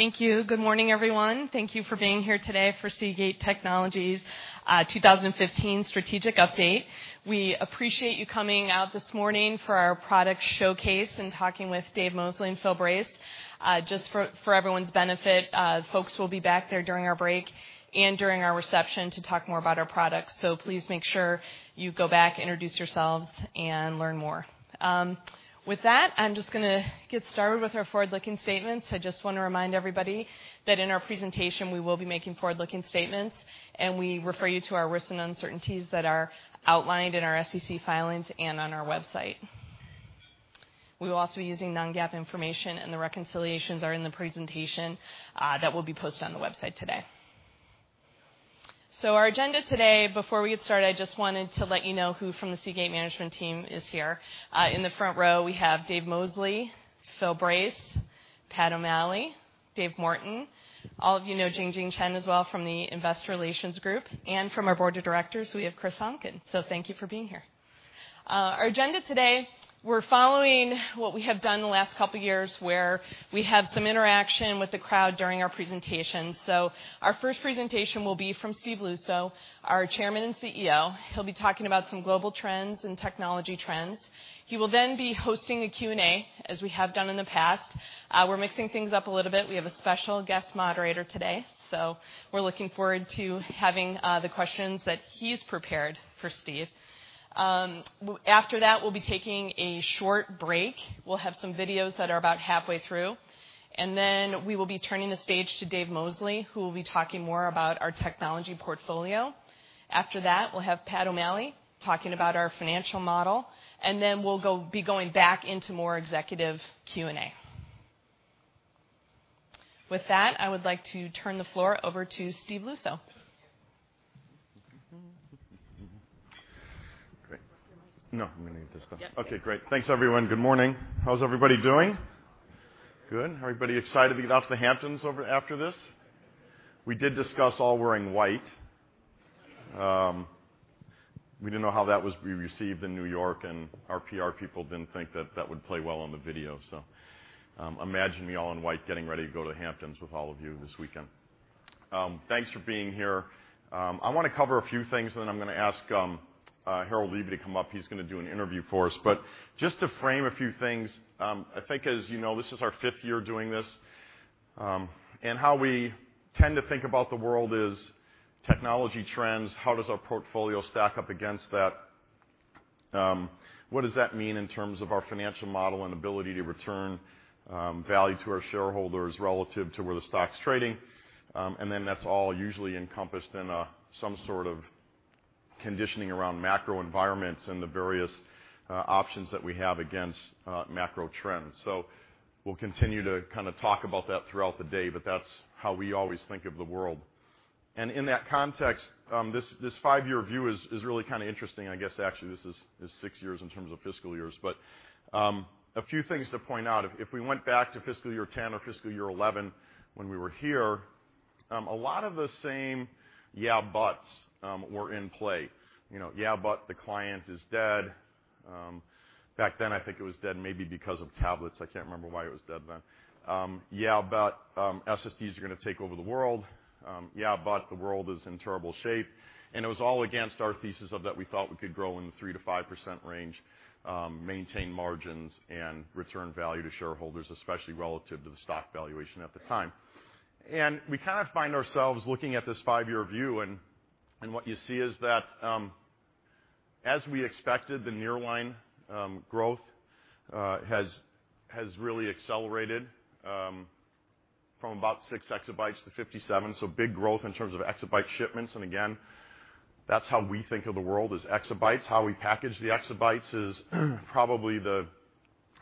Thank you. Good morning, everyone. Thank you for being here today for Seagate Technology's 2015 Strategic Update. We appreciate you coming out this morning for our product showcase and talking with Dave Mosley and Phil Brace. Just for everyone's benefit, folks will be back there during our break and during our reception to talk more about our products, so please make sure you go back, introduce yourselves and learn more. With that, I'm just going to get started with our forward-looking statements. I just want to remind everybody that in our presentation, we will be making forward-looking statements, and we refer you to our risks and uncertainties that are outlined in our SEC filings and on our website. We will also be using non-GAAP information, and the reconciliations are in the presentation that will be posted on the website today. Our agenda today, before we get started, I just wanted to let you know who from the Seagate management team is here. In the front row, we have Dave Mosley, Phil Brace, Pat O'Malley, Dave Morton. All of you know Jingjin Chen as well from the investor relations group. From our board of directors, we have Kris Onken. Thank you for being here. Our agenda today, we're following what we have done the last couple of years, where we have some interaction with the crowd during our presentation. Our first presentation will be from Steve Luczo, our Chairman and CEO. He'll be talking about some global trends and technology trends. He will be hosting a Q&A, as we have done in the past. We're mixing things up a little bit. We have a special guest moderator today, so we're looking forward to having the questions that he's prepared for Steve. After that, we'll be taking a short break. We'll have some videos that are about halfway through. We will be turning the stage to Dave Mosley, who will be talking more about our technology portfolio. After that, we'll have Pat O'Malley talking about our financial model. We'll be going back into more executive Q&A. With that, I would like to turn the floor over to Steve Luczo. Great. Do you want the mic? No, I'm going to get this done. Yep. Okay, great. Thanks, everyone. Good morning. How's everybody doing? Good. Everybody excited to get off to the Hamptons after this? We did discuss all wearing white. We didn't know how that was going to be received in New York, and our PR people didn't think that that would play well on the video. Imagine me all in white, getting ready to go to the Hamptons with all of you this weekend. Thanks for being here. I want to cover a few things. Then I'm going to ask Harold Levy to come up. He's going to do an interview for us. Just to frame a few things, I think as you know, this is our 5th year doing this. How we tend to think about the world is technology trends, how does our portfolio stack up against that? What does that mean in terms of our financial model and ability to return value to our shareholders relative to where the stock's trading? That's all usually encompassed in some sort of conditioning around macro environments and the various options that we have against macro trends. We'll continue to talk about that throughout the day, but that's how we always think of the world. In that context, this 5-year view is really kind of interesting. I guess, actually, this is 6 years in terms of fiscal years. A few things to point out. If we went back to fiscal year 2010 or fiscal year 2011, when we were here, a lot of the same yeah, buts were in play. The client is dead. Back then, I think it was dead maybe because of tablets. I can't remember why it was dead then. SSDs are going to take over the world. The world is in terrible shape. It was all against our thesis of that we thought we could grow in the 3%-5% range, maintain margins, and return value to shareholders, especially relative to the stock valuation at the time. We kind of find ourselves looking at this 5-year view, and what you see is that, as we expected, the nearline growth has really accelerated from about 6 exabytes to 57. Big growth in terms of exabyte shipments. Again, that's how we think of the world, is exabytes. How we package the exabytes is probably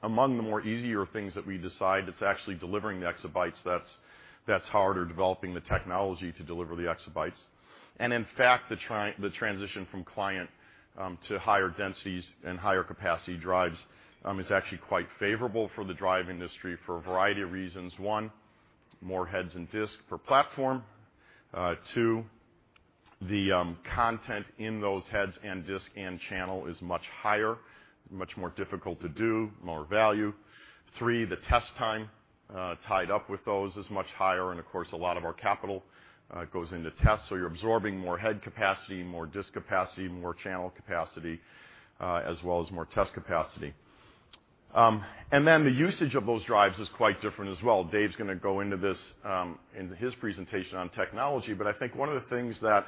among the more easier things that we decide. It's actually delivering the exabytes that's harder, developing the technology to deliver the exabytes. In fact, the transition from client to higher densities and higher capacity drives is actually quite favorable for the drive industry for a variety of reasons. 1, more heads and disk per platform. 2, the content in those heads and disk and channel is much higher, much more difficult to do, more value. 3, the test time tied up with those is much higher, and of course, a lot of our capital goes into tests, so you're absorbing more head capacity, more disk capacity, more channel capacity, as well as more test capacity. Then the usage of those drives is quite different as well. Dave's going to go into this in his presentation on technology, but I think one of the things that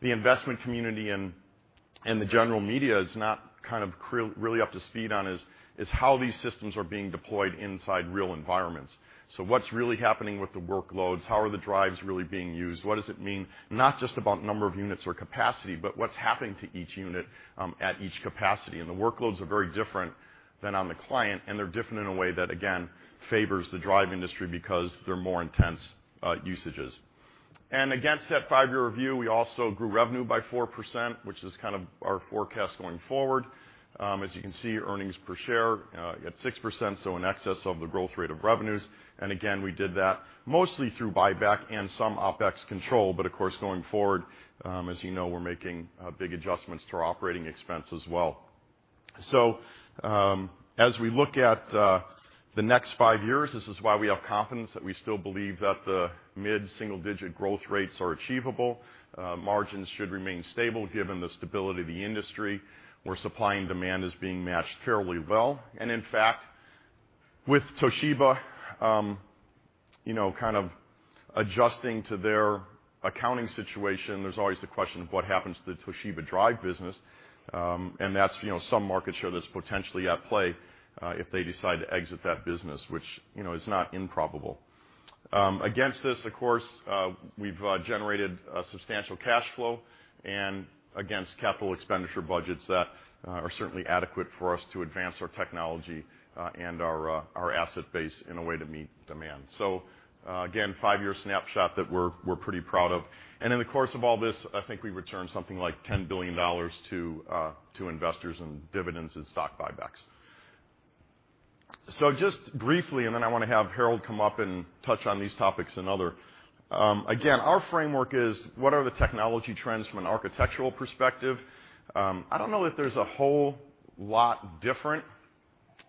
the investment community and the general media is not really up to speed on is how these systems are being deployed inside real environments. What's really happening with the workloads? How are the drives really being used? What does it mean, not just about number of units or capacity, but what's happening to each unit at each capacity? The workloads are very different than on the client, and they're different in a way that, again, favors the drive industry because they're more intense usages. Against that 5-year view, we also grew revenue by 4%, which is kind of our forecast going forward. As you can see, earnings per share at 6%, so in excess of the growth rate of revenues. Again, we did that mostly through buyback and some OpEx control. Of course, going forward, as you know, we're making big adjustments to our operating expense as well. As we look at the next 5 years, this is why we have confidence that we still believe that the mid-single-digit growth rates are achievable. Margins should remain stable given the stability of the industry, where supply and demand is being matched fairly well. In fact, with Toshiba kind of adjusting to their accounting situation, there's always the question of what happens to the Toshiba drive business, and that's some market share that's potentially at play if they decide to exit that business, which is not improbable. Against this, of course, we've generated a substantial cash flow and against capital expenditure budgets that are certainly adequate for us to advance our technology and our asset base in a way to meet demand. Again, 5-year snapshot that we're pretty proud of. In the course of all this, I think we returned something like $10 billion to investors in dividends and stock buybacks. Just briefly, and then I want to have Harold come up and touch on these topics and other. Our framework is what are the technology trends from an architectural perspective? I don't know if there's a whole lot different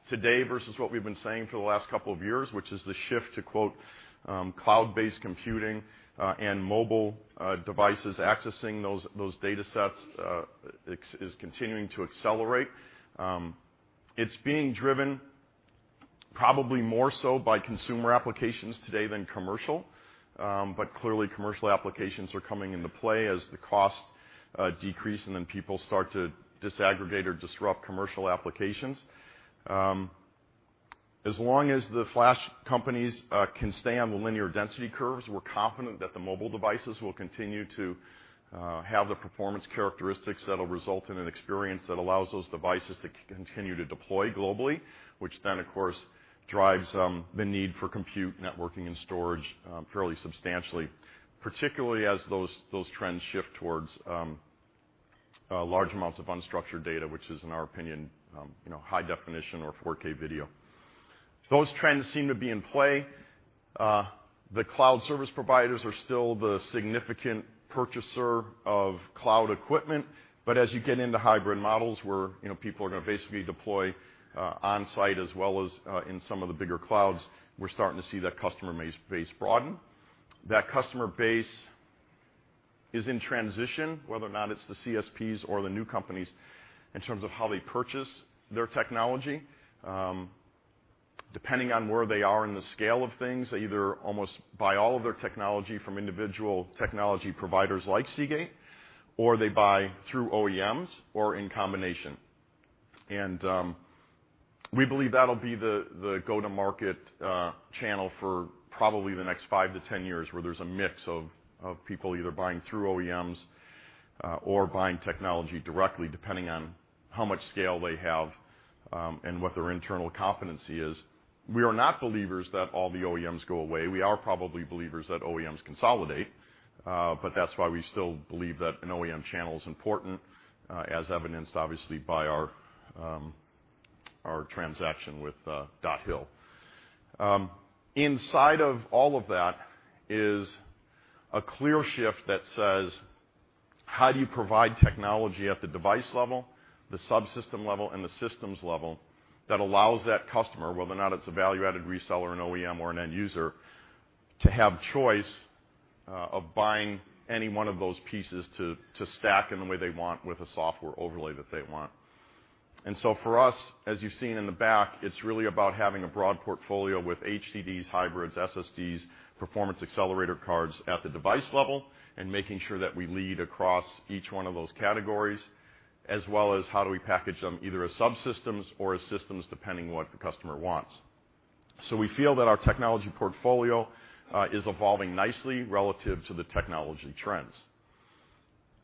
today versus what we've been saying for the last couple of years, which is the shift to cloud-based computing and mobile devices accessing those data sets is continuing to accelerate. It's being driven probably more so by consumer applications today than commercial. Clearly, commercial applications are coming into play as the costs decrease, and then people start to disaggregate or disrupt commercial applications. As long as the flash companies can stay on the linear density curves, we're confident that the mobile devices will continue to have the performance characteristics that'll result in an experience that allows those devices to continue to deploy globally, which, of course, drives the need for compute networking and storage fairly substantially, particularly as those trends shift towards large amounts of unstructured data, which is, in our opinion, high definition or 4K video. Those trends seem to be in play. The cloud service providers are still the significant purchaser of cloud equipment, but as you get into hybrid models where people are going to basically deploy on-site as well as in some of the bigger clouds, we're starting to see that customer base broaden. That customer base is in transition, whether or not it's the CSPs or the new companies, in terms of how they purchase their technology. Depending on where they are in the scale of things, they either almost buy all of their technology from individual technology providers like Seagate, or they buy through OEMs or in combination. We believe that'll be the go-to-market channel for probably the next five to 10 years, where there's a mix of people either buying through OEMs or buying technology directly, depending on how much scale they have and what their internal competency is. We are not believers that all the OEMs go away. We are probably believers that OEMs consolidate, but that's why we still believe that an OEM channel is important, as evidenced obviously by our transaction with Dot Hill. Inside of all of that is a clear shift that says, how do you provide technology at the device level, the subsystem level, and the systems level that allows that customer, whether or not it's a value-added reseller, an OEM, or an end user, to have choice of buying any one of those pieces to stack in the way they want with a software overlay that they want. For us, as you've seen in the back, it's really about having a broad portfolio with HDDs, hybrids, SSDs, performance accelerator cards at the device level, and making sure that we lead across each one of those categories, as well as how do we package them, either as subsystems or as systems, depending what the customer wants. We feel that our technology portfolio is evolving nicely relative to the technology trends.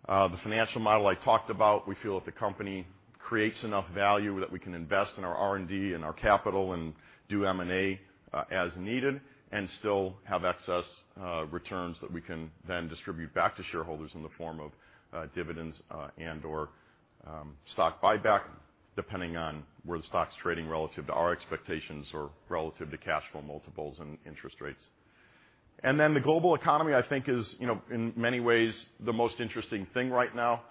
The financial model I talked about, we feel that the company creates enough value that we can invest in our R&D and our capital and do M&A as needed and still have excess returns that we can then distribute back to shareholders in the form of dividends and/or stock buyback, depending on where the stock's trading relative to our expectations or relative to cash flow multiples and interest rates. The global economy, I think, is, in many ways, the most interesting thing right now.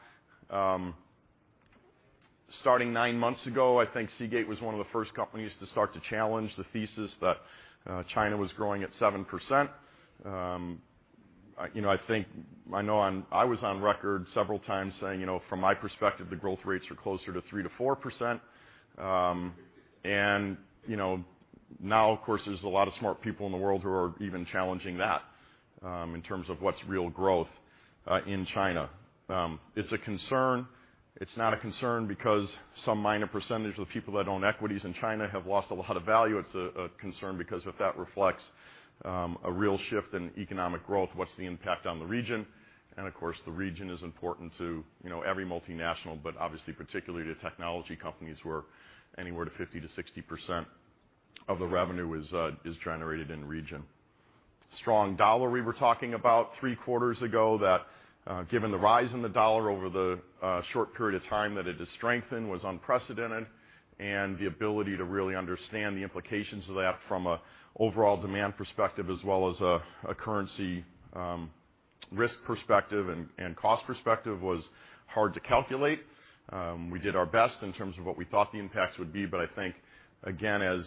Starting nine months ago, I think Seagate was one of the first companies to start to challenge the thesis that China was growing at 7%. I know I was on record several times saying, from my perspective, the growth rates are closer to 3%-4%. Now, of course, there's a lot of smart people in the world who are even challenging that in terms of what's real growth in China. It's a concern. It's not a concern because some minor percentage of the people that own equities in China have lost a lot of value. It's a concern because if that reflects a real shift in economic growth, what's the impact on the region? Of course, the region is important to every multinational, but obviously particularly to technology companies where anywhere to 50%-60% of the revenue is generated in the region. Strong dollar we were talking about 3 quarters ago, that given the rise in the dollar over the short period of time that it has strengthened was unprecedented, and the ability to really understand the implications of that from an overall demand perspective as well as a currency risk perspective and cost perspective was hard to calculate. We did our best in terms of what we thought the impacts would be, but I think, again, as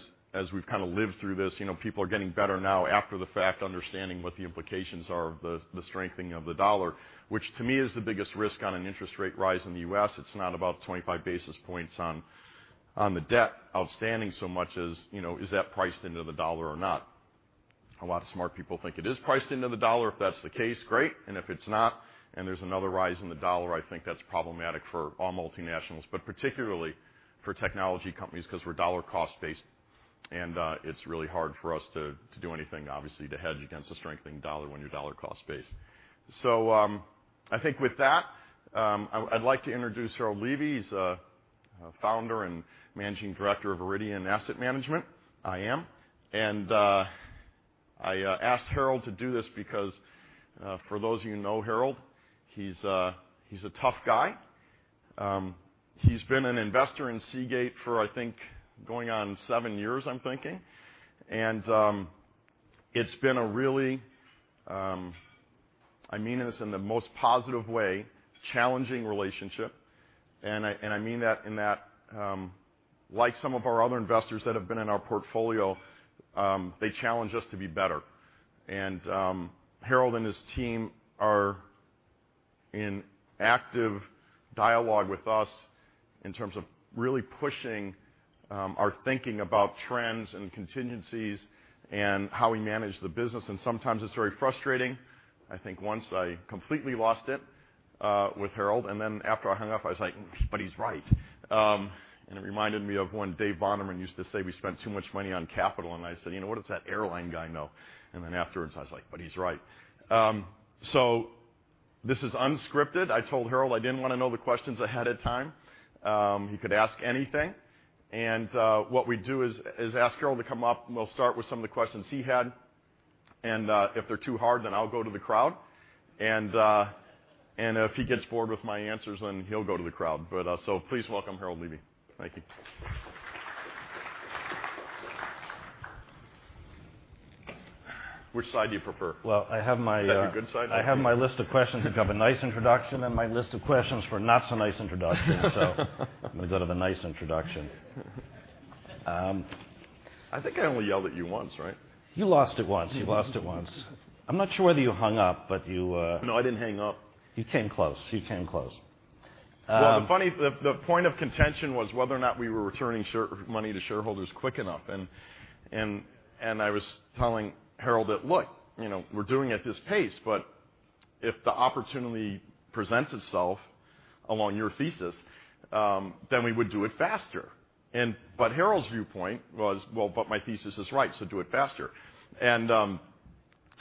we've lived through this, people are getting better now after the fact, understanding what the implications are of the strengthening of the dollar, which to me is the biggest risk on an interest rate rise in the U.S. It's not about 25 basis points on the debt outstanding so much as, is that priced into the dollar or not? A lot of smart people think it is priced into the dollar. If that's the case, great. If it's not and there's another rise in the dollar, I think that's problematic for all multinationals, but particularly for technology companies, because we're dollar cost-based, and it's really hard for us to do anything, obviously, to hedge against a strengthening dollar when you're dollar cost-based. I think with that, I'd like to introduce Harold Levy. He's founder and managing director of Iridian Asset Management. I asked Harold to do this because for those of you who know Harold, he's a tough guy. He's been an investor in Seagate for, I think, going on seven years, I'm thinking. It's been a really, I mean this in the most positive way, challenging relationship. I mean that in that like some of our other investors that have been in our portfolio, they challenge us to be better. Harold and his team are in active dialogue with us in terms of really pushing our thinking about trends and contingencies and how we manage the business, and sometimes it's very frustrating. I think once I completely lost it with Harold, and then after I hung up, I was like, "But he's right." It reminded me of when Dave Bonderman used to say we spent too much money on capital, and I said, "What does that airline guy know?" Then afterwards I was like, "But he's right." This is unscripted. I told Harold I didn't want to know the questions ahead of time. He could ask anything. What we do is ask Harold to come up, and we'll start with some of the questions he had. If they're too hard, then I'll go to the crowd. If he gets bored with my answers, then he'll go to the crowd. Please welcome Harold Levy. Thank you. Which side do you prefer? Well, Is that the good side? I have my list of questions if you have a nice introduction, and my list of questions for not so nice introductions. I'm going to go to the nice introduction. I think I only yelled at you once, right? You lost it once. You lost it once. I'm not sure whether you hung up. No, I didn't hang up. You came close. You came close. Well, the point of contention was whether or not we were returning money to shareholders quick enough. I was telling Harold that, "Look, we're doing it at this pace, but if the opportunity presents itself along your thesis, we would do it faster." Harold's viewpoint was, "Well, but my thesis is right, do it faster."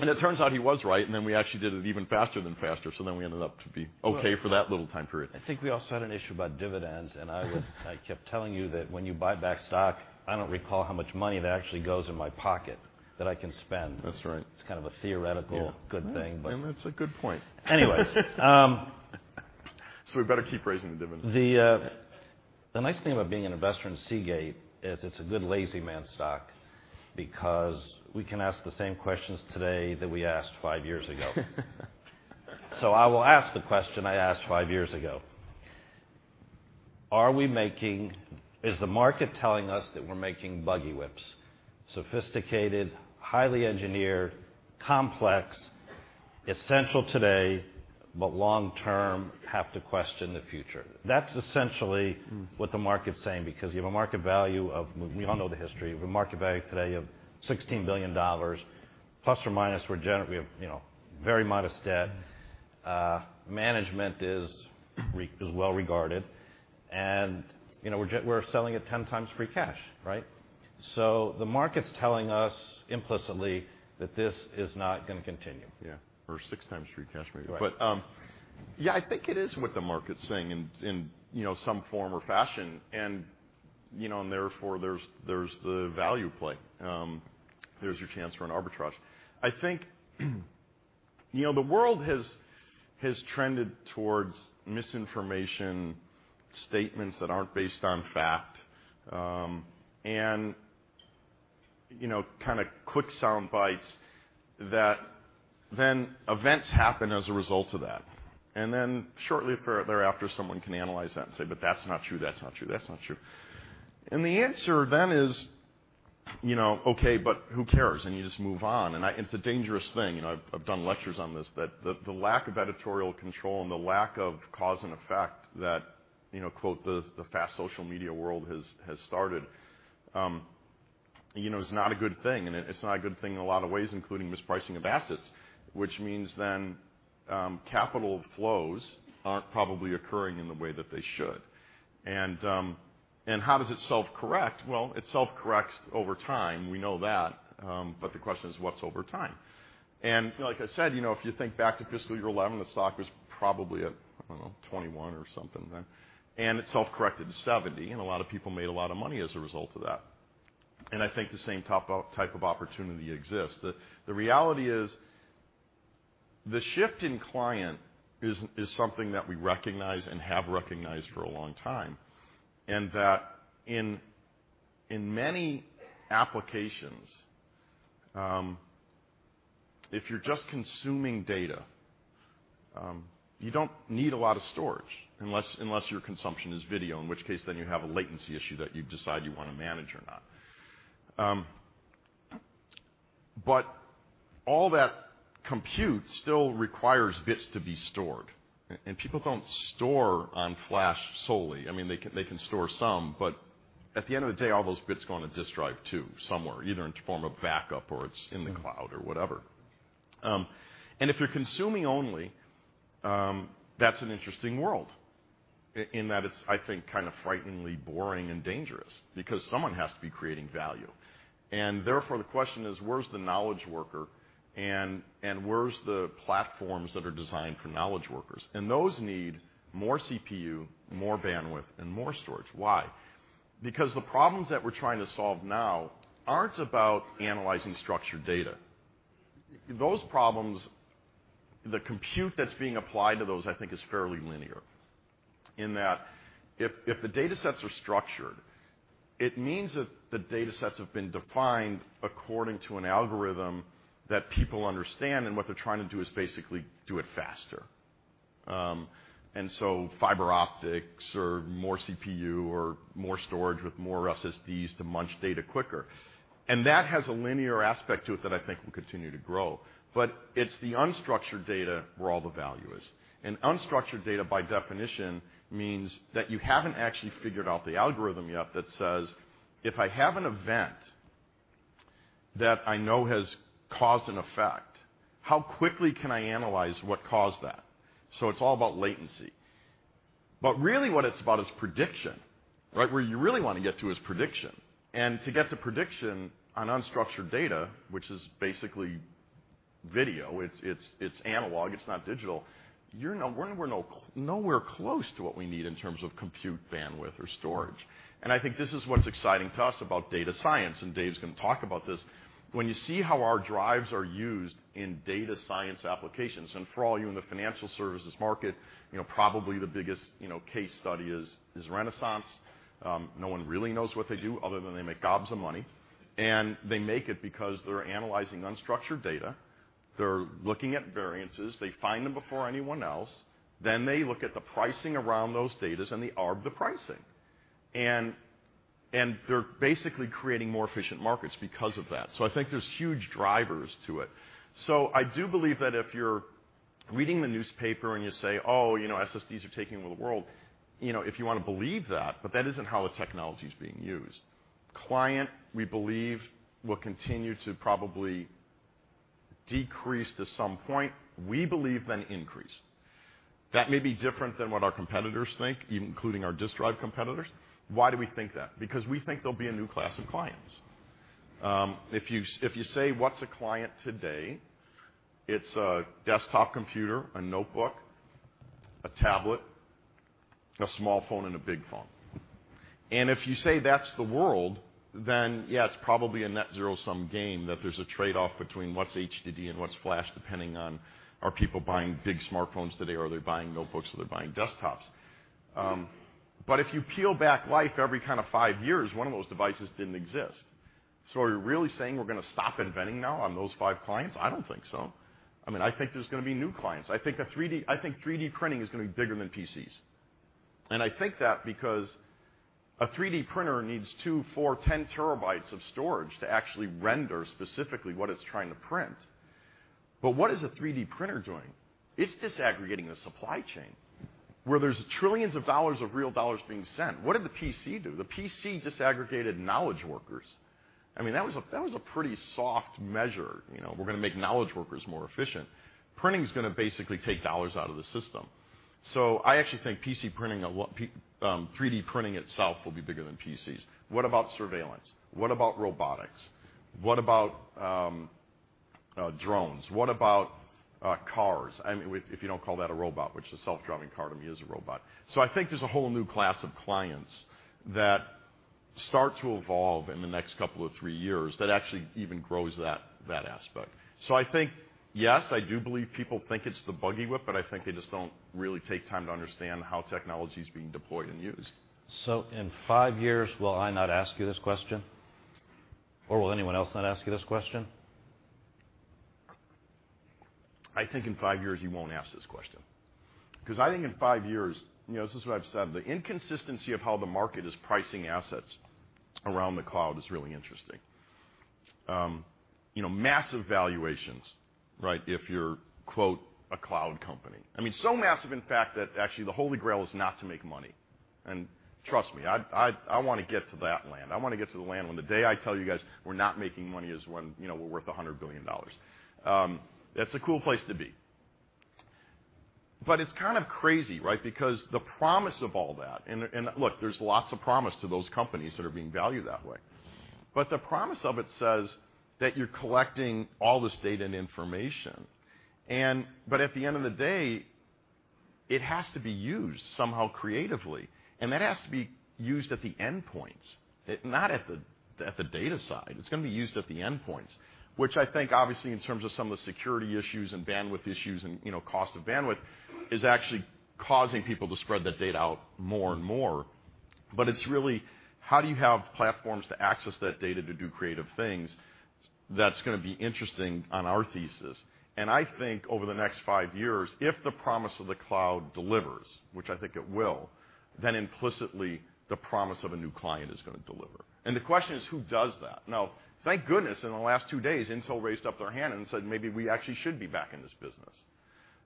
It turns out he was right, we actually did it even faster than faster, we ended up to be okay for that little time period. I think we also had an issue about dividends, I kept telling you that when you buy back stock, I don't recall how much money that actually goes in my pocket that I can spend. That's right. It's kind of a theoretical good thing. That's a good point. Anyways, We better keep raising the dividends The nice thing about being an investor in Seagate is it's a good lazy man stock because we can ask the same questions today that we asked five years ago. I will ask the question I asked five years ago. Is the market telling us that we're making buggy whips? Sophisticated, highly engineered, complex, essential today, but long-term, have to question the future. That's essentially what the market's saying because you have a market value of, we all know the history, the market value today of $16 billion, plus or minus, we have very modest debt. Management is well-regarded, and we're selling at 10 times free cash, right? The market's telling us implicitly that this is not going to continue. Yeah. Or 6x free cash, maybe. Right. Yeah, I think it is what the market's saying in some form or fashion, and therefore, there's the value play. There's your chance for an arbitrage. I think, the world has trended towards misinformation, statements that aren't based on fact, and kind of quick sound bites that then events happen as a result of that. Shortly thereafter, someone can analyze that and say, "But that's not true, that's not true, that's not true." The answer then is, okay, but who cares? You just move on. It's a dangerous thing, I've done lectures on this, that the lack of editorial control and the lack of cause and effect that, quote, "the fast social media world has started", is not a good thing. It's not a good thing in a lot of ways, including mispricing of assets, which means then capital flows aren't probably occurring in the way that they should. How does it self-correct? Well, it self-corrects over time, we know that, but the question is what's over time? Like I said, if you think back to fiscal year 2011, the stock was probably at, I don't know, $21 or something then. It self-corrected to $70, and a lot of people made a lot of money as a result of that. I think the same type of opportunity exists. The reality is the shift in client is something that we recognize and have recognized for a long time, and that in many applications, if you're just consuming data, you don't need a lot of storage, unless your consumption is video, in which case, then you have a latency issue that you decide you want to manage or not. All that compute still requires bits to be stored, and people don't store on flash solely. They can store some, but at the end of the day, all those bits go on a disk drive, too, somewhere, either in the form of backup or it's in the cloud or whatever. If you're consuming only, that's an interesting world in that it's, I think, kind of frighteningly boring and dangerous because someone has to be creating value. Therefore, the question is, where's the knowledge worker and where's the platforms that are designed for knowledge workers? Those need more CPU, more bandwidth, and more storage. Why? Because the problems that we're trying to solve now aren't about analyzing structured data. Those problems, the compute that's being applied to those, I think, is fairly linear in that if the data sets are structured, it means that the data sets have been defined according to an algorithm that people understand, and what they're trying to do is basically do it faster. So fiber optics or more CPU or more storage with more SSDs to munch data quicker. That has a linear aspect to it that I think will continue to grow. It's the unstructured data where all the value is. Unstructured data, by definition, means that you haven't actually figured out the algorithm yet that says, if I have an event that I know has caused an effect, how quickly can I analyze what caused that? It's all about latency. Really what it's about is prediction. Right? Where you really want to get to is prediction. To get to prediction on unstructured data, which is basically video, it's analog, it's not digital. We're nowhere close to what we need in terms of compute bandwidth or storage. I think this is what's exciting to us about data science, and Dave's going to talk about this. When you see how our drives are used in data science applications, and for all you in the financial services market, probably the biggest case study is Renaissance. No one really knows what they do other than they make gobs of money, and they make it because they're analyzing unstructured data. They're looking at variances. They find them before anyone else. They look at the pricing around those data, and they arb the pricing. They're basically creating more efficient markets because of that. I think there's huge drivers to it. I do believe that if you're reading the newspaper and you say, "Oh, SSDs are taking over the world," if you want to believe that, but that isn't how the technology's being used. Client, we believe, will continue to probably decrease to some point, we believe, then increase. That may be different than what our competitors think, even including our disk drive competitors. Why do we think that? Because we think there'll be a new class of clients. If you say, what's a client today, it's a desktop computer, a notebook, a tablet, a small phone, and a big phone. If you say that's the world, then yeah, it's probably a net zero-sum game that there's a trade-off between what's HDD and what's flash, depending on are people buying big smartphones today, or are they buying notebooks, or they're buying desktops. If you peel back life every kind of five years, one of those devices didn't exist. Are you really saying we're going to stop inventing now on those five clients? I don't think so. I think there's going to be new clients. I think 3D printing is going to be bigger than PCs. I think that because a 3D printer needs 2 TB, 4 TB, 10 TB of storage to actually render specifically what it's trying to print. What is a 3D printer doing? It's disaggregating the supply chain where there's trillions of dollars of real dollars being sent. What did the PC do? The PC disaggregated knowledge workers. That was a pretty soft measure. We're going to make knowledge workers more efficient. Printing is going to basically take dollars out of the system. I actually think 3D printing itself will be bigger than PCs. What about surveillance? What about robotics? What about drones? What about cars? If you don't call that a robot, which a self-driving car to me is a robot. I think there's a whole new class of clients that start to evolve in the next couple of three years that actually even grows that aspect. I think, yes, I do believe people think it's the buggy whip, but I think they just don't really take time to understand how technology's being deployed and used. In five years, will I not ask you this question, or will anyone else not ask you this question? I think in five years you won't ask this question. I think in five years, this is what I've said, the inconsistency of how the market is pricing assets around the cloud is really interesting. Massive valuations, right? If you're, quote, a cloud company. Massive, in fact, that actually the Holy Grail is not to make money. Trust me, I want to get to that land. I want to get to the land when the day I tell you guys we're not making money is when we're worth $100 billion. That's a cool place to be. It's kind of crazy, right? The promise of all that, and look, there's lots of promise to those companies that are being valued that way. The promise of it says that you're collecting all this data and information. At the end of the day, it has to be used somehow creatively, and that has to be used at the endpoints, not at the data side. It's going to be used at the endpoints, which I think, obviously, in terms of some of the security issues and bandwidth issues and cost of bandwidth is actually causing people to spread that data out more and more. It's really how do you have platforms to access that data to do creative things that's going to be interesting on our thesis. I think over the next five years, if the promise of the cloud delivers, which I think it will, then implicitly the promise of a new client is going to deliver. The question is, who does that? Thank goodness, in the last two days, Intel raised up their hand and said, "Maybe we actually should be back in this business."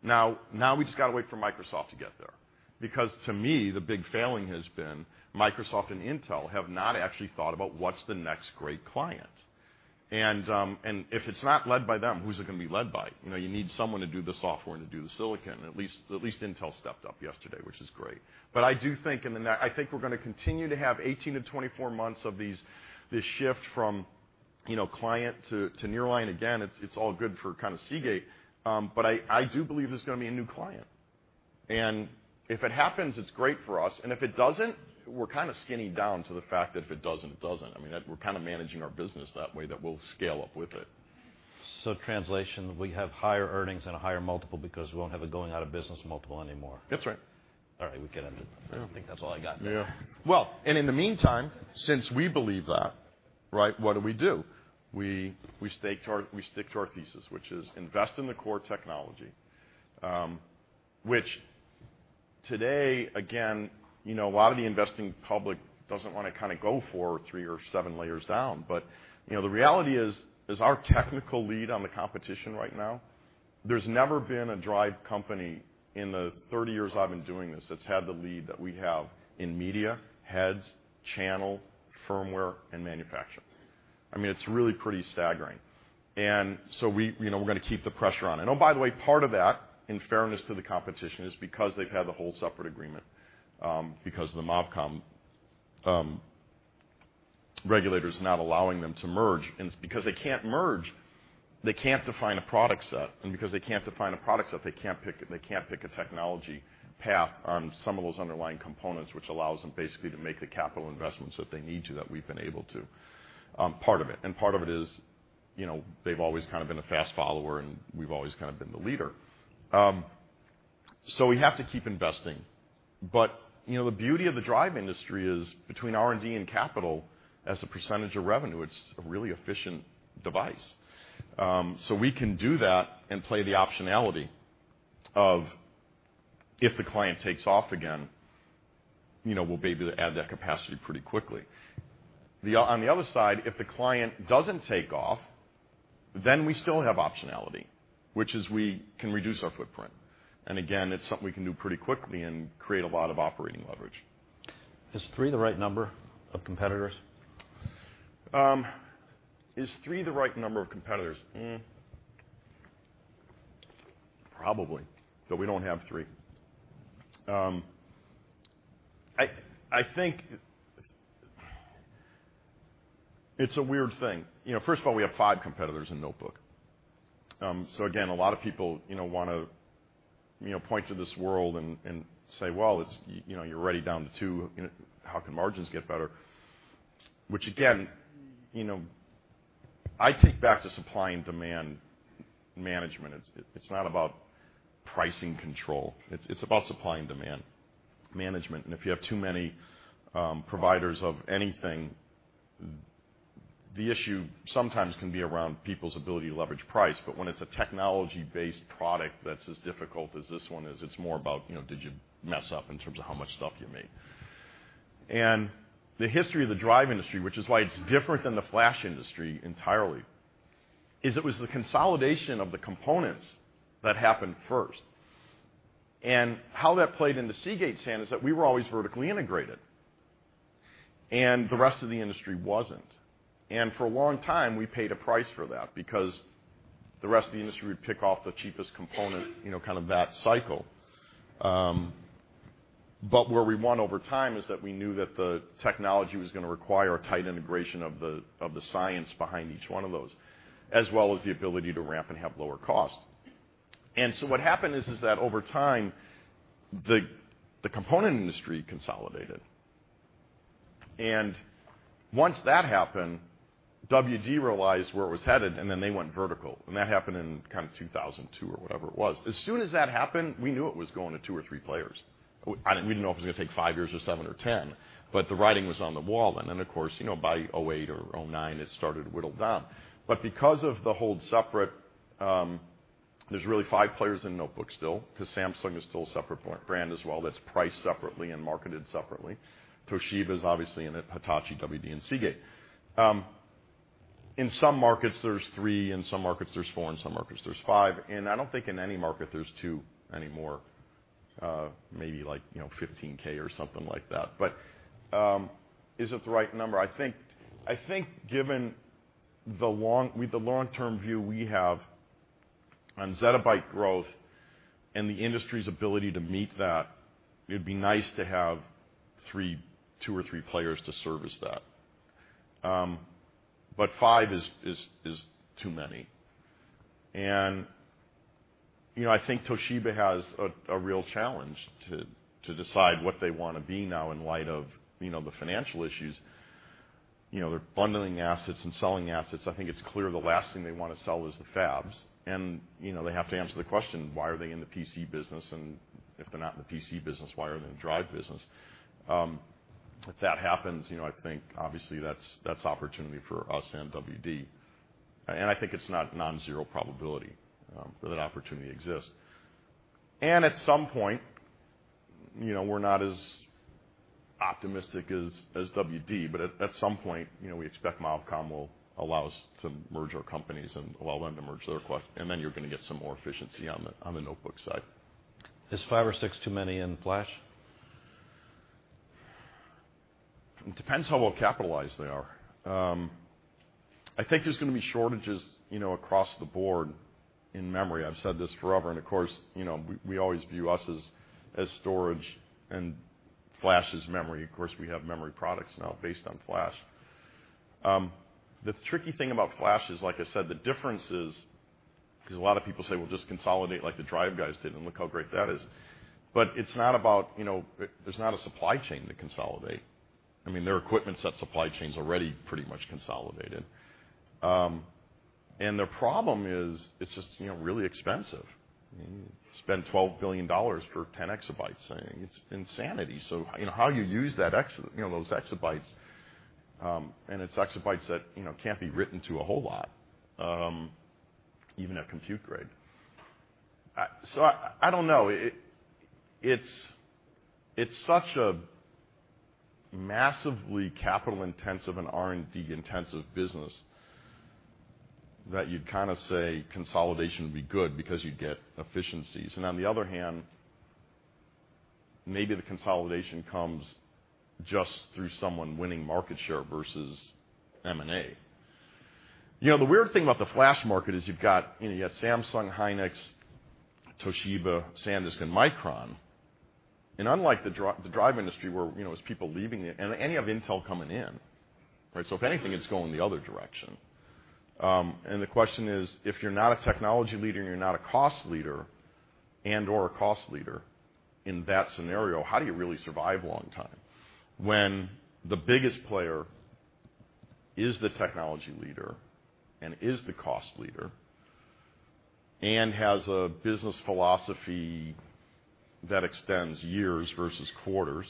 We've just got to wait for Microsoft to get there, because to me, the big failing has been Microsoft and Intel have not actually thought about what's the next great client. If it's not led by them, who's it going to be led by? You need someone to do the software and to do the silicon. At least Intel stepped up yesterday, which is great. I do think we're going to continue to have 18 to 24 months of this shift from client to nearline. Again, it's all good for kind of Seagate. I do believe there's going to be a new client, and if it happens, it's great for us. If it doesn't, we're kind of skinny down to the fact that if it doesn't, it doesn't. I mean, we're kind of managing our business that way, that we'll scale up with it. Translation, we have higher earnings and a higher multiple because we won't have a going-out-of-business multiple anymore. That's right. All right. We can end it. I think that's all I got. Well, in the meantime, since we believe that, right, what do we do? We stick to our thesis, which is invest in the core technology. Which today, again, a lot of the investing public doesn't want to go for three or seven layers down. The reality is our technical lead on the competition right now, there's never been a drive company in the 30 years I've been doing this that's had the lead that we have in media, heads, channel, firmware, and manufacturing. I mean, it's really pretty staggering. We're going to keep the pressure on it. Oh, by the way, part of that, in fairness to the competition, is because they've had the hold separate agreement, because of the MOFCOM regulators not allowing them to merge. It's because they can't merge, they can't define a product set. Because they can't define a product set, they can't pick a technology path on some of those underlying components, which allows them basically to make the capital investments that they need to, that we've been able to. Part of it. Part of it is they've always kind of been a fast follower, and we've always kind of been the leader. We have to keep investing. The beauty of the drive industry is between R&D and capital as a % of revenue, it's a really efficient device. We can do that and play the optionality of if the client takes off again, we'll be able to add that capacity pretty quickly. On the other side, if the client doesn't take off, then we still have optionality, which is we can reduce our footprint. Again, it's something we can do pretty quickly and create a lot of operating leverage. Is three the right number of competitors? Is three the right number of competitors? Probably, though we don't have three. I think it's a weird thing. First of all, we have five competitors in notebook. Again, a lot of people want to point to this world and say, "Well, you're already down to two. How can margins get better?" Which again, I take back to supply and demand management. It's not about pricing control. It's about supply and demand management. If you have too many providers of anything, the issue sometimes can be around people's ability to leverage price. When it's a technology-based product that's as difficult as this one is, it's more about did you mess up in terms of how much stuff you made? The history of the drive industry, which is why it's different than the flash industry entirely, is it was the consolidation of the components that happened first. How that played into Seagate's hand is that we were always vertically integrated, and the rest of the industry wasn't. For a long time, we paid a price for that because the rest of the industry would pick off the cheapest component, kind of that cycle. Where we won over time is that we knew that the technology was going to require a tight integration of the science behind each one of those, as well as the ability to ramp and have lower cost. What happened is that over time, the component industry consolidated. Once that happened, WD realized where it was headed, and then they went vertical. That happened in kind of 2002 or whatever it was. As soon as that happened, we knew it was going to two or three players. We didn't know if it was going to take five years or seven or 10, but the writing was on the wall then. Of course, by '08 or '09, it started to whittle down. Because of the hold separate, there's really five players in notebook still, because Samsung is still a separate brand as well that's priced separately and marketed separately. Toshiba is obviously in it, Hitachi, WD, and Seagate. In some markets, there's three, in some markets, there's four, in some markets, there's five. I don't think in any market there's two anymore. Maybe like 15K or something like that. Is it the right number? I think given the long-term view we have on zettabyte growth and the industry's ability to meet that, it'd be nice to have two or three players to service that. Five is too many. I think Toshiba has a real challenge to decide what they want to be now in light of the financial issues. They're bundling assets and selling assets. I think it's clear the last thing they want to sell is the fabs. They have to answer the question, why are they in the PC business? If they're not in the PC business, why are they in the drive business? If that happens, I think obviously that's an opportunity for us and WD. I think it's not non-zero probability that an opportunity exists. At some point, we're not as optimistic as WD, but at some point, we expect MOFCOM will allow us to merge our companies. You're going to get some more efficiency on the notebook side. Is five or six too many in flash? It depends how well-capitalized they are. I think there's going to be shortages across the board in memory. I've said this forever, and of course, we always view us as storage and flash as memory. Of course, we have memory products now based on flash. The tricky thing about flash is, like I said, the difference is because a lot of people say, "Well, just consolidate like the drive guys did, and look how great that is." There's not a supply chain to consolidate. Their equipment sets supply chains already pretty much consolidated. Their problem is it's just really expensive. Spend $12 billion for 10 exabytes. It's insanity. How you use those exabytes, and it's exabytes that can't be written to a whole lot, even at compute grade. I don't know. It's such a massively capital-intensive and R&D-intensive business that you'd say consolidation would be good because you'd get efficiencies. On the other hand, maybe the consolidation comes just through someone winning market share versus M&A. The weird thing about the flash market is you've got Samsung, Hynix, Toshiba, SanDisk, and Micron. Unlike the drive industry where there's people leaving it, and you have Intel coming in, right? If anything, it's going the other direction. The question is, if you're not a technology leader and you're not a cost leader, and/or a cost leader in that scenario, how do you really survive a long time when the biggest player is the technology leader and is the cost leader and has a business philosophy that extends years versus quarters?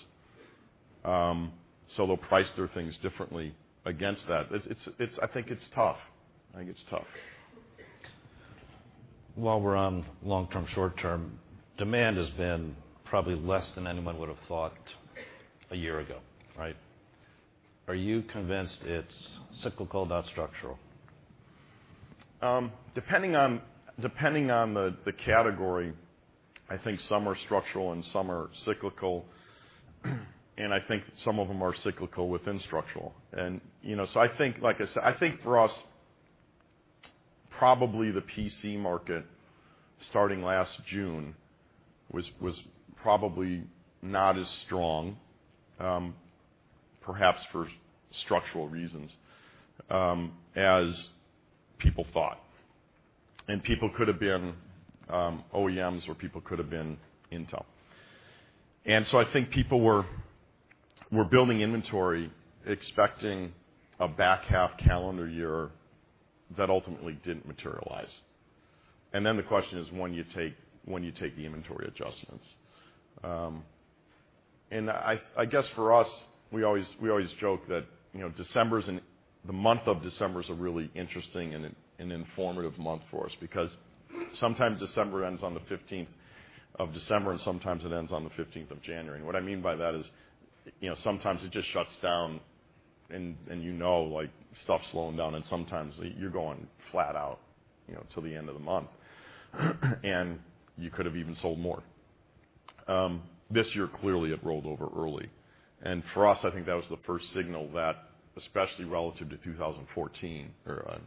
They'll price their things differently against that. I think it's tough. While we're on long term, short term, demand has been probably less than anyone would have thought a year ago, right? Are you convinced it's cyclical, not structural? Depending on the category, I think some are structural and some are cyclical. I think some of them are cyclical within structural. I think for us, probably the PC market starting last June was probably not as strong, perhaps for structural reasons, as people thought. People could have been OEMs or people could have been Intel. I think people were building inventory, expecting a back-half calendar year that ultimately didn't materialize. The question is when you take the inventory adjustments. I guess for us, we always joke that the month of December is a really interesting and an informative month for us because sometimes December ends on the 15th of December, and sometimes it ends on the 15th of January. What I mean by that is, sometimes it just shuts down, and you know stuff's slowing down, and sometimes you're going flat out till the end of the month. You could have even sold more. This year, clearly, it rolled over early. For us, I think that was the first signal that, especially relative to 2014 or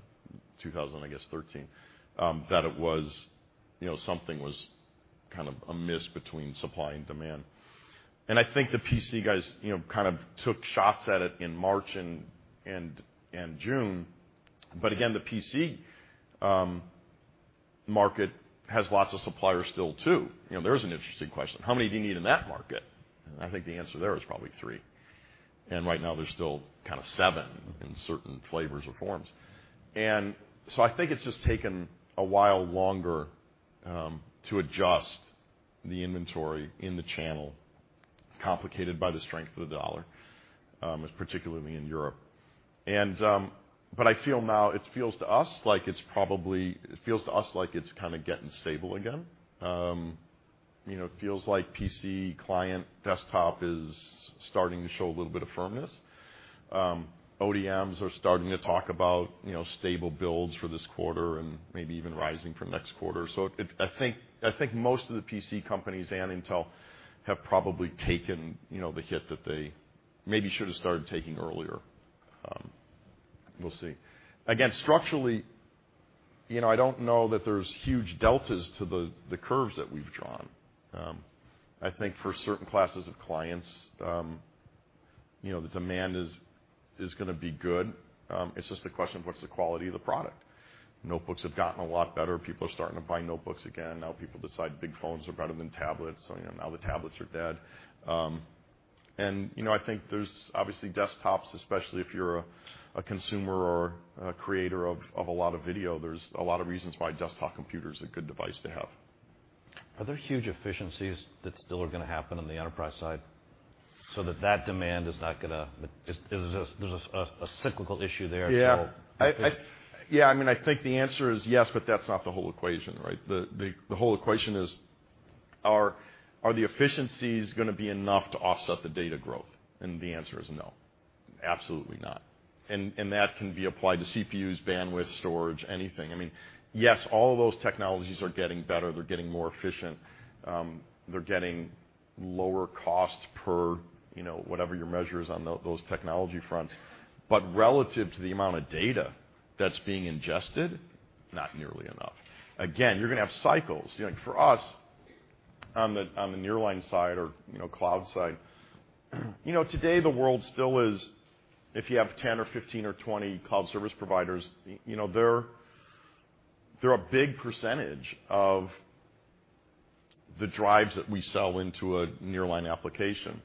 2013, I guess, that something was amiss between supply and demand. I think the PC guys took shots at it in March and June. Again, the PC market has lots of suppliers still, too. There is an interesting question. How many do you need in that market? I think the answer there is probably three. Right now, there's still kind of seven in certain flavors or forms. I think it's just taken a while longer to adjust the inventory in the channel, complicated by the strength of the dollar, particularly in Europe. It feels to us like it's kind of getting stable again. It feels like PC client desktop is starting to show a little bit of firmness. ODMs are starting to talk about stable builds for this quarter and maybe even rising for next quarter. I think most of the PC companies and Intel have probably taken the hit that they maybe should have started taking earlier. We'll see. Again, structurally, I don't know that there's huge deltas to the curves that we've drawn. I think for certain classes of clients, the demand is going to be good. It's just a question of what's the quality of the product. Notebooks have gotten a lot better. People are starting to buy notebooks again. Now people decide big phones are better than tablets, now the tablets are dead. I think there's obviously desktops, especially if you're a consumer or a creator of a lot of video, there's a lot of reasons why a desktop computer is a good device to have. Are there huge efficiencies that still are going to happen on the enterprise side? There's a cyclical issue there- Yeah as well. Yeah, I think the answer is yes, that's not the whole equation, right? The whole equation is, are the efficiencies going to be enough to offset the data growth? The answer is no, absolutely not. That can be applied to CPUs, bandwidth, storage, anything. Yes, all of those technologies are getting better. They're getting more efficient. They're getting lower costs per whatever your measure is on those technology fronts. Relative to the amount of data that's being ingested, not nearly enough. Again, you're going to have cycles. For us, on the nearline side or cloud side, today the world still is, if you have 10 or 15 or 20 cloud service providers, they're a big percentage of the drives that we sell into a nearline application.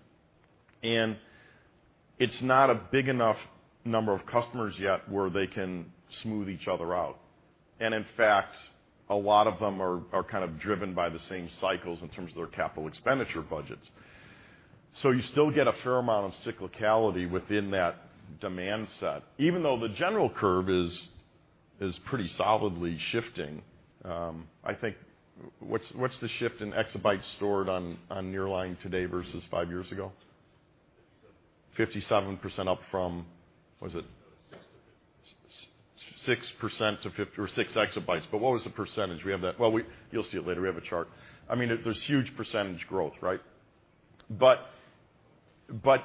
It's not a big enough number of customers yet where they can smooth each other out. In fact, a lot of them are kind of driven by the same cycles in terms of their capital expenditure budgets. You still get a fair amount of cyclicality within that demand set, even though the general curve is pretty solidly shifting. I think, what's the shift in exabytes stored on nearline today versus five years ago? 57% up from, what is it? 6% to 50 or 6 exabytes. What was the percentage? We have that. You'll see it later. We have a chart. There's huge percentage growth, right?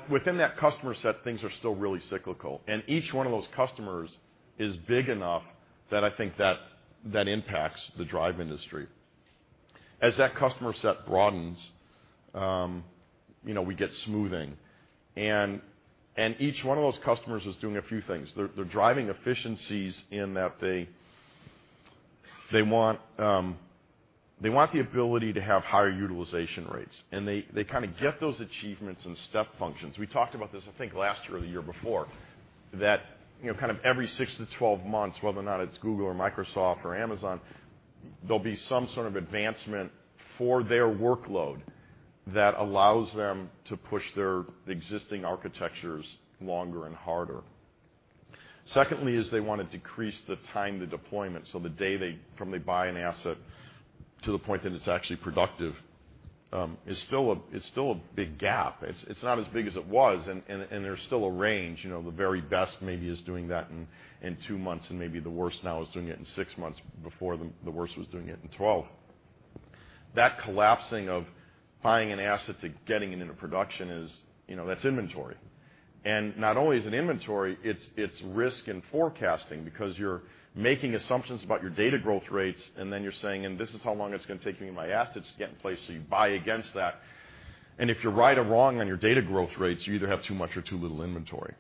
Within that customer set, things are still really cyclical, and each one of those customers is big enough that I think that impacts the drive industry. As that customer set broadens, we get smoothing. Each one of those customers is doing a few things. They're driving efficiencies in that they want the ability to have higher utilization rates, and they kind of get those achievements in step functions. We talked about this, I think, last year or the year before, that kind of every six to 12 months, whether or not it's Google or Microsoft or Amazon, there'll be some sort of advancement for their workload that allows them to push their existing architectures longer and harder. Secondly is they want to decrease the time to deployment. The day from they buy an asset to the point that it's actually productive is still a big gap. It's not as big as it was, and there's still a range. The very best maybe is doing that in two months, and maybe the worst now is doing it in six months, before the worst was doing it in 12. That collapsing of buying an asset to getting it into production is, that's inventory. Not only is it inventory, it's risk in forecasting because you're making assumptions about your data growth rates, and then you're saying, and this is how long it's going to take me and my assets to get in place, so you buy against that. If you're right or wrong on your data growth rates, you either have too much or too little inventory.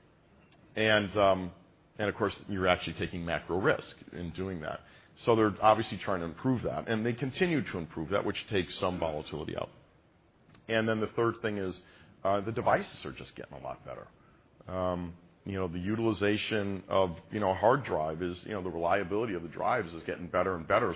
Of course, you're actually taking macro risk in doing that. They're obviously trying to improve that, and they continue to improve that, which takes some volatility out. Then the third thing is, the devices are just getting a lot better. The utilization of a hard drive is, the reliability of the drives is getting better and better.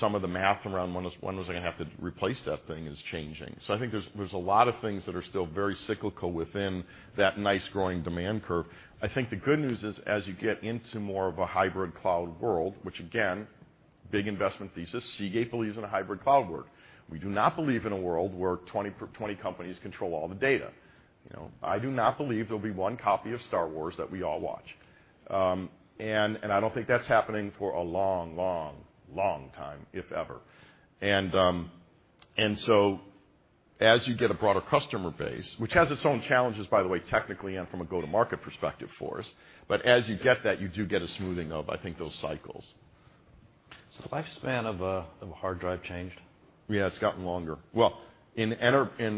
Some of the math around when was I going to have to replace that thing is changing. I think there's a lot of things that are still very cyclical within that nice growing demand curve. I think the good news is, as you get into more of a hybrid cloud world, which again, big investment thesis, Seagate believes in a hybrid cloud world. We do not believe in a world where 20 companies control all the data. I do not believe there'll be one copy of Star Wars that we all watch. I don't think that's happening for a long, long, long time, if ever. As you get a broader customer base, which has its own challenges, by the way, technically and from a go-to-market perspective for us, but as you get that, you do get a smoothing of, I think, those cycles. Has the lifespan of a hard drive changed? Yeah, it's gotten longer. Well, the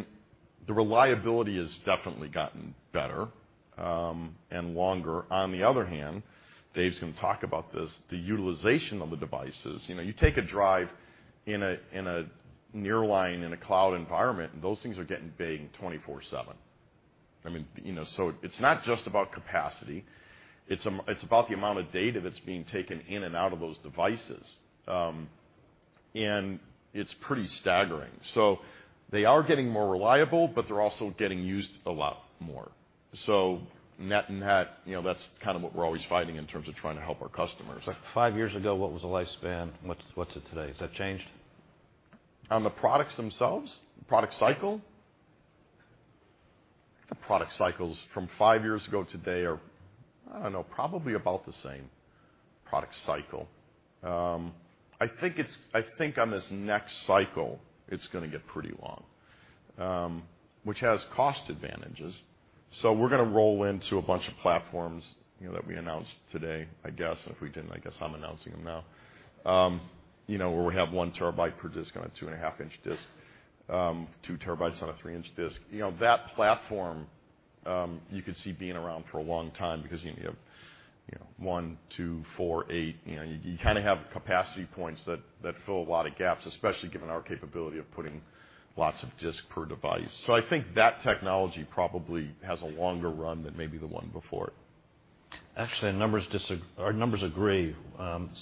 reliability has definitely gotten better, and longer. On the other hand, Dave's going to talk about this, the utilization of the devices. You take a drive in a nearline, in a cloud environment, and those things are getting banged 24/7. It's not just about capacity, it's about the amount of data that's being taken in and out of those devices. It's pretty staggering. They are getting more reliable, but they're also getting used a lot more. Net, that's kind of what we're always fighting in terms of trying to help our customers. Like five years ago, what was the lifespan, and what's it today? Has that changed? On the products themselves? The product cycle? The product cycles from five years ago today are, I don't know, probably about the same product cycle. I think on this next cycle, it's going to get pretty long, which has cost advantages. We're going to roll into a bunch of platforms that we announced today. I guess, if we didn't, I guess I'm announcing them now. Where we have 1 TB per disk on a 2.5 in disk, 2 TB on a 3 in disk. That platform. You could see being around for a long time because you have one, two, four, eight. You have capacity points that fill a lot of gaps, especially given our capability of putting lots of disk per device. I think that technology probably has a longer run than maybe the one before it. Actually, our numbers agree.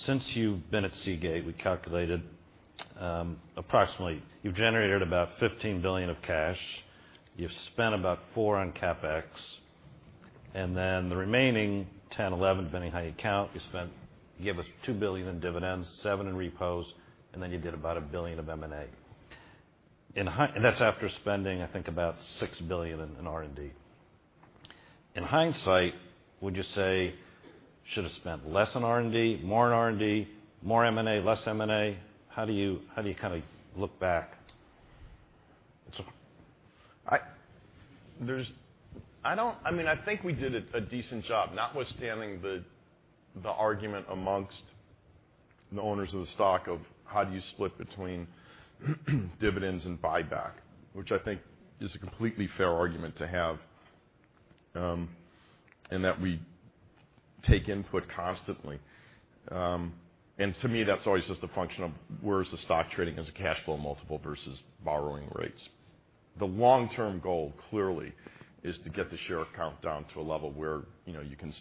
Since you've been at Seagate, we calculated approximately you've generated about $15 billion of cash, you've spent about $4 billion on CapEx, then the remaining $10 billion, $11 billion, depending how you count, you gave us $2 billion in dividends, $7 billion in repos, then you did about $1 billion of M&A. That's after spending, I think, about $6 billion in R&D. In hindsight, would you say should have spent less on R&D, more on R&D, more M&A, less M&A? How do you look back? I think we did a decent job, notwithstanding the argument amongst the owners of the stock of how do you split between dividends and buyback, which I think is a completely fair argument to have, that we take input constantly. To me, that's always just a function of where is the stock trading as a cash flow multiple versus borrowing rates. The long-term goal, clearly, is to get the share count down to a level where you can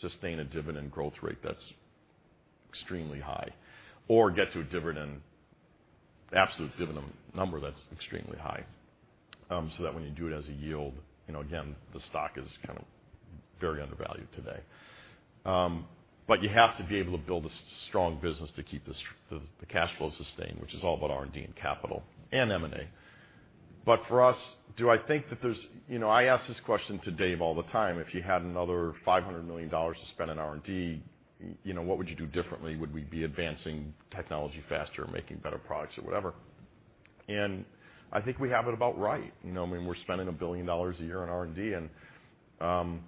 sustain a dividend growth rate that's extremely high, or get to absolute dividend number that's extremely high. That when you do it as a yield, again, the stock is very undervalued today. You have to be able to build a strong business to keep the cash flow sustained, which is all about R&D and capital, and M&A. For us, I ask this question to Dave all the time, "If you had another $500 million to spend on R&D, what would you do differently? Would we be advancing technology faster or making better products or whatever?" I think we have it about right. We're spending $1 billion a year on R&D, and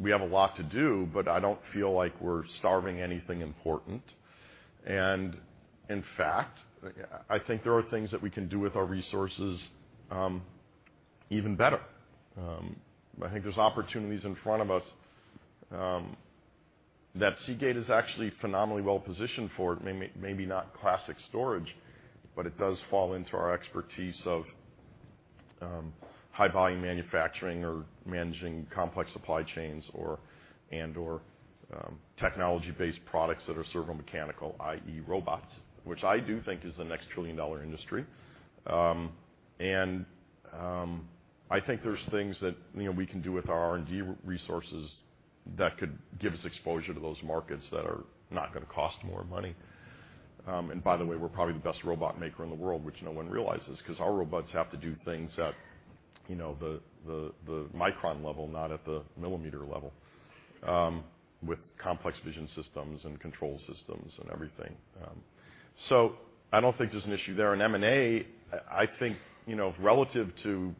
we have a lot to do, but I don't feel like we're starving anything important. In fact, I think there are things that we can do with our resources even better. I think there's opportunities in front of us that Seagate is actually phenomenally well-positioned for. Maybe not classic storage, but it does fall into our expertise of high-volume manufacturing or managing complex supply chains and/or technology-based products that are servomechanical, i.e., robots, which I do think is the next trillion-dollar industry. I think there's things that we can do with our R&D resources that could give us exposure to those markets that are not going to cost more money. By the way, we're probably the best robot maker in the world, which no one realizes because our robots have to do things at the micron level, not at the millimeter level, with complex vision systems and control systems and everything. I don't think there's an issue there. In M&A, I think relative to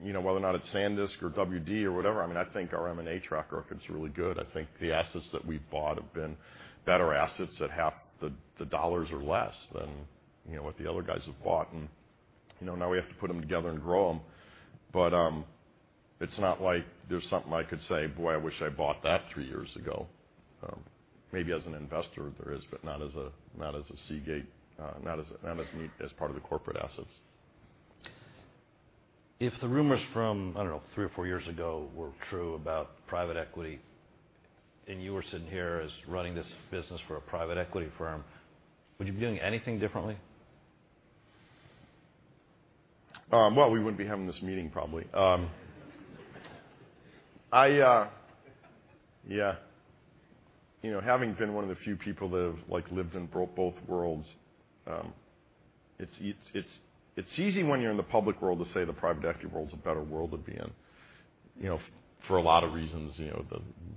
whether or not it's SanDisk or WD or whatever, I think our M&A track record is really good. I think the assets that we've bought have been better assets at half the dollars or less than what the other guys have bought. Now we have to put them together and grow them. It's not like there's something I could say, "Boy, I wish I bought that three years ago." Maybe as an investor there is, but not as part of the corporate assets. If the rumors from, I don't know, three or four years ago were true about private equity, and you were sitting here as running this business for a private equity firm, would you be doing anything differently? We wouldn't be having this meeting, probably. Having been one of the few people that have lived in both worlds, it's easy when you're in the public world to say the private equity world is a better world to be in. For a lot of reasons,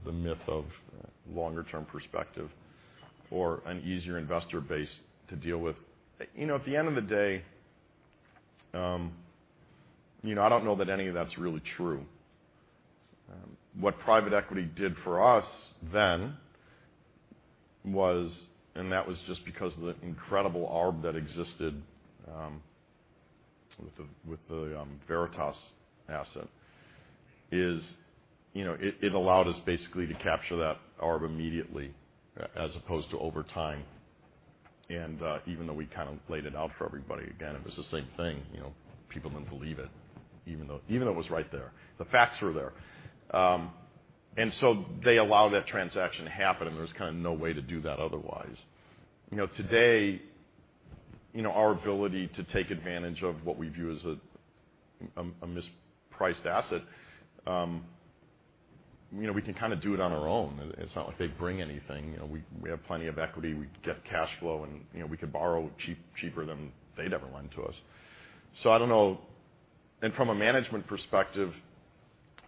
the myth of longer-term perspective or an easier investor base to deal with. At the end of the day, I don't know that any of that's really true. What private equity did for us then was, and that was just because of the incredible arb that existed with the Veritas asset, is it allowed us basically to capture that arb immediately as opposed to over time. Even though we kind of laid it out for everybody, again, it was the same thing. People didn't believe it, even though it was right there. The facts were there. They allowed that transaction to happen, and there was kind of no way to do that otherwise. Today, our ability to take advantage of what we view as a mispriced asset, we can kind of do it on our own. It's not like they bring anything. We have plenty of equity. We get cash flow, and we could borrow cheaper than they'd ever lend to us. I don't know. From a management perspective,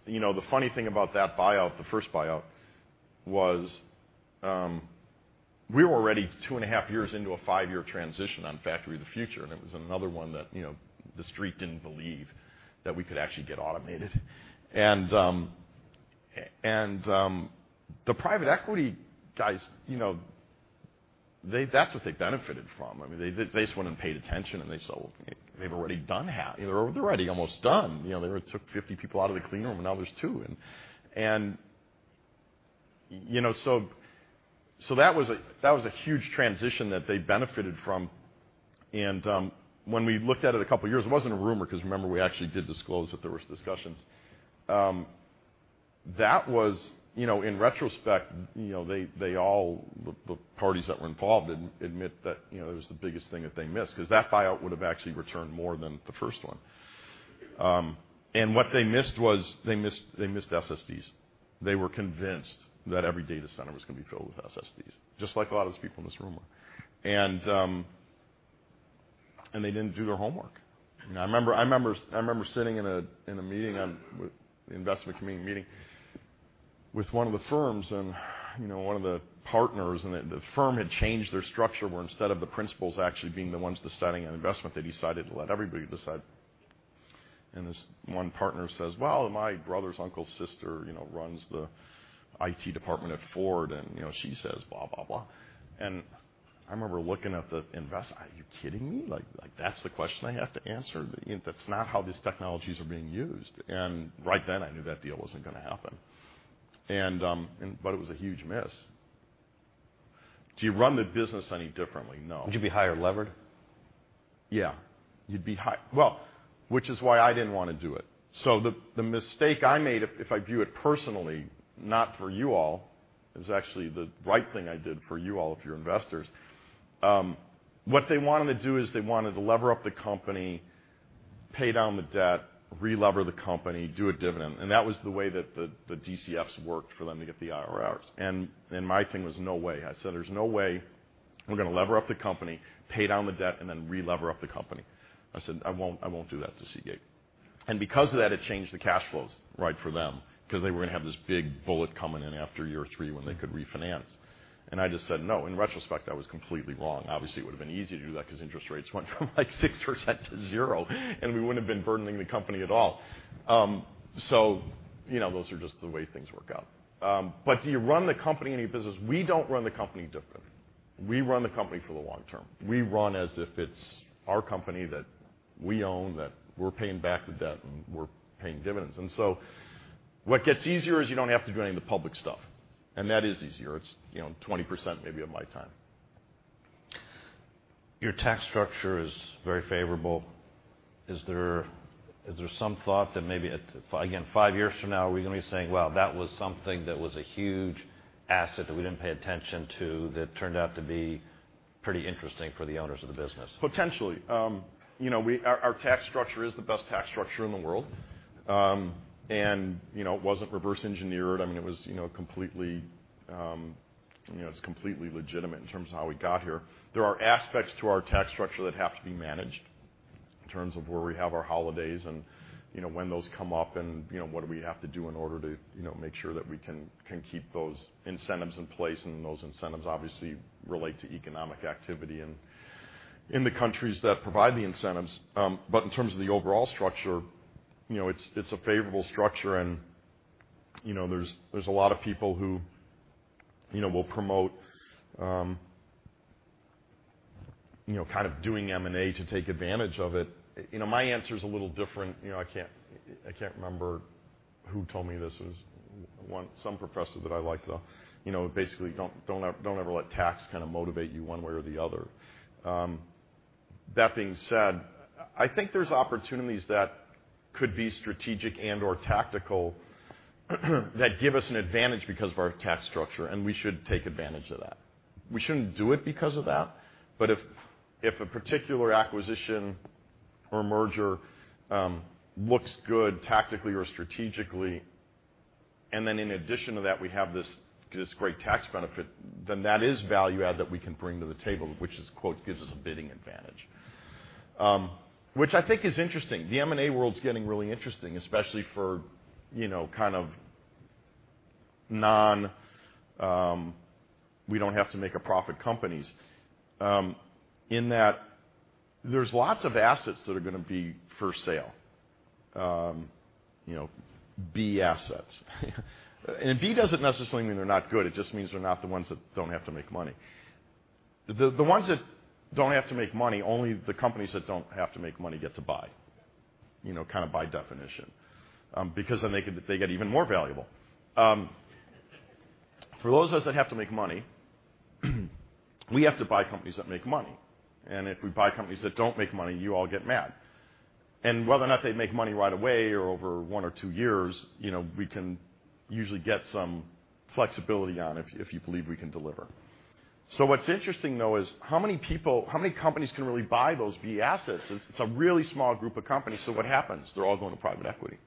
the funny thing about that buyout, the first buyout, was we were already two and a half years into a five-year transition on Factory of the Future, and it was another one that the Street didn't believe that we could actually get automated. The private equity guys. That's what they benefited from. They just went and paid attention, and they saw they were already almost done. They took 50 people out of the clean room, now there's two. That was a huge transition that they benefited from. When we looked at it a couple of years, it wasn't a rumor, because remember, we actually did disclose that there was discussions. In retrospect, the parties that were involved admit that it was the biggest thing that they missed because that buyout would have actually returned more than the first one. What they missed was they missed SSDs. They were convinced that every data center was going to be filled with SSDs, just like a lot of those people in this room were. They didn't do their homework. I remember sitting in an investment committee meeting with one of the firms and one of the partners, the firm had changed their structure where instead of the principals actually being the ones deciding on investment, they decided to let everybody decide. This one partner says, "Well, my brother's uncle's sister runs the IT department at Ford, and she says blah, blah." I remember looking at the investor, Are you kidding me? That's the question I have to answer? That's not how these technologies are being used. Right then I knew that deal wasn't going to happen. It was a huge miss. Do you run the business any differently? No. Would you be higher levered? Yeah. Well, which is why I didn't want to do it. The mistake I made, if I view it personally, not for you all, it was actually the right thing I did for you all, if you're investors. What they wanted to do is they wanted to lever up the company, pay down the debt, re-lever the company, do a dividend. That was the way that the DCFs worked for them to get the IRR. My thing was no way. I said, there's no way we're going to lever up the company, pay down the debt, then re-lever up the company. I said, "I won't do that to Seagate." Because of that, it changed the cash flows for them because they were going to have this big bullet coming in after year three when they could refinance. I just said no. In retrospect, I was completely wrong. Obviously, it would have been easy to do that because interest rates went from 6% to zero, and we wouldn't have been burdening the company at all. Those are just the way things work out. Do you run the company any business? We don't run the company differently. We run the company for the long term. We run as if it's our company that we own, that we're paying back the debt, and we're paying dividends. What gets easier is you don't have to do any of the public stuff, and that is easier. It's 20%, maybe, of my time. Your tax structure is very favorable. Is there some thought that maybe, again, 5 years from now, we're going to be saying, "Wow, that was something that was a huge asset that we didn't pay attention to that turned out to be pretty interesting for the owners of the business? Potentially. Our tax structure is the best tax structure in the world. It wasn't reverse engineered. It was completely legitimate in terms of how we got here. There are aspects to our tax structure that have to be managed in terms of where we have our holidays and when those come up and what do we have to do in order to make sure that we can keep those incentives in place. Those incentives obviously relate to economic activity and in the countries that provide the incentives. In terms of the overall structure, it's a favorable structure. There's a lot of people who will promote kind of doing M&A to take advantage of it. My answer is a little different. I can't remember who told me this. It was some professor that I liked, though. Basically, don't ever let tax kind of motivate you one way or the other. That being said, I think there's opportunities that could be strategic and/or tactical that give us an advantage because of our tax structure, we should take advantage of that. We shouldn't do it because of that. If a particular acquisition or merger looks good tactically or strategically, and then in addition to that, we have this great tax benefit, then that is value add that we can bring to the table, which "gives us a bidding advantage." Which I think is interesting. The M&A world is getting really interesting, especially for kind of non we don't have to make a profit companies, in that there's lots of assets that are going to be for sale, B assets. B doesn't necessarily mean they're not good. It just means they're not the ones that don't have to make money. The ones that don't have to make money, only the companies that don't have to make money get to buy, kind of by definition. Then they get even more valuable. For those of us that have to make money, we have to buy companies that make money. If we buy companies that don't make money, you all get mad. Whether or not they make money right away or over one or two years, we can usually get some flexibility on if you believe we can deliver. What's interesting, though, is how many companies can really buy those B assets? It's a really small group of companies. What happens? They're all going to private equity.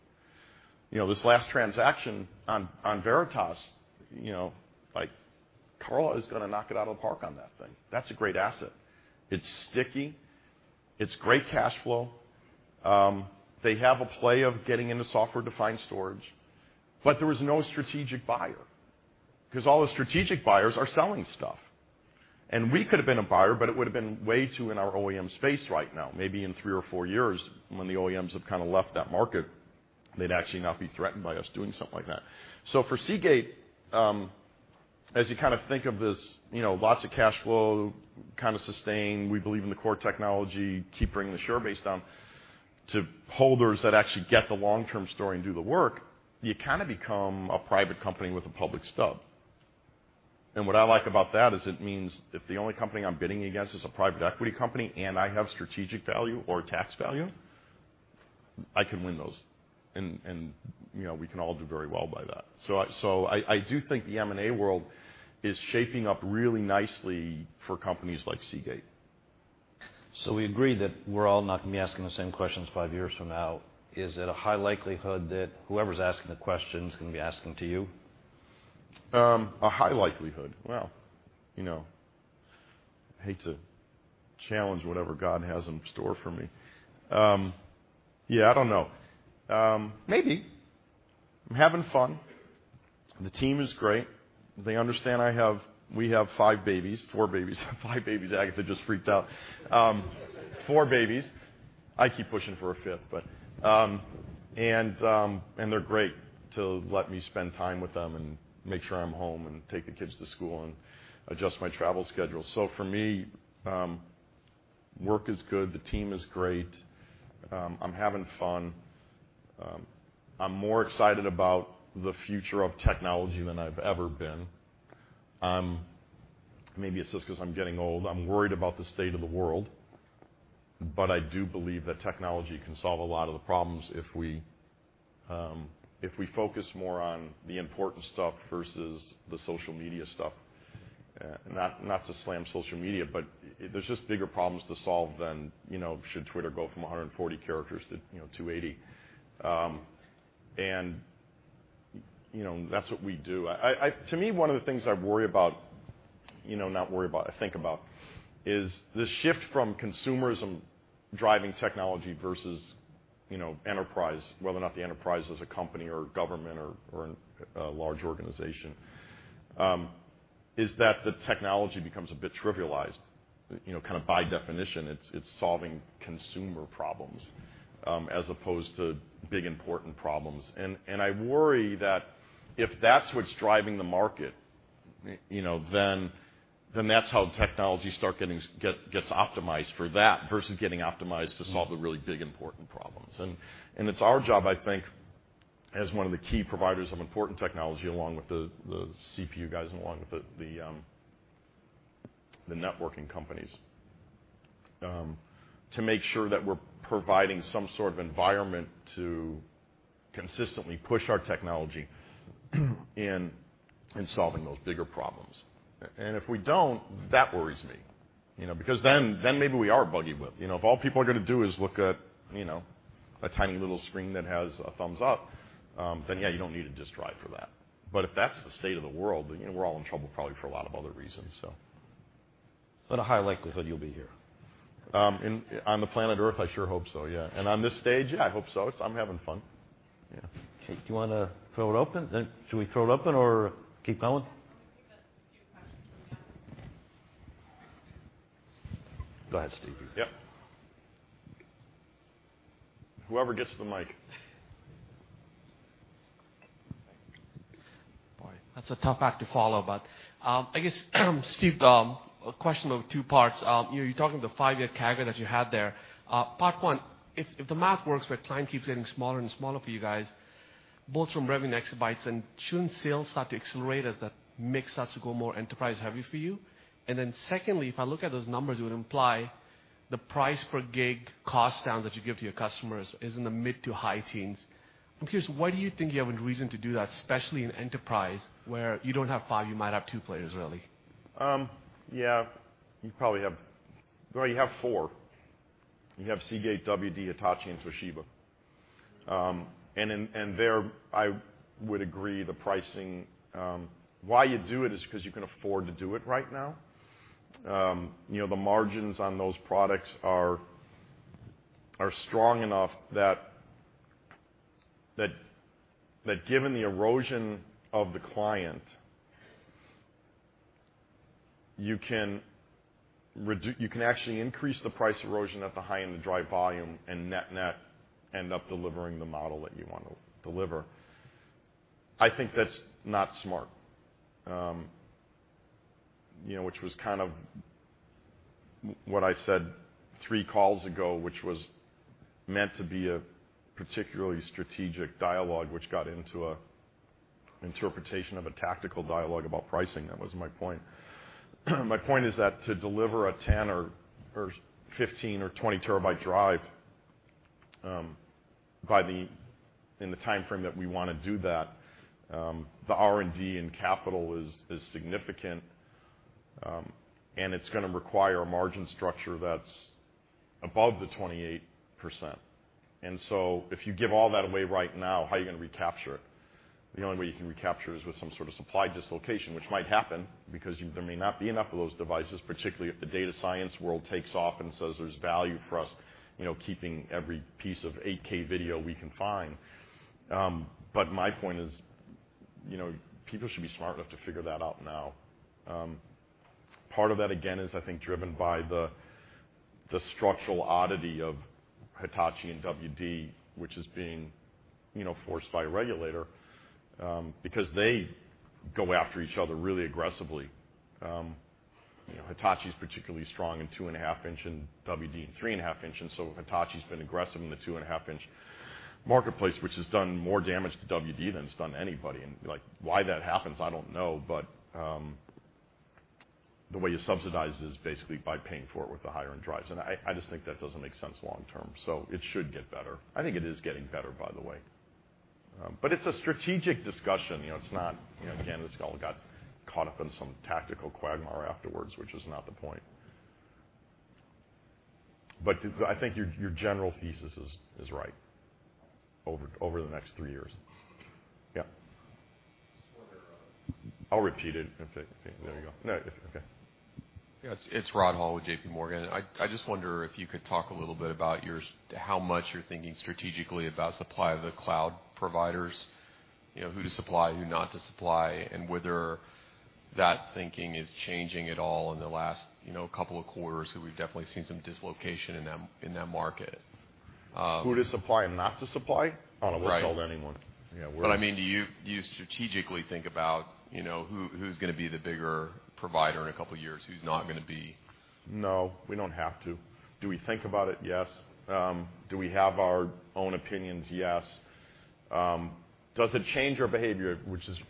This last transaction on Veritas, like Carlyle is going to knock it out of the park on that thing. That's a great asset. It's sticky. It's great cash flow. They have a play of getting into software-defined storage, but there was no strategic buyer because all the strategic buyers are selling stuff. We could have been a buyer, but it would have been way too in our OEM space right now. Maybe in three or four years when the OEMs have kind of left that market They'd actually not be threatened by us doing something like that. For Seagate, as you think of this, lots of cash flow sustained, we believe in the core technology, keep bringing the share base down to holders that actually get the long-term story and do the work, you become a private company with a public stub. What I like about that is it means if the only company I'm bidding against is a private equity company and I have strategic value or tax value, I can win those. We can all do very well by that. I do think the M&A world is shaping up really nicely for companies like Seagate. We agree that we're all not going to be asking the same questions five years from now. Is it a high likelihood that whoever's asking the questions is going to be asking to you? A high likelihood. Well, I hate to challenge whatever God has in store for me. Yeah, I don't know. Maybe. I'm having fun. The team is great. They understand we have five babies. Four babies. Five babies, Agatha just freaked out. Four babies. I keep pushing for a fifth. They're great to let me spend time with them and make sure I'm home and take the kids to school and adjust my travel schedule. For me, work is good. The team is great. I'm having fun. I'm more excited about the future of technology than I've ever been. Maybe it's just because I'm getting old. I'm worried about the state of the world, but I do believe that technology can solve a lot of the problems if we focus more on the important stuff versus the social media stuff. Not to slam social media, there's just bigger problems to solve than should Twitter go from 140 characters to 280. That's what we do. To me, one of the things I think about, is the shift from consumerism driving technology versus enterprise, whether or not the enterprise is a company or government or a large organization, is that the technology becomes a bit trivialized. By definition, it's solving consumer problems as opposed to big, important problems. I worry that if that's what's driving the market, that's how technology gets optimized for that versus getting optimized to solve the really big, important problems. It's our job, I think, as one of the key providers of important technology, along with the CPU guys and along with the networking companies, to make sure that we're providing some sort of environment to consistently push our technology in solving those bigger problems. If we don't, that worries me because maybe we are buggy whip. If all people are going to do is look at a tiny little screen that has a thumbs up, yeah, you don't need a disk drive for that. If that's the state of the world, we're all in trouble probably for a lot of other reasons. A high likelihood you'll be here. On the planet Earth, I sure hope so, yeah. On this stage, yeah, I hope so. I'm having fun. Yeah. Okay, do you want to throw it open? Should we throw it open or keep going? I think a few questions from. Go ahead, Steve. Yep. Whoever gets the mic. Boy, that's a tough act to follow, I guess, Steve, a question of two parts. You're talking the 5-year CAGR that you had there. Part one, if the math works where client keeps getting smaller and smaller for you guys, both from revenue exabytes and unit sales start to accelerate as that mix starts to go more enterprise-heavy for you. Secondly, if I look at those numbers, it would imply the price per gig cost down that you give to your customers is in the mid-to-high teens. I'm curious, why do you think you have a reason to do that, especially in enterprise, where you don't have five, you might have two players, really? Yeah, you probably have four. You have Seagate, WD, Hitachi, and Toshiba. There, I would agree the pricing, why you do it is because you can afford to do it right now. The margins on those products are strong enough that given the erosion of the client, you can actually increase the price erosion at the high end of drive volume and net end up delivering the model that you want to deliver. I think that's not smart, which was what I said three calls ago, which was meant to be a particularly strategic dialogue, which got into an interpretation of a tactical dialogue about pricing. That wasn't my point. My point is that to deliver a 10 TB or 15 TB or 20 TB drive in the time frame that we want to do that, the R&D and capital is significant, and it's going to require a margin structure that's above the 28%. If you give all that away right now, how are you going to recapture it? The only way you can recapture it is with some sort of supply dislocation, which might happen because there may not be enough of those devices, particularly if the data science world takes off and says there's value for us keeping every piece of 8K video we can find. My point is, people should be smart enough to figure that out now. Part of that, again, is, I think, driven by the structural oddity of Hitachi and WD, which is being forced by a regulator, because they go after each other really aggressively. Hitachi's particularly strong in 2.5-inch, and WD in 3.5-inch. Hitachi's been aggressive in the 2.5-inch marketplace, which has done more damage to WD than it's done anybody. Why that happens, I don't know, but the way you subsidize it is basically by paying for it with the higher-end drives. I just think that doesn't make sense long term, so it should get better. I think it is getting better, by the way. It's a strategic discussion. Again, this all got caught up in some tactical quagmire afterwards, which is not the point. I think your general thesis is right, over the next three years. Yeah. Just wonder- I'll repeat it. Okay. There we go. No, okay. Yeah. It's Rod Hall with JPMorgan. I just wonder if you could talk a little bit about how much you're thinking strategically about supply of the cloud providers, who to supply, who not to supply, and whether that thinking is changing at all in the last couple of quarters, because we've definitely seen some dislocation in that market. Who to supply and not to supply? Right. Oh, no, we sell to anyone. Yeah. Do you strategically think about who's going to be the bigger provider in a couple of years, who's not going to be? No, we don't have to. Do we think about it? Yes. Do we have our own opinions? Yes. Does it change our behavior?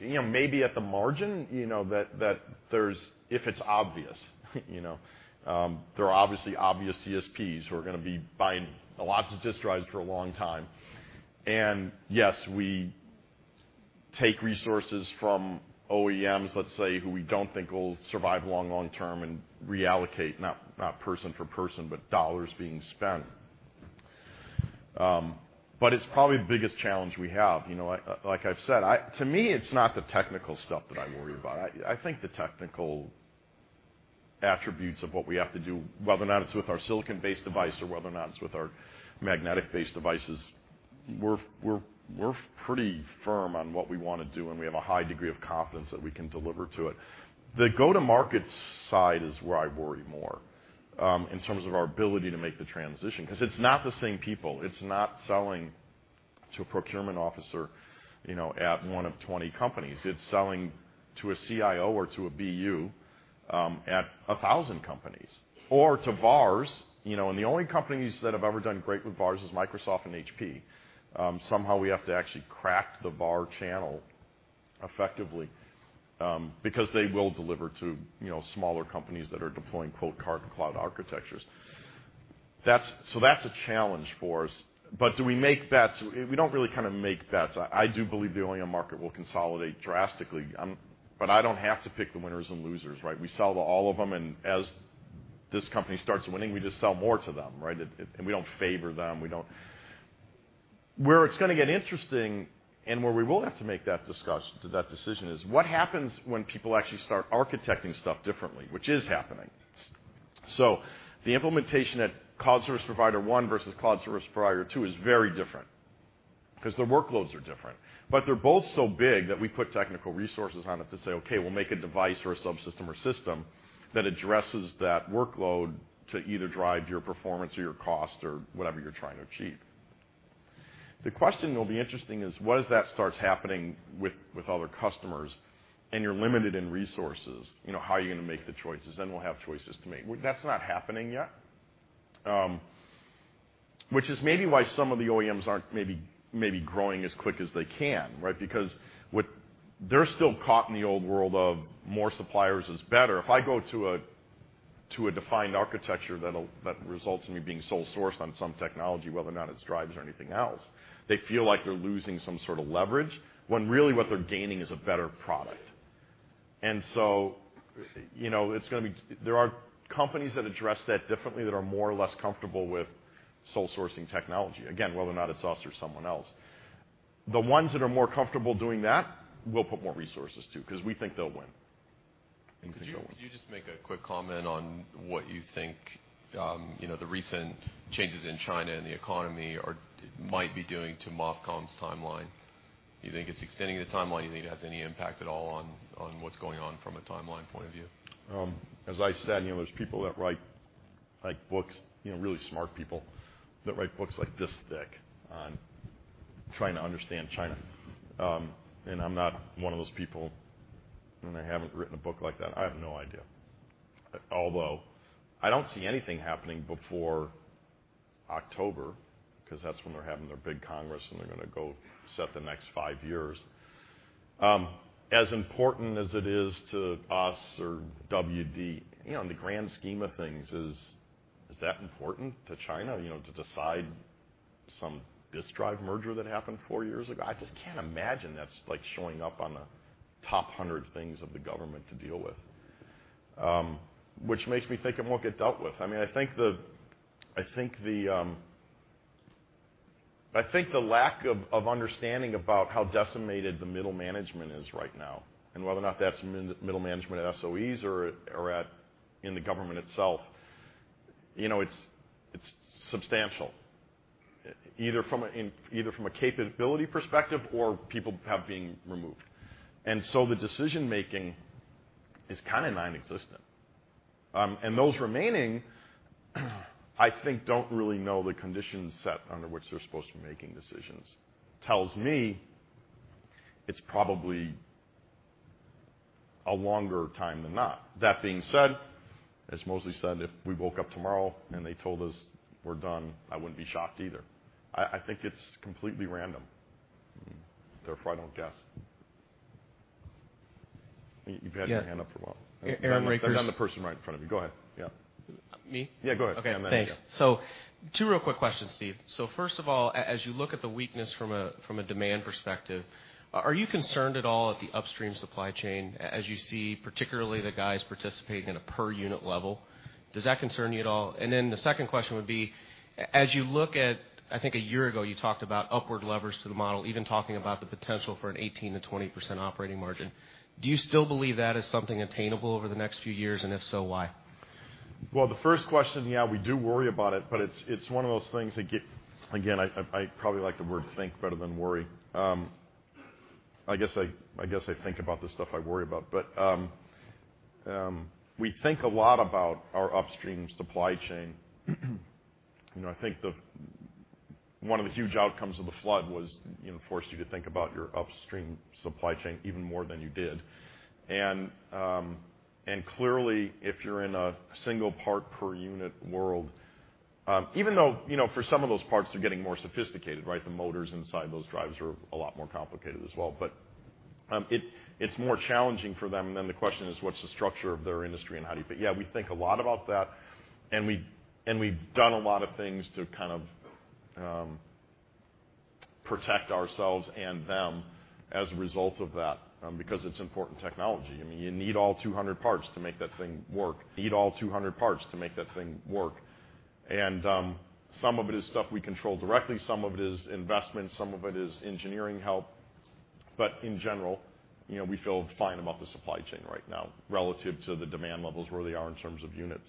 Maybe at the margin, if it's obvious. There are obviously obvious CSPs who are going to be buying lots of disk drives for a long time. Yes, we take resources from OEMs, let's say, who we don't think will survive long-term and reallocate, not person for person, but dollars being spent. It's probably the biggest challenge we have. Like I've said, to me, it's not the technical stuff that I worry about. I think the technical attributes of what we have to do, whether or not it's with our silicon-based device or whether or not it's with our magnetic-based devices, we're pretty firm on what we want to do, and we have a high degree of confidence that we can deliver to it. The go-to-market side is where I worry more in terms of our ability to make the transition, because it's not the same people. It's not selling to a procurement officer at one of 20 companies. It's selling to a CIO or to a BU at 1,000 companies. To VARs. The only companies that have ever done great with VARs is Microsoft and HP. Somehow, we have to actually crack the VAR channel effectively, because they will deliver to smaller companies that are deploying, quote, "cloud architectures." That's a challenge for us, but do we make bets? We don't really make bets. I do believe the OEM market will consolidate drastically. I don't have to pick the winners and losers, right? We sell to all of them, and as this company starts winning, we just sell more to them, right? We don't favor them. Where it's going to get interesting and where we will have to make that decision is what happens when people actually start architecting stuff differently, which is happening. The implementation at cloud service provider one versus cloud service provider two is very different because their workloads are different. They're both so big that we put technical resources on it to say, okay, we'll make a device or a subsystem or system that addresses that workload to either drive your performance or your cost or whatever you're trying to achieve. The question that will be interesting is once that starts happening with other customers and you're limited in resources, how are you going to make the choices? We'll have choices to make. That's not happening yet, which is maybe why some of the OEMs aren't maybe growing as quick as they can, right? Because they're still caught in the old world of more suppliers is better. If I go to a defined architecture that results in me being sole source on some technology, whether or not it's drives or anything else, they feel like they're losing some sort of leverage, when really what they're gaining is a better product. There are companies that address that differently, that are more or less comfortable with sole sourcing technology. Again, whether or not it's us or someone else. The ones that are more comfortable doing that, we'll put more resources to because we think they'll win. Could you just make a quick comment on what you think the recent changes in China and the economy might be doing to MOFCOM's timeline? Do you think it's extending the timeline? Do you think it has any impact at all on what's going on from a timeline point of view? As I said, there's people that write books, really smart people, that write books like this thick on trying to understand China. I'm not one of those people, and I haven't written a book like that. I have no idea. I don't see anything happening before October, because that's when they're having their big congress and they're going to go set the next five years. As important as it is to us or WD, in the grand scheme of things, is that important to China, to decide some disk drive merger that happened four years ago? I just can't imagine that's showing up on the top 100 things of the government to deal with. Which makes me think it won't get dealt with. I think the lack of understanding about how decimated the middle management is right now, and whether or not that's middle management at SOEs or in the government itself, it's substantial. Either from a capability perspective or people have been removed. So the decision-making is kind of nonexistent. Those remaining, I think don't really know the conditions set under which they're supposed to be making decisions. Tells me it's probably a longer time than not. That being said, as Mosley said, if we woke up tomorrow and they told us we're done, I wouldn't be shocked either. I think it's completely random, therefore I don't guess. You've had your hand up for a while. Aaron Rakers. I've done the person right in front of you. Go ahead. Yeah. Me? Yeah, go ahead. I'm adding you up. Okay, thanks. Two real quick questions, Steve. First of all, as you look at the weakness from a demand perspective, are you concerned at all at the upstream supply chain as you see particularly the guys participating in a per unit level? Does that concern you at all? The second question would be, as you look at, I think one year ago, you talked about upward leverage to the model, even talking about the potential for an 18%-20% operating margin. Do you still believe that is something attainable over the next few years? If so, why? The first question, yeah, we do worry about it, but it's one of those things, again, I probably like the word think better than worry. I guess I think about the stuff I worry about. We think a lot about our upstream supply chain. I think one of the huge outcomes of the flood was it forced you to think about your upstream supply chain even more than you did. Clearly, if you're in a single part per unit world, even though, for some of those parts, they're getting more sophisticated. The motors inside those drives are a lot more complicated as well. It's more challenging for them, the question is, what's the structure of their industry and how do you fit? Yeah, we think a lot about that, and we've done a lot of things to kind of protect ourselves and them as a result of that, because it's important technology. You need all 200 parts to make that thing work. Some of it is stuff we control directly, some of it is investment, some of it is engineering help. In general, we feel fine about the supply chain right now relative to the demand levels, where they are in terms of units.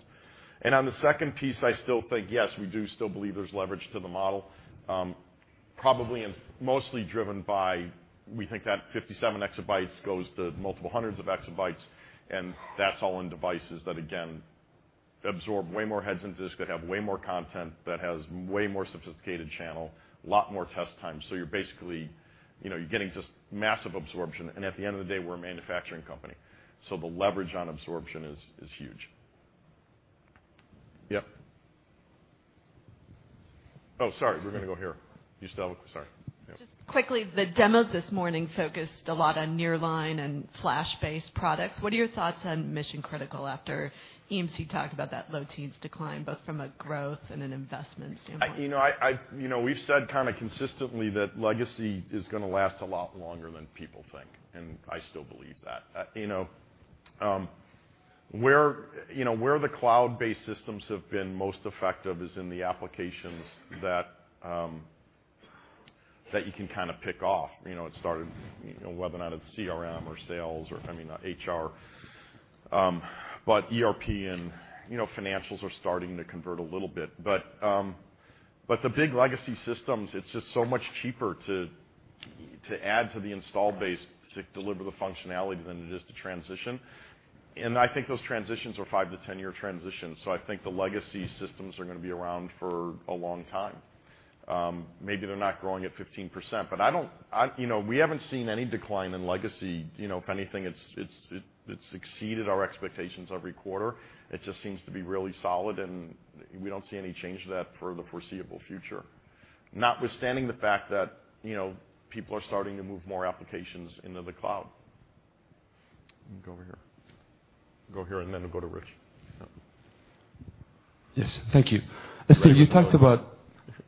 On the second piece, I still think, yes, we do still believe there's leverage to the model. Probably and mostly driven by, we think that 57 exabytes goes to multiple hundreds of exabytes, and that's all in devices that, again, absorb way more heads into disk, that have way more content, that has way more sophisticated channel, a lot more test time. You're basically getting just massive absorption, and at the end of the day, we're a manufacturing company, so the leverage on absorption is huge. Yep. Oh, sorry, we're going to go here. Sorry. Yeah. Just quickly, the demos this morning focused a lot on nearline and flash-based products. What are your thoughts on mission-critical after EMC talked about that low teens decline, both from a growth and an investment standpoint? We've said kind of consistently that legacy is going to last a lot longer than people think, and I still believe that. Where the cloud-based systems have been most effective is in the applications that you can kind of pick off. It started, whether or not it's CRM or sales or, I mean, HR. ERP and financials are starting to convert a little bit. The big legacy systems, it's just so much cheaper to add to the install base to deliver the functionality than it is to transition. I think those transitions are five-10-year transitions, so I think the legacy systems are going to be around for a long time. Maybe they're not growing at 15%, but we haven't seen any decline in legacy. If anything, it's exceeded our expectations every quarter. It just seems to be really solid. We don't see any change to that for the foreseeable future. Notwithstanding the fact that people are starting to move more applications into the cloud. Let me go over here. Go here. Then we'll go to Rick. Yes. Thank you. Right here. Steve, you talked about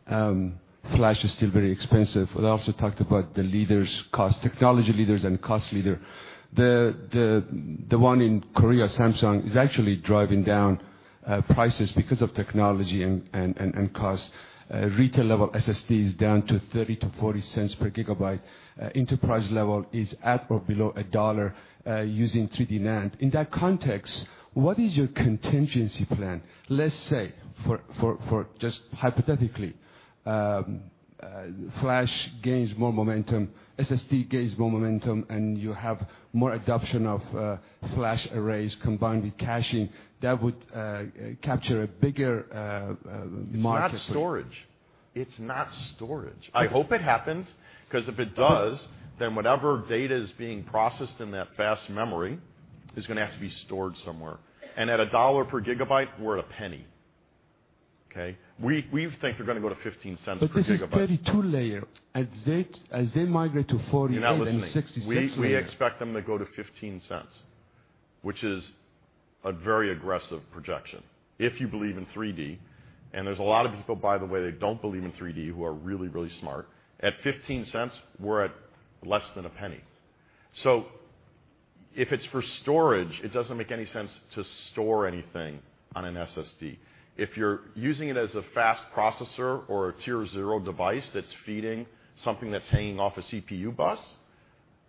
flash is still very expensive. Also talked about the leaders cost, technology leaders and cost leader. The one in Korea, Samsung, is actually driving down prices because of technology and cost. Retail level SSD is down to $0.30-$0.40 per GB. Enterprise level is at or below $1 using 3D NAND. In that context, what is your contingency plan? Let's say, for just hypothetically, flash gains more momentum, SSD gains more momentum. You have more adoption of flash arrays combined with caching. That would capture a bigger market It's not storage. I hope it happens, because if it does, then whatever data is being processed in that fast memory is going to have to be stored somewhere. At $1 per gigabyte, we're at $0.01. Okay? We think they're going to go to $0.15 per gigabyte. This is 32-layer. As they migrate to 48 and 66-layer. You're not listening. We expect them to go to $0.15, which is a very aggressive projection if you believe in 3D. There's a lot of people, by the way, that don't believe in 3D, who are really, really smart. At $0.15, we're at less than $0.01. If it's for storage, it doesn't make any sense to store anything on an SSD. If you're using it as a fast processor or a tier 0 device that's feeding something that's hanging off a CPU bus.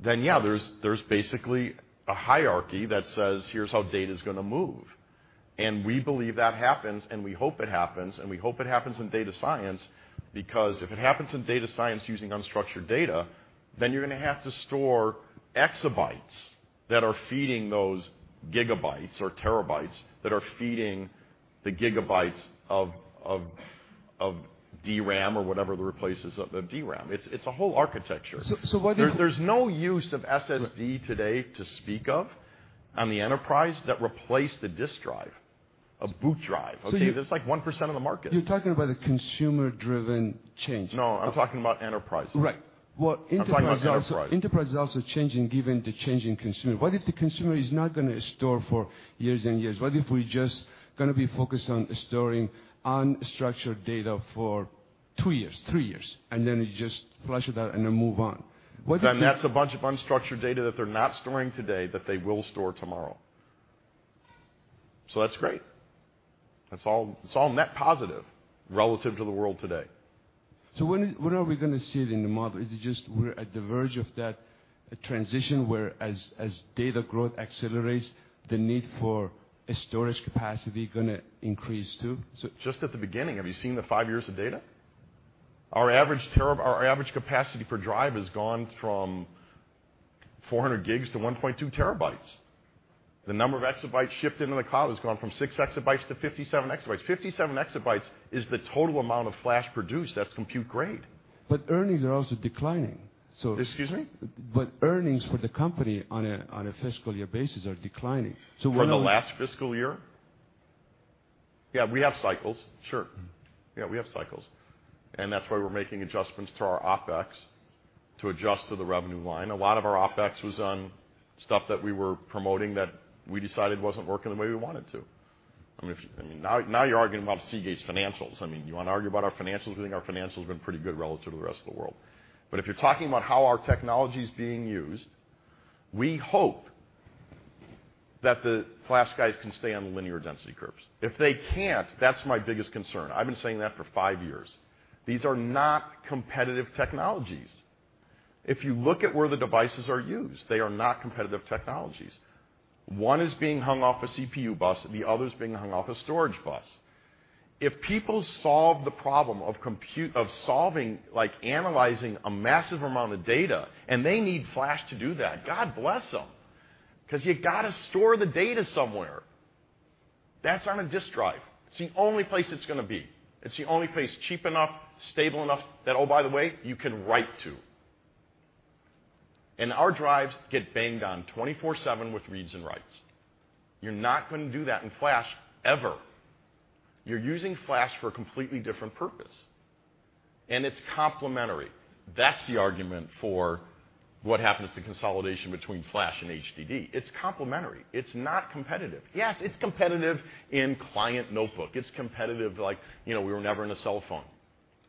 Yeah, there's basically a hierarchy that says, here's how data's going to move. We believe that happens, and we hope it happens, and we hope it happens in data science, because if it happens in data science using unstructured data, you're going to have to store exabytes that are feeding those gigabytes or terabytes that are feeding the gigabytes of DRAM or whatever replaces the DRAM. It's a whole architecture. Why do you- There's no use of SSD today to speak of on the enterprise that replaced the disk drive, a boot drive. Okay? That's like 1% of the market. You're talking about a consumer-driven change. No, I'm talking about enterprises. Right. Well, enterprise I'm talking about enterprise enterprise is also changing given the change in consumer. What if the consumer is not going to store for years and years? What if we're just going to be focused on storing unstructured data for two years, three years, and then you just flush it out and then move on. What if you. That's a bunch of unstructured data that they're not storing today, that they will store tomorrow. That's great. It's all net positive relative to the world today. When are we going to see it in the model? Is it just we're at the verge of that transition where as data growth accelerates, the need for storage capacity going to increase, too? Just at the beginning. Have you seen the 5 years of data? Our average capacity per drive has gone from 400 GB to 1.2 TB. The number of exabytes shipped into the cloud has gone from 6 exabytes to 57 exabytes. 57 exabytes is the total amount of flash produced that's compute grade. Earnings are also declining. Excuse me? Earnings for the company on a fiscal year basis are declining. For the last fiscal year? Yeah, we have cycles, sure. Yeah, we have cycles, and that's why we are making adjustments to our OpEx to adjust to the revenue line. A lot of our OpEx was on stuff that we were promoting that we decided wasn't working the way we wanted to. Now you are arguing about Seagate's financials. You want to argue about our financials? I think our financials have been pretty good relative to the rest of the world. If you are talking about how our technology is being used, we hope that the flash guys can stay on the linear density curves. If they cannot, that is my biggest concern. I have been saying that for 5 years. These are not competitive technologies. If you look at where the devices are used, they are not competitive technologies. One is being hung off a CPU bus. The other is being hung off a storage bus. If people solve the problem of solving, like analyzing a massive amount of data, and they need flash to do that, God bless them, because you got to store the data somewhere. That is on a disk drive. It is the only place it is going to be. It is the only place cheap enough, stable enough that, oh, by the way, you can write to. Our drives get banged on 24 seven with reads and writes. You are not going to do that in flash ever. You are using flash for a completely different purpose, and it is complementary. That is the argument for what happens to consolidation between flash and HDD. It is complementary. It is not competitive. Yes, it is competitive in client notebook. It is competitive like we were never in a cell phone.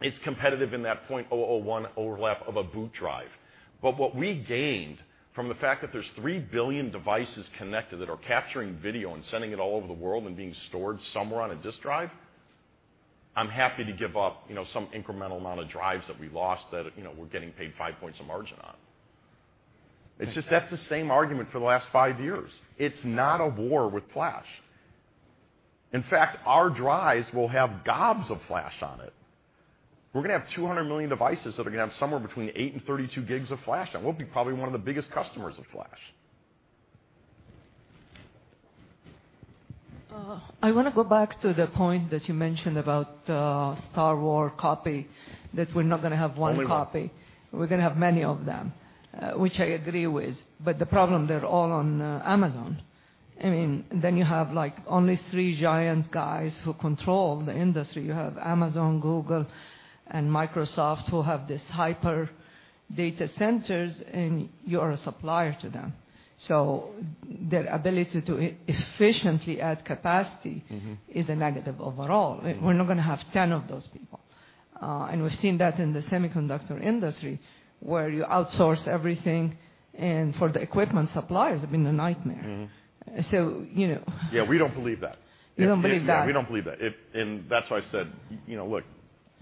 It is competitive in that 0.001 overlap of a boot drive. What we gained from the fact that there is 3 billion devices connected that are capturing video and sending it all over the world and being stored somewhere on a disk drive, I am happy to give up some incremental amount of drives that we lost that we are getting paid 5 points of margin on. That is the same argument for the last 5 years. It is not a war with flash. In fact, our drives will have gobs of flash on it. We are going to have 200 million devices that are going to have somewhere between eight and 32 gigs of flash on it. We will be probably one of the biggest customers of flash. I want to go back to the point that you mentioned about Star Wars copy, that we're not going to have one copy. Only one. We're going to have many of them, which I agree with. The problem, they're all on Amazon. You have only three giant guys who control the industry. You have Amazon, Google, and Microsoft who have this hyper data centers, and you are a supplier to them. Their ability to efficiently add capacity- is a negative overall. We're not going to have 10 of those people. We've seen that in the semiconductor industry where you outsource everything, and for the equipment suppliers, it's been a nightmare. you know. Yeah, we don't believe that. You don't believe that? Yeah, we don't believe that. That's why I said, look,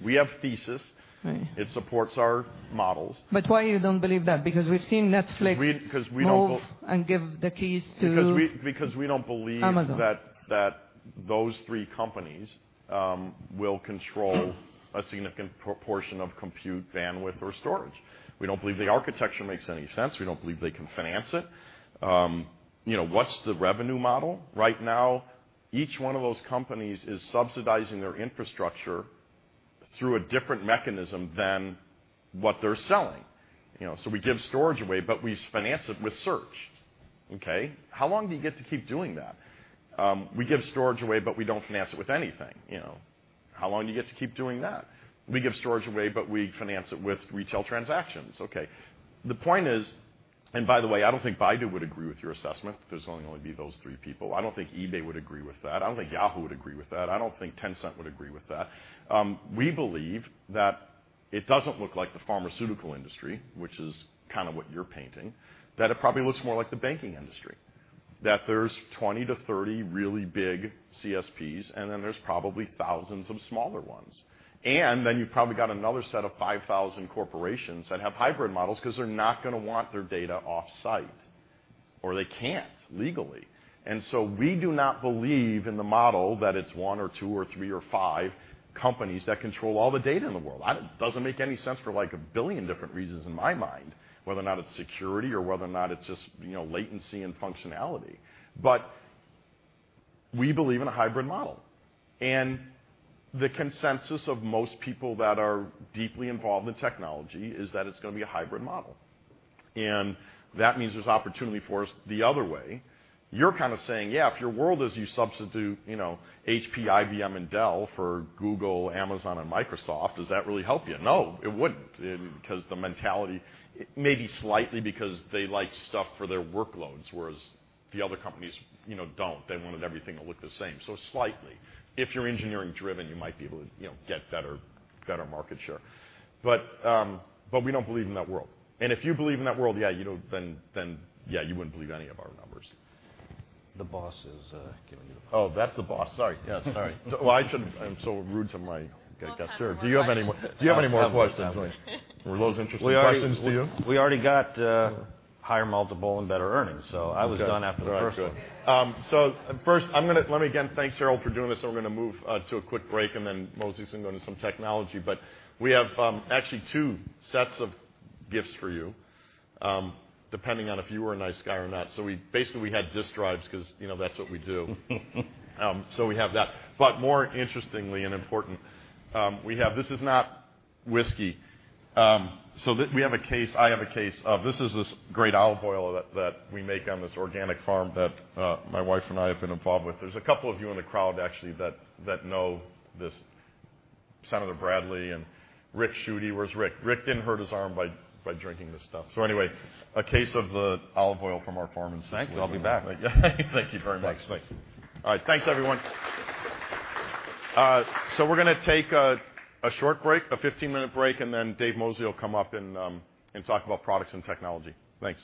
we have thesis. Right. It supports our models. Why you don't believe that? Because we've seen Netflix- We don't go- move and give the keys to- Because we- Amazon We don't believe that those three companies will control a significant proportion of compute bandwidth or storage. We don't believe the architecture makes any sense. We don't believe they can finance it. What's the revenue model? Right now, each one of those companies is subsidizing their infrastructure through a different mechanism than what they're selling. We give storage away, but we finance it with search. Okay. How long do you get to keep doing that? We give storage away, but we don't finance it with anything. How long do you get to keep doing that? We give storage away, but we finance it with retail transactions. Okay. The point is, by the way, I don't think Baidu would agree with your assessment that there's only going to be those three people. I don't think eBay would agree with that. I don't think Yahoo would agree with that. I don't think Tencent would agree with that. We believe that it doesn't look like the pharmaceutical industry, which is kind of what you're painting, that it probably looks more like the banking industry. That there's 20 to 30 really big CSPs, then there's probably thousands of smaller ones. Then you've probably got another set of 5,000 corporations that have hybrid models because they're not going to want their data off-site, or they can't legally. We do not believe in the model that it's one or two or three or five companies that control all the data in the world. It doesn't make any sense for a billion different reasons in my mind, whether or not it's security or whether or not it's just latency and functionality. We believe in a hybrid model, the consensus of most people that are deeply involved in technology is that it's going to be a hybrid model. That means there's opportunity for us the other way. You're kind of saying, yeah, if your world is you substitute HP, IBM, and Dell for Google, Amazon, and Microsoft, does that really help you? No, it wouldn't, because the mentality. Maybe slightly because they like stuff for their workloads, whereas the other companies don't. They wanted everything to look the same. Slightly. If you're engineering-driven, you might be able to get better market share. We don't believe in that world. If you believe in that world, then, yeah, you wouldn't believe any of our numbers. The boss is giving you the. Oh, that's the boss. Sorry. Yeah, sorry. Well, I shouldn't be so rude to my guest here. I'll have one more question. Do you have any more questions? Were those interesting questions to you? We already got higher multiple and better earnings, I was done after the first one. First, let me again thank Harold for doing this, and we're going to move to a quick break, and then Mosley's going to go into some technology. We have actually two sets of gifts for you, depending on if you were a nice guy or not. Basically, we had disk drives because that's what we do. We have that. More interestingly and important, we have. This is not whiskey. I have a case of. This is this great olive oil that we make on this organic farm that my wife and I have been involved with. There's a couple of you in the crowd, actually, that know this. Senator Bradley and Rick Schuette. Where's Rick? Rick didn't hurt his arm by drinking this stuff. Anyway, a case of the olive oil from our farm in Sicily. Thanks. I'll be back. Thank you very much. Thanks. All right. Thanks, everyone. We're going to take a short break, a 15-minute break. Dave Mosley will come up and talk about products and technology. Thanks.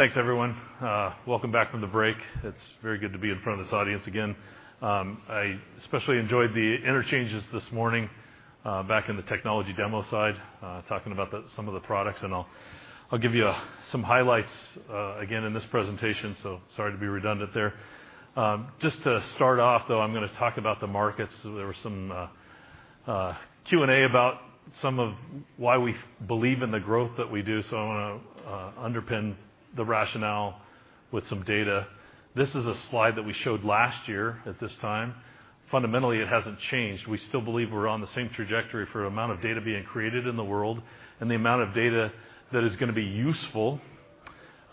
If I can get Kate to take her seat. Yeah, thanks. I probably do. Thanks, everyone. Welcome back from the break. It's very good to be in front of this audience again. I especially enjoyed the interchanges this morning back in the technology demo side, talking about some of the products, and I'll give you some highlights again in this presentation. Sorry to be redundant there. Just to start off, though, I'm going to talk about the markets. There were some Q&A about some of why we believe in the growth that we do. I want to underpin the rationale with some data. This is a slide that we showed last year at this time. Fundamentally, it hasn't changed. We still believe we're on the same trajectory for amount of data being created in the world and the amount of data that is going to be useful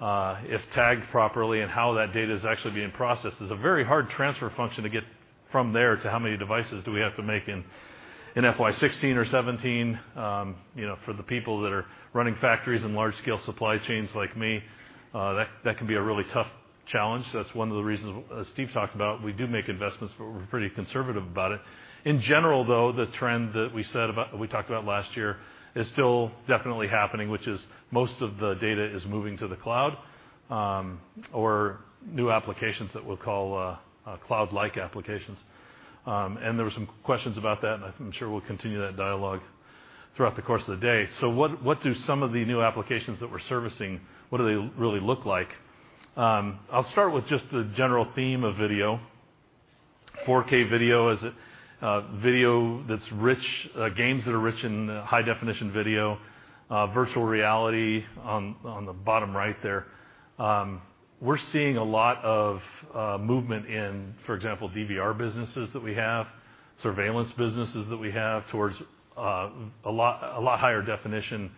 if tagged properly and how that data is actually being processed. It's a very hard transfer function to get from there to how many devices do we have to make in FY 2016 or 2017. For the people that are running factories and large-scale supply chains like me, that can be a really tough challenge. That's one of the reasons, as Steve talked about, we do make investments, but we're pretty conservative about it. In general, though, the trend that we talked about last year is still definitely happening, which is most of the data is moving to the cloud or new applications that we'll call cloud-like applications. There were some questions about that. I'm sure we'll continue that dialogue throughout the course of the day. What do some of the new applications that we're servicing, what do they really look like? I'll start with just the general theme of video. 4K video is video that's rich, games that are rich in high-definition video, virtual reality on the bottom right there. We're seeing a lot of movement in, for example, DVR businesses that we have, surveillance businesses that we have, towards a lot higher definition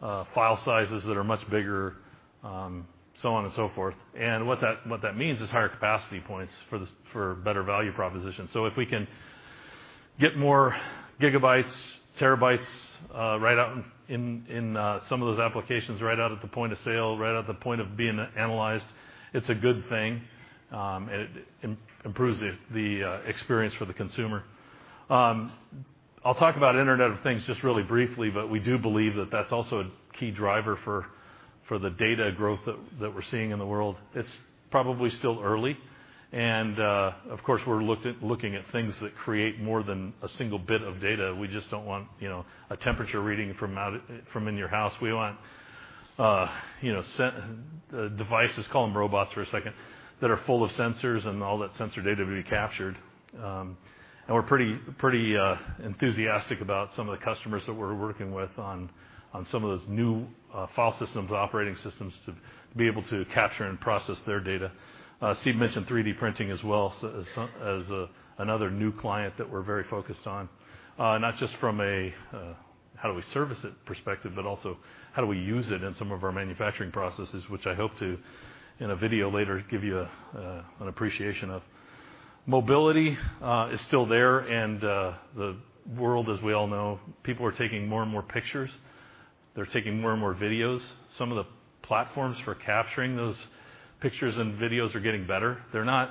file sizes that are much bigger, so on and so forth. What that means is higher capacity points for better value propositions. If we can get more gigabytes, terabytes, right out in some of those applications, right out at the point of sale, right at the point of being analyzed. It's a good thing, and it improves the experience for the consumer. I'll talk about Internet of Things just really briefly, but we do believe that that's also a key driver for the data growth that we're seeing in the world. It's probably still early. Of course, we're looking at things that create more than a single bit of data. We just don't want a temperature reading from in your house. We want devices, call them robots for a second, that are full of sensors and all that sensor data to be captured. We're pretty enthusiastic about some of the customers that we're working with on some of those new file systems, operating systems to be able to capture and process their data. Steve mentioned 3D printing as well as another new client that we're very focused on. Not just from a how do we service it perspective, but also how do we use it in some of our manufacturing processes, which I hope to, in a video later, give you an appreciation of. Mobility is still there. The world, as we all know, people are taking more and more pictures. They're taking more and more videos. Some of the platforms for capturing those pictures and videos are getting better. They're not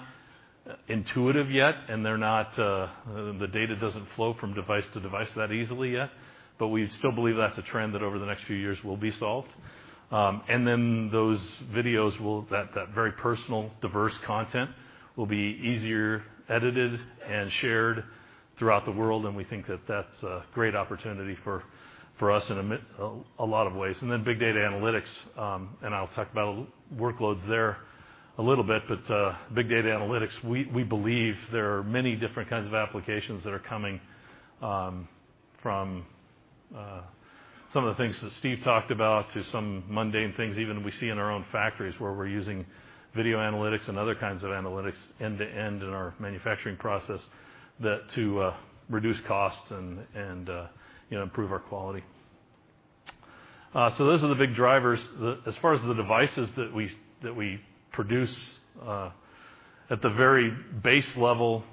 intuitive yet, and the data doesn't flow from device to device that easily yet, but we still believe that's a trend that over the next few years will be solved. Then those videos, that very personal, diverse content will be easier edited and shared throughout the world, and we think that that's a great opportunity for us in a lot of ways. Then big data analytics, and I'll talk about workloads there a little bit. Big data analytics, we believe there are many different kinds of applications that are coming from some of the things that Steve talked about to some mundane things even we see in our own factories, where we're using video analytics and other kinds of analytics end to end in our manufacturing process to reduce costs and improve our quality. Those are the big drivers. As far as the devices that we produce, at the very base level,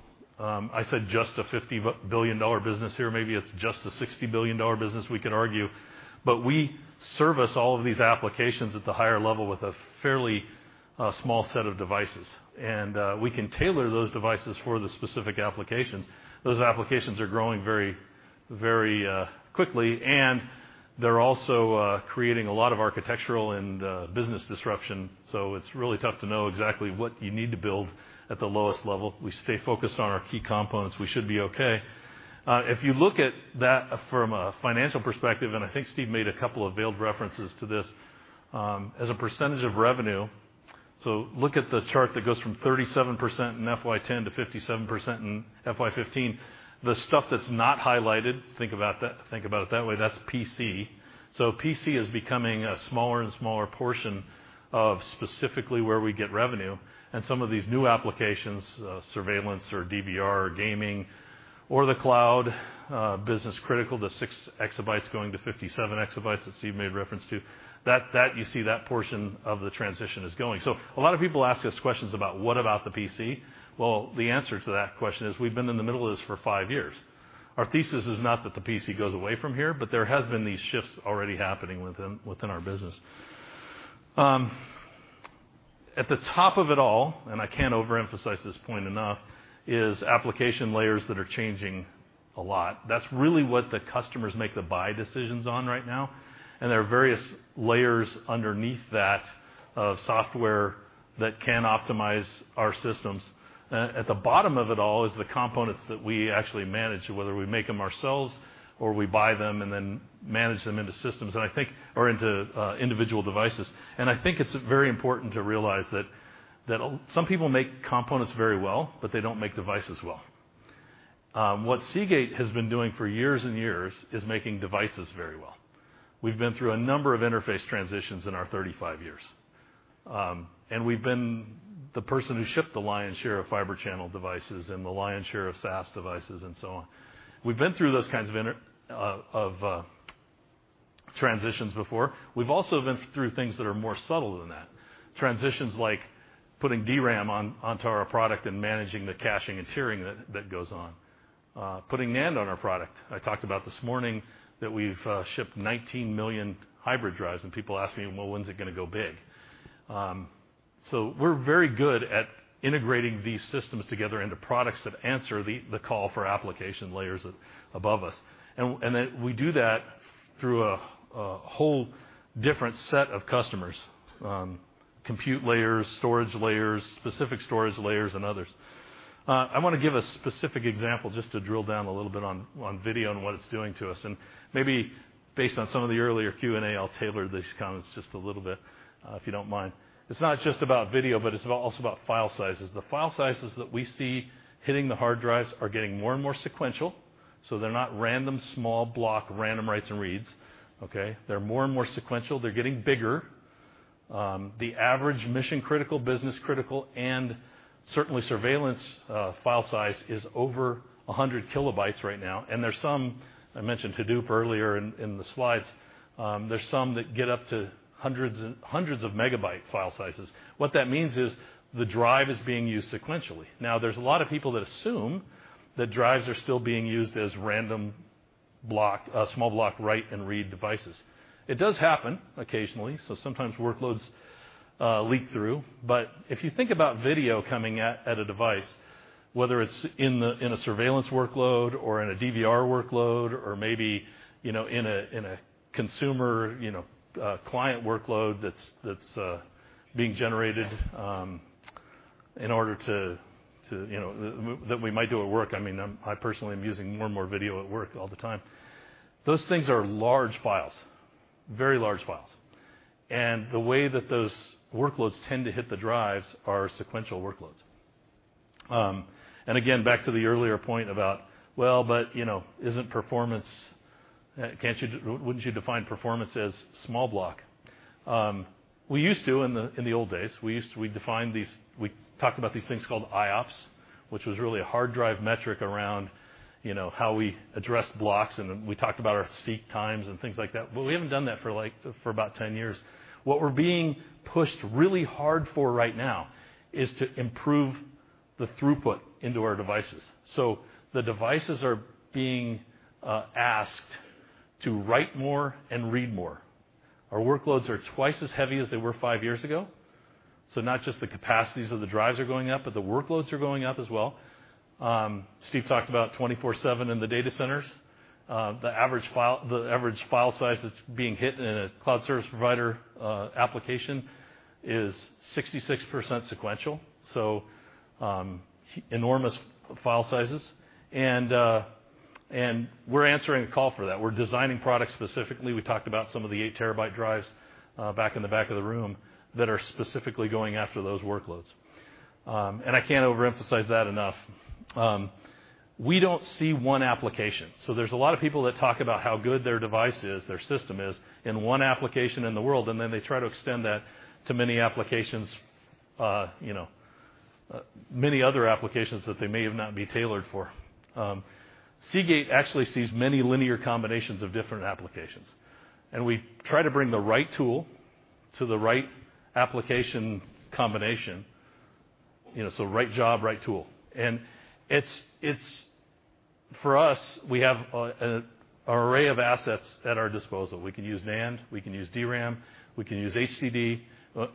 I said just a $50 billion business here, maybe it's just a $60 billion business, we could argue. We service all of these applications at the higher level with a fairly small set of devices. We can tailor those devices for the specific applications. Those applications are growing very quickly, and they're also creating a lot of architectural and business disruption. It's really tough to know exactly what you need to build at the lowest level. We stay focused on our key components. We should be okay. If you look at that from a financial perspective, and I think Steve made a couple of veiled references to this, as a percentage of revenue. Look at the chart that goes from 37% in FY 2010 to 57% in FY 2015. The stuff that's not highlighted, think about it that way, that's PC. PC is becoming a smaller and smaller portion of specifically where we get revenue. Some of these new applications, surveillance or DVR or gaming or the cloud, business critical, the 6 exabytes going to 57 exabytes that Steve made reference to, you see that portion of the transition is going. A lot of people ask us questions about what about the PC? The answer to that question is we've been in the middle of this for five years. Our thesis is not that the PC goes away from here, but there has been these shifts already happening within our business. At the top of it all, and I can't overemphasize this point enough, is application layers that are changing a lot. That's really what the customers make the buy decisions on right now, and there are various layers underneath that of software that can optimize our systems. At the bottom of it all is the components that we actually manage, whether we make them ourselves or we buy them and then manage them into systems, I think are into individual devices. I think it's very important to realize that some people make components very well, but they don't make devices well. What Seagate has been doing for years and years is making devices very well. We've been through a number of interface transitions in our 35 years. We've been the person who shipped the lion's share of Fibre Channel devices and the lion's share of SAS devices and so on. We've been through those kinds of transitions before. We've also been through things that are more subtle than that. Transitions like putting DRAM onto our product and managing the caching and tiering that goes on. Putting NAND on our product. I talked about this morning that we've shipped 19 million hybrid drives, and people ask me, "Well, when's it going to go big?" We're very good at integrating these systems together into products that answer the call for application layers above us. Then we do that through a whole different set of customers, compute layers, storage layers, specific storage layers, and others. I want to give a specific example just to drill down a little bit on video and what it's doing to us. Maybe based on some of the earlier Q&A, I'll tailor these comments just a little bit, if you don't mind. It's not just about video, but it's also about file sizes. The file sizes that we see hitting the hard drives are getting more and more sequential, so they're not random small block random writes and reads. Okay? They're more and more sequential. They're getting bigger. The average mission-critical, business-critical, and certainly surveillance file size is over 100 KB right now, and there's some, I mentioned Hadoop earlier in the slides, there's some that get up to hundreds of megabyte file sizes. What that means is the drive is being used sequentially. There's a lot of people that assume that drives are still being used as random Block, small block write and read devices. It does happen occasionally, so sometimes workloads leak through. If you think about video coming at a device, whether it's in a surveillance workload or in a DVR workload or maybe, in a consumer client workload that's being generated that we might do at work. I personally am using more and more video at work all the time. Those things are large files, very large files. The way that those workloads tend to hit the drives are sequential workloads. Again, back to the earlier point about, well, isn't performance? Wouldn't you define performance as small block? We used to in the old days. We talked about these things called IOPS, which was really a hard drive metric around how we address blocks, and we talked about our seek times and things like that. We haven't done that for about 10 years. What we're being pushed really hard for right now is to improve the throughput into our devices. The devices are being asked to write more and read more. Our workloads are twice as heavy as they were five years ago. Not just the capacities of the drives are going up, but the workloads are going up as well. Steve talked about 24/7 in the data centers. The average file size that's being hit in a cloud service provider application is 66% sequential, enormous file sizes. We're answering a call for that. We're designing products specifically. We talked about some of the 8 TB drives back in the back of the room that are specifically going after those workloads. I can't overemphasize that enough. We don't see one application. There's a lot of people that talk about how good their device is, their system is in one application in the world, and then they try to extend that to many other applications that they may have not been tailored for. Seagate actually sees many linear combinations of different applications, and we try to bring the right tool to the right application combination. Right job, right tool. For us, we have an array of assets at our disposal. We can use NAND, we can use DRAM, we can use HDD,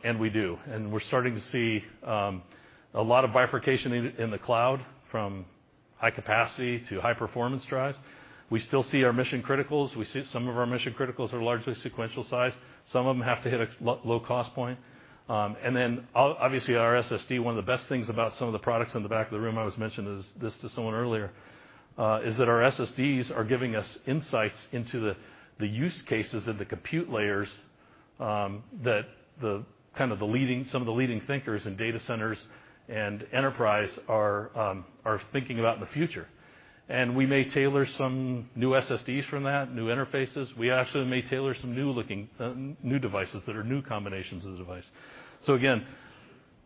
and we do. We're starting to see a lot of bifurcation in the cloud from high capacity to high performance drives. We still see our mission criticals. We see some of our mission criticals are largely sequential size. Some of them have to hit a low cost point. Then obviously our SSD, one of the best things about some of the products in the back of the room, I was mentioning this to someone earlier, is that our SSDs are giving us insights into the use cases and the compute layers, kind of some of the leading thinkers in data centers and enterprise are thinking about in the future. We may tailor some new SSDs from that, new interfaces. We actually may tailor some new devices that are new combinations of the device. Again,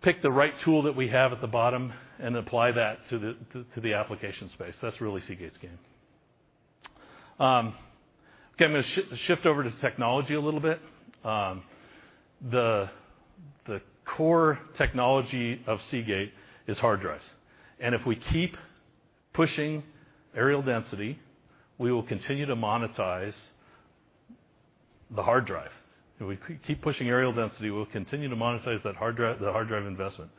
pick the right tool that we have at the bottom and apply that to the application space. That's really Seagate's game. Again, I'm going to shift over to technology a little bit. The core technology of Seagate is hard drives. If we keep pushing areal density, we will continue to monetize the hard drive. If we keep pushing areal density, we'll continue to monetize that hard drive investment.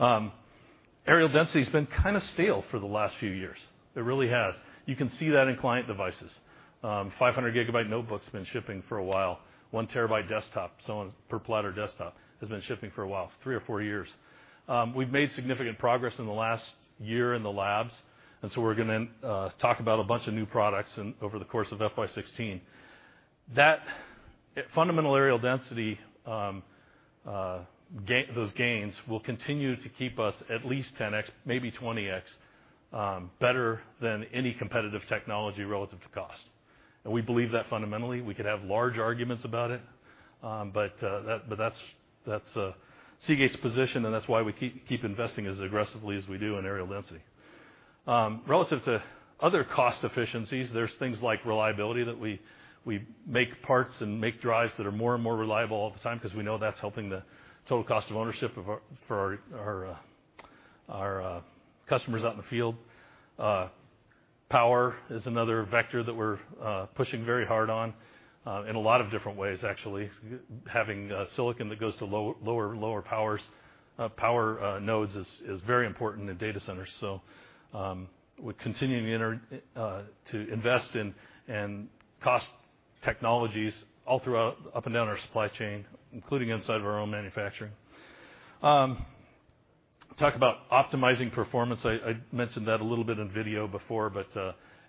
Areal density has been kind of stale for the last few years. It really has. You can see that in client devices. 500 GB notebooks have been shipping for a while. 1 TB desktop, per platter desktop, has been shipping for a while, three or four years. We've made significant progress in the last year in the labs, we're going to talk about a bunch of new products over the course of FY 2016. That fundamental areal density, those gains will continue to keep us at least 10x, maybe 20x, better than any competitive technology relative to cost. We believe that fundamentally. We could have large arguments about it. That's Seagate's position, and that's why we keep investing as aggressively as we do in areal density. Relative to other cost efficiencies, there's things like reliability that we make parts and make drives that are more and more reliable all the time because we know that's helping the total cost of ownership for our customers out in the field. Power is another vector that we're pushing very hard on in a lot of different ways, actually. Having silicon that goes to lower powers, power nodes is very important in data centers. We're continuing to invest in cost technologies all throughout, up and down our supply chain, including inside of our own manufacturing. Talk about optimizing performance. I mentioned that a little bit in video before, but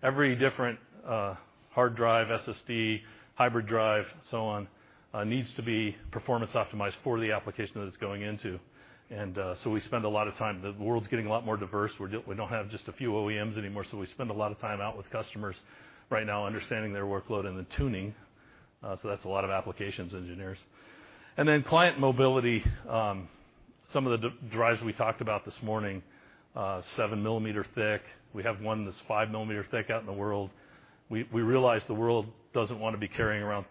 every different hard drive, SSD, hybrid drive, so on, needs to be performance optimized for the application that it's going into. We spend a lot of time. The world's getting a lot more diverse. We don't have just a few OEMs anymore, so we spend a lot of time out with customers right now understanding their workload and then tuning. That's a lot of applications engineers. Then client mobility. Some of the drives we talked about this morning, seven millimeter thick. We have one that's five millimeter thick out in the world. We realize the world doesn't want to be carrying around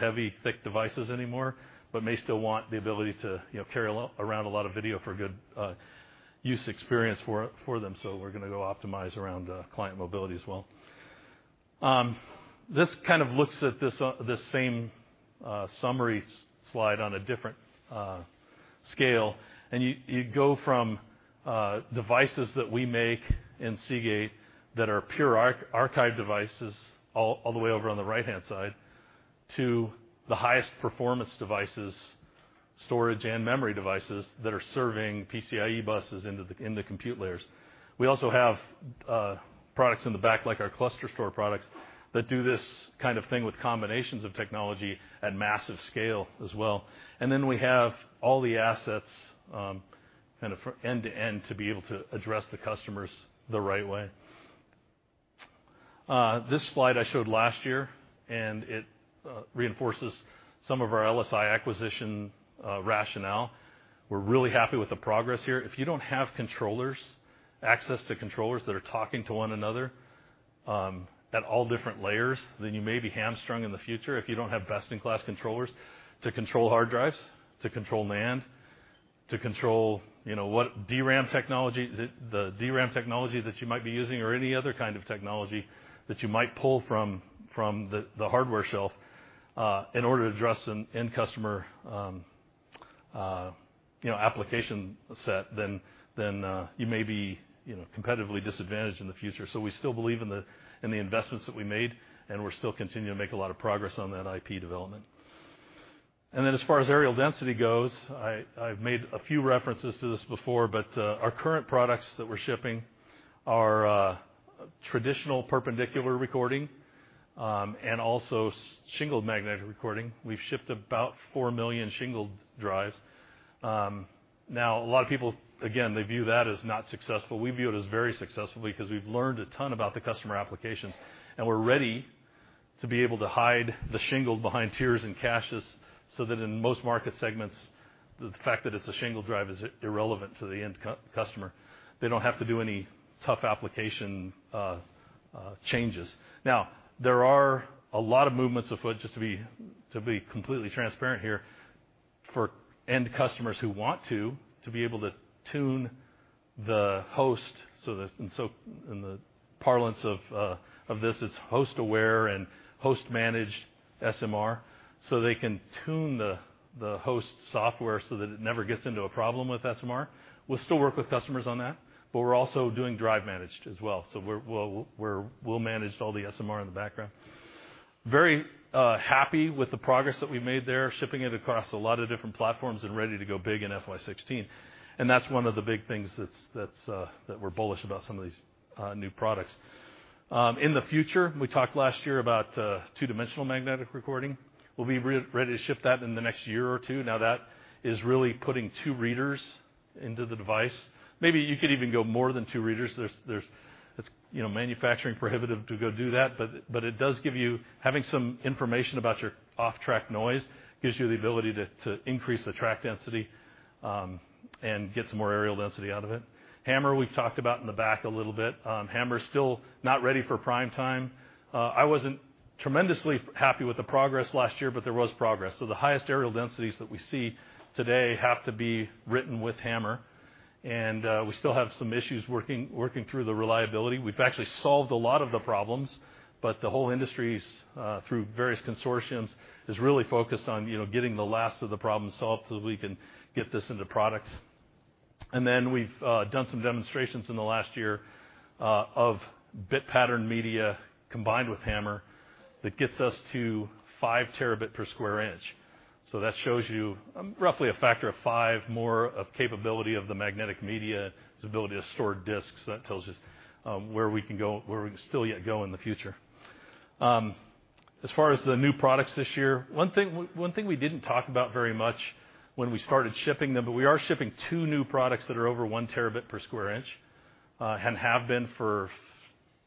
heavy, thick devices anymore, but may still want the ability to carry around a lot of video for good use experience for them. We're going to go optimize around client mobility as well. This looks at this same summary slide on a different scale. You go from devices that we make in Seagate that are pure archive devices all the way over on the right-hand side, to the highest performance devices, storage and memory devices, that are serving PCIe buses into the compute layers. We also have products in the back, like our ClusterStor products, that do this kind of thing with combinations of technology at massive scale as well. Then we have all the assets end-to-end to be able to address the customers the right way. This slide I showed last year, and it reinforces some of our LSI acquisition rationale. We're really happy with the progress here. If you don't have access to controllers that are talking to one another at all different layers, then you may be hamstrung in the future. If you don't have best-in-class controllers to control hard drives, to control NAND, to control the DRAM technology that you might be using or any other kind of technology that you might pull from the hardware shelf in order to address an end customer application set, then you may be competitively disadvantaged in the future. We still believe in the investments that we made, and we still continue to make a lot of progress on that IP development. Then as far as areal density goes, I've made a few references to this before, but our current products that we're shipping are traditional perpendicular recording, and also Shingled Magnetic Recording. We've shipped about 4 million shingled drives. A lot of people, again, they view that as not successful. We view it as very successful because we've learned a ton about the customer applications. We're ready to be able to hide the shingled behind tiers and caches, so that in most market segments, the fact that it's a shingled drive is irrelevant to the end customer. They don't have to do any tough application changes. There are a lot of movements afoot, just to be completely transparent here, for end customers who want to be able to tune the host. In the parlance of this, it's Host-Aware and Host-Managed SMR. They can tune the host software so that it never gets into a problem with SMR. We'll still work with customers on that, but we're also doing Drive-Managed as well. We'll manage all the SMR in the background. Very happy with the progress that we've made there, shipping it across a lot of different platforms and ready to go big in FY 2016. That's one of the big things that we're bullish about some of these new products. In the future, we talked last year about Two-Dimensional Magnetic Recording. We'll be ready to ship that in the next year or two. That is really putting two readers into the device. Maybe you could even go more than two readers. It's manufacturing prohibitive to go do that, but having some information about your off-track noise gives you the ability to increase the track density and get some more areal density out of it. HAMR, we've talked about in the back a little bit. HAMR is still not ready for prime time. I wasn't tremendously happy with the progress last year, but there was progress. The highest areal densities that we see today have to be written with HAMR, and we still have some issues working through the reliability. We've actually solved a lot of the problems, but the whole industry, through various consortiums, is really focused on getting the last of the problems solved so that we can get this into products. We've done some demonstrations in the last year of bit patterned media combined with HAMR that gets us to 5 Tb per square inch. That shows you roughly a factor of 5 more of capability of the magnetic media, its ability to store disks. That tells us where we can still yet go in the future. As far as the new products this year, one thing we didn't talk about very much when we started shipping them, but we are shipping two new products that are over 1 Tb per square inch, and have been for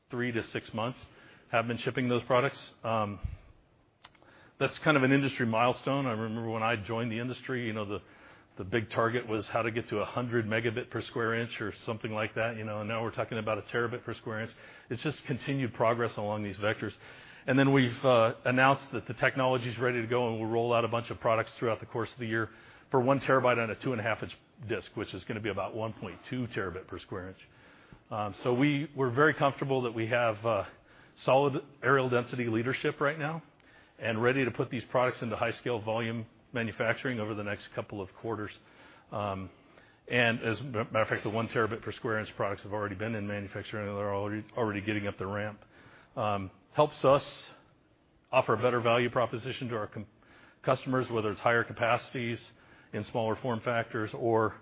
three to six months, have been shipping those products. That's an industry milestone. I remember when I joined the industry, the big target was how to get to 100 Mb per square inch or something like that. We're talking about a terabit per square inch. It's just continued progress along these vectors. We've announced that the technology's ready to go, and we'll roll out a bunch of products throughout the course of the year for 1 TB on a 2.5-inch disk, which is going to be about 1.2 Tb per square inch. We're very comfortable that we have solid areal density leadership right now and ready to put these products into high scale volume manufacturing over the next 2 quarters. As a matter of fact, the 1 Tb per square inch products have already been in manufacturing, and they're already getting up the ramp. This helps us offer a better value proposition to our customers, whether it's higher capacities in smaller form factors or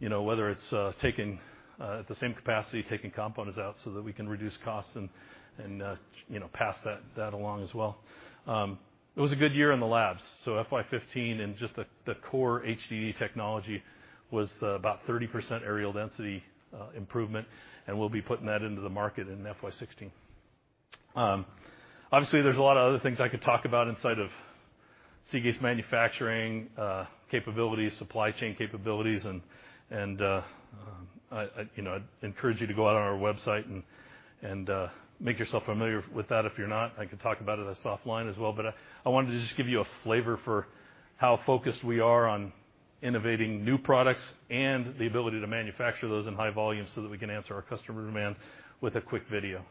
whether it's at the same capacity, taking components out so that we can reduce costs and pass that along as well. It was a good year in the labs, FY 2015 and just the core HDD technology was about 30% areal density improvement, and we'll be putting that into the market in FY 2016. Obviously, there's a lot of other things I could talk about inside of Seagate's manufacturing capabilities, supply chain capabilities, and I'd encourage you to go out on our website and make yourself familiar with that if you're not. I can talk about it offline as well, but I wanted to just give you a flavor for how focused we are on innovating new products and the ability to manufacture those in high volume so that we can answer our customer demand with a quick video.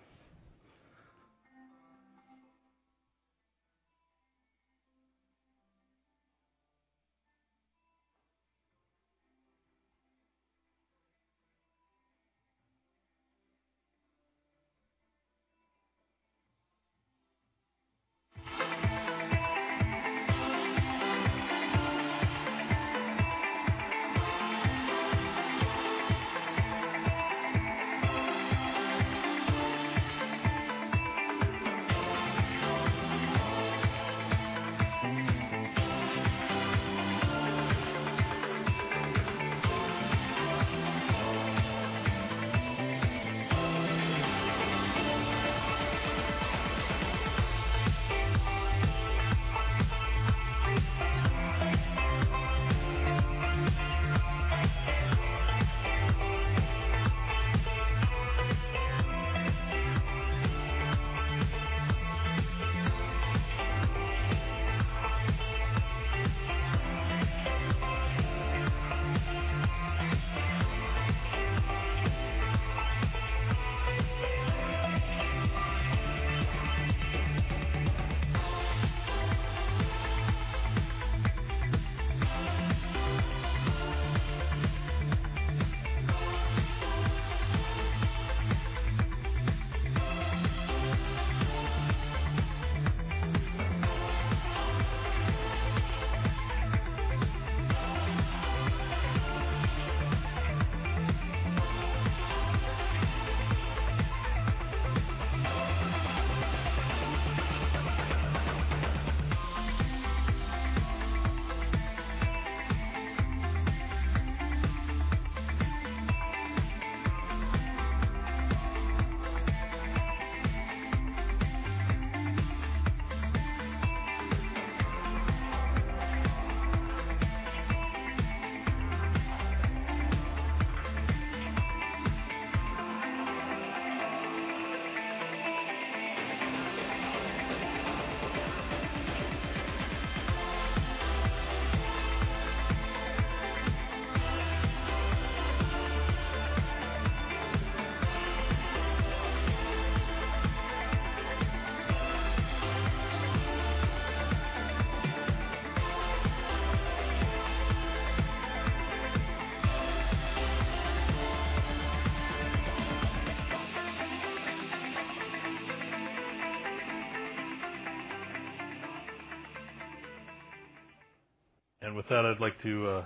With that, I'd like to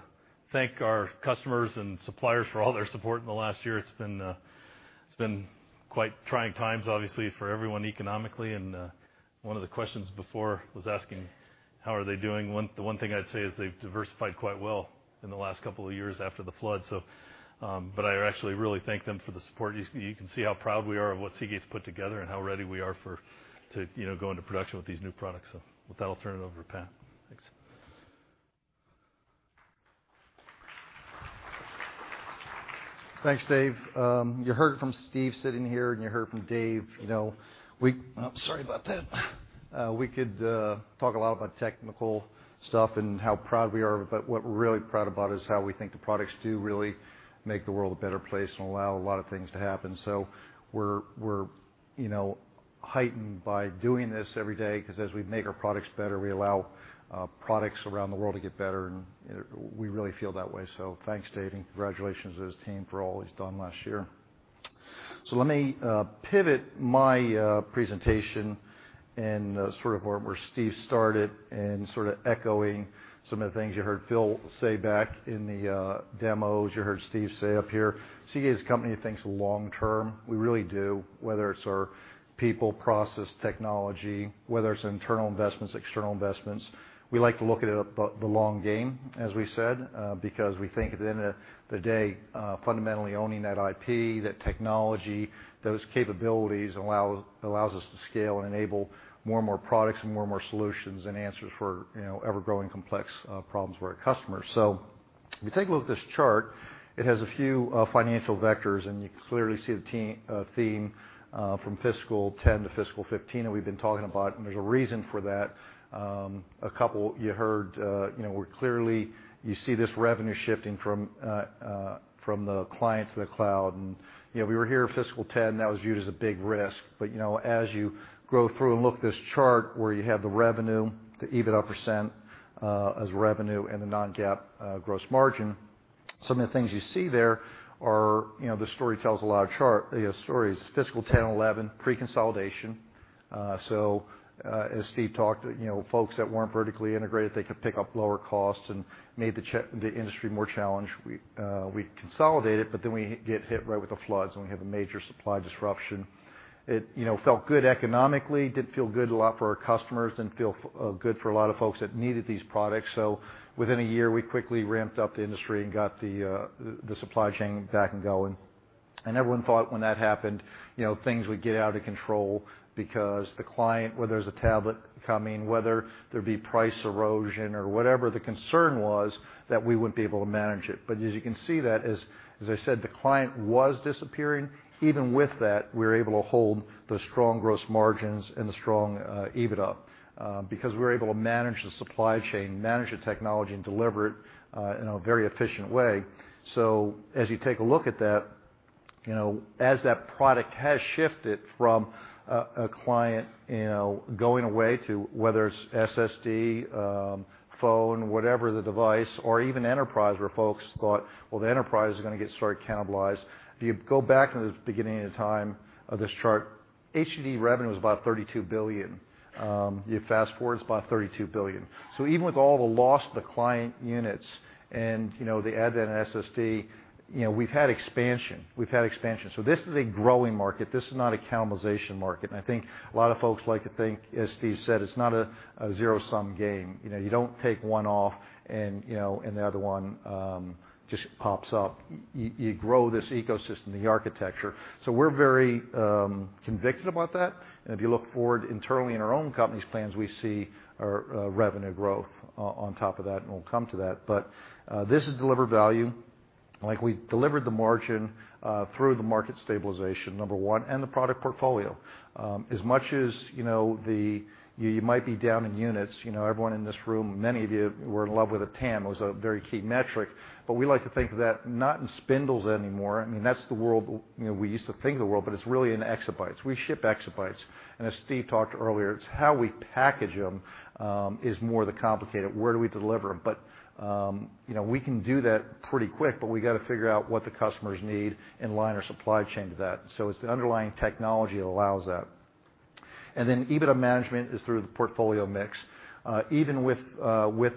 thank our customers and suppliers for all their support in the last year. It's been quite trying times, obviously, for everyone economically. One of the questions before was asking, how are they doing? The 1 thing I'd say is they've diversified quite well in the last 2 years after the flood. I actually really thank them for the support. You can see how proud we are of what Seagate's put together and how ready we are to go into production with these new products. With that, I'll turn it over to Pat. Thanks. Thanks, Dave. You heard from Steve sitting here, and you heard from Dave. Sorry about that. We could talk a lot about technical stuff and how proud we are, but what we're really proud about is how we think the products do really make the world a better place and allow a lot of things to happen. We're heightened by doing this every day, because as we make our products better, we allow products around the world to get better, and we really feel that way. Thanks, Dave, and congratulations to his team for all he's done last year. Let me pivot my presentation in sort of where Steve started and sort of echoing some of the things you heard Phil say back in the demos, you heard Steve say up here. Seagate is a company that thinks long term. We really do, whether it's our people, process, technology, whether it's internal investments, external investments. We like to look at it the long game, as we said, because we think at the end of the day, fundamentally owning that IP, that technology, those capabilities allows us to scale and enable more and more products and more and more solutions and answers for ever-growing complex problems for our customers. If you take a look at this chart, it has a few financial vectors, and you can clearly see the theme from fiscal 2010 to fiscal 2015 that we've been talking about, and there's a reason for that. A couple you heard, clearly, you see this revenue shifting from the client to the cloud. We were here fiscal 2010, that was viewed as a big risk. As you go through and look at this chart where you have the revenue, the EBITDA % as revenue, and the non-GAAP gross margin, some of the things you see there are, the story tells a loud chart. The story is fiscal 2010 and 2011, pre-consolidation. As Steve talked, folks that weren't vertically integrated, they could pick up lower costs and made the industry more challenged. We consolidated, we get hit right with the floods, and we have a major supply disruption. It felt good economically. Didn't feel good a lot for our customers, didn't feel good for a lot of folks that needed these products. Within a year, we quickly ramped up the industry and got the supply chain back and going. Everyone thought when that happened, things would get out of control because the client, whether there's a tablet coming, whether there'd be price erosion or whatever the concern was, that we wouldn't be able to manage it. As you can see that as I said, the client was disappearing. Even with that, we were able to hold the strong gross margins and the strong EBITDA, because we were able to manage the supply chain, manage the technology, and deliver it in a very efficient way. As you take a look at that, as that product has shifted from a client going away to, whether it's SSD, phone, whatever the device, or even enterprise, where folks thought, well, the enterprise is going to get sort of cannibalized. If you go back to the beginning of the time of this chart, HDD revenue was about $32 billion. You fast-forward, it's about $32 billion. Even with all the loss of the client units and the add in SSD, we've had expansion. This is a growing market. This is not a cannibalization market. I think a lot of folks like to think, as Steve said, it's not a zero-sum game. You don't take one off and the other one just pops up. You grow this ecosystem, the architecture. We're very convicted about that. If you look forward internally in our own company's plans, we see our revenue growth on top of that, and we'll come to that. This has delivered value. We've delivered the margin through the market stabilization, number one, and the product portfolio. As much as you might be down in units, everyone in this room, many of you were in love with a TAM, it was a very key metric. We like to think of that not in spindles anymore. I mean, that's the world, we used to think of the world, it's really in exabytes. We ship exabytes. As Steve talked earlier, it's how we package them is more the complicated, where do we deliver them? We can do that pretty quick, we got to figure out what the customers need and align our supply chain to that. It's the underlying technology that allows that. Then EBITDA management is through the portfolio mix. Even with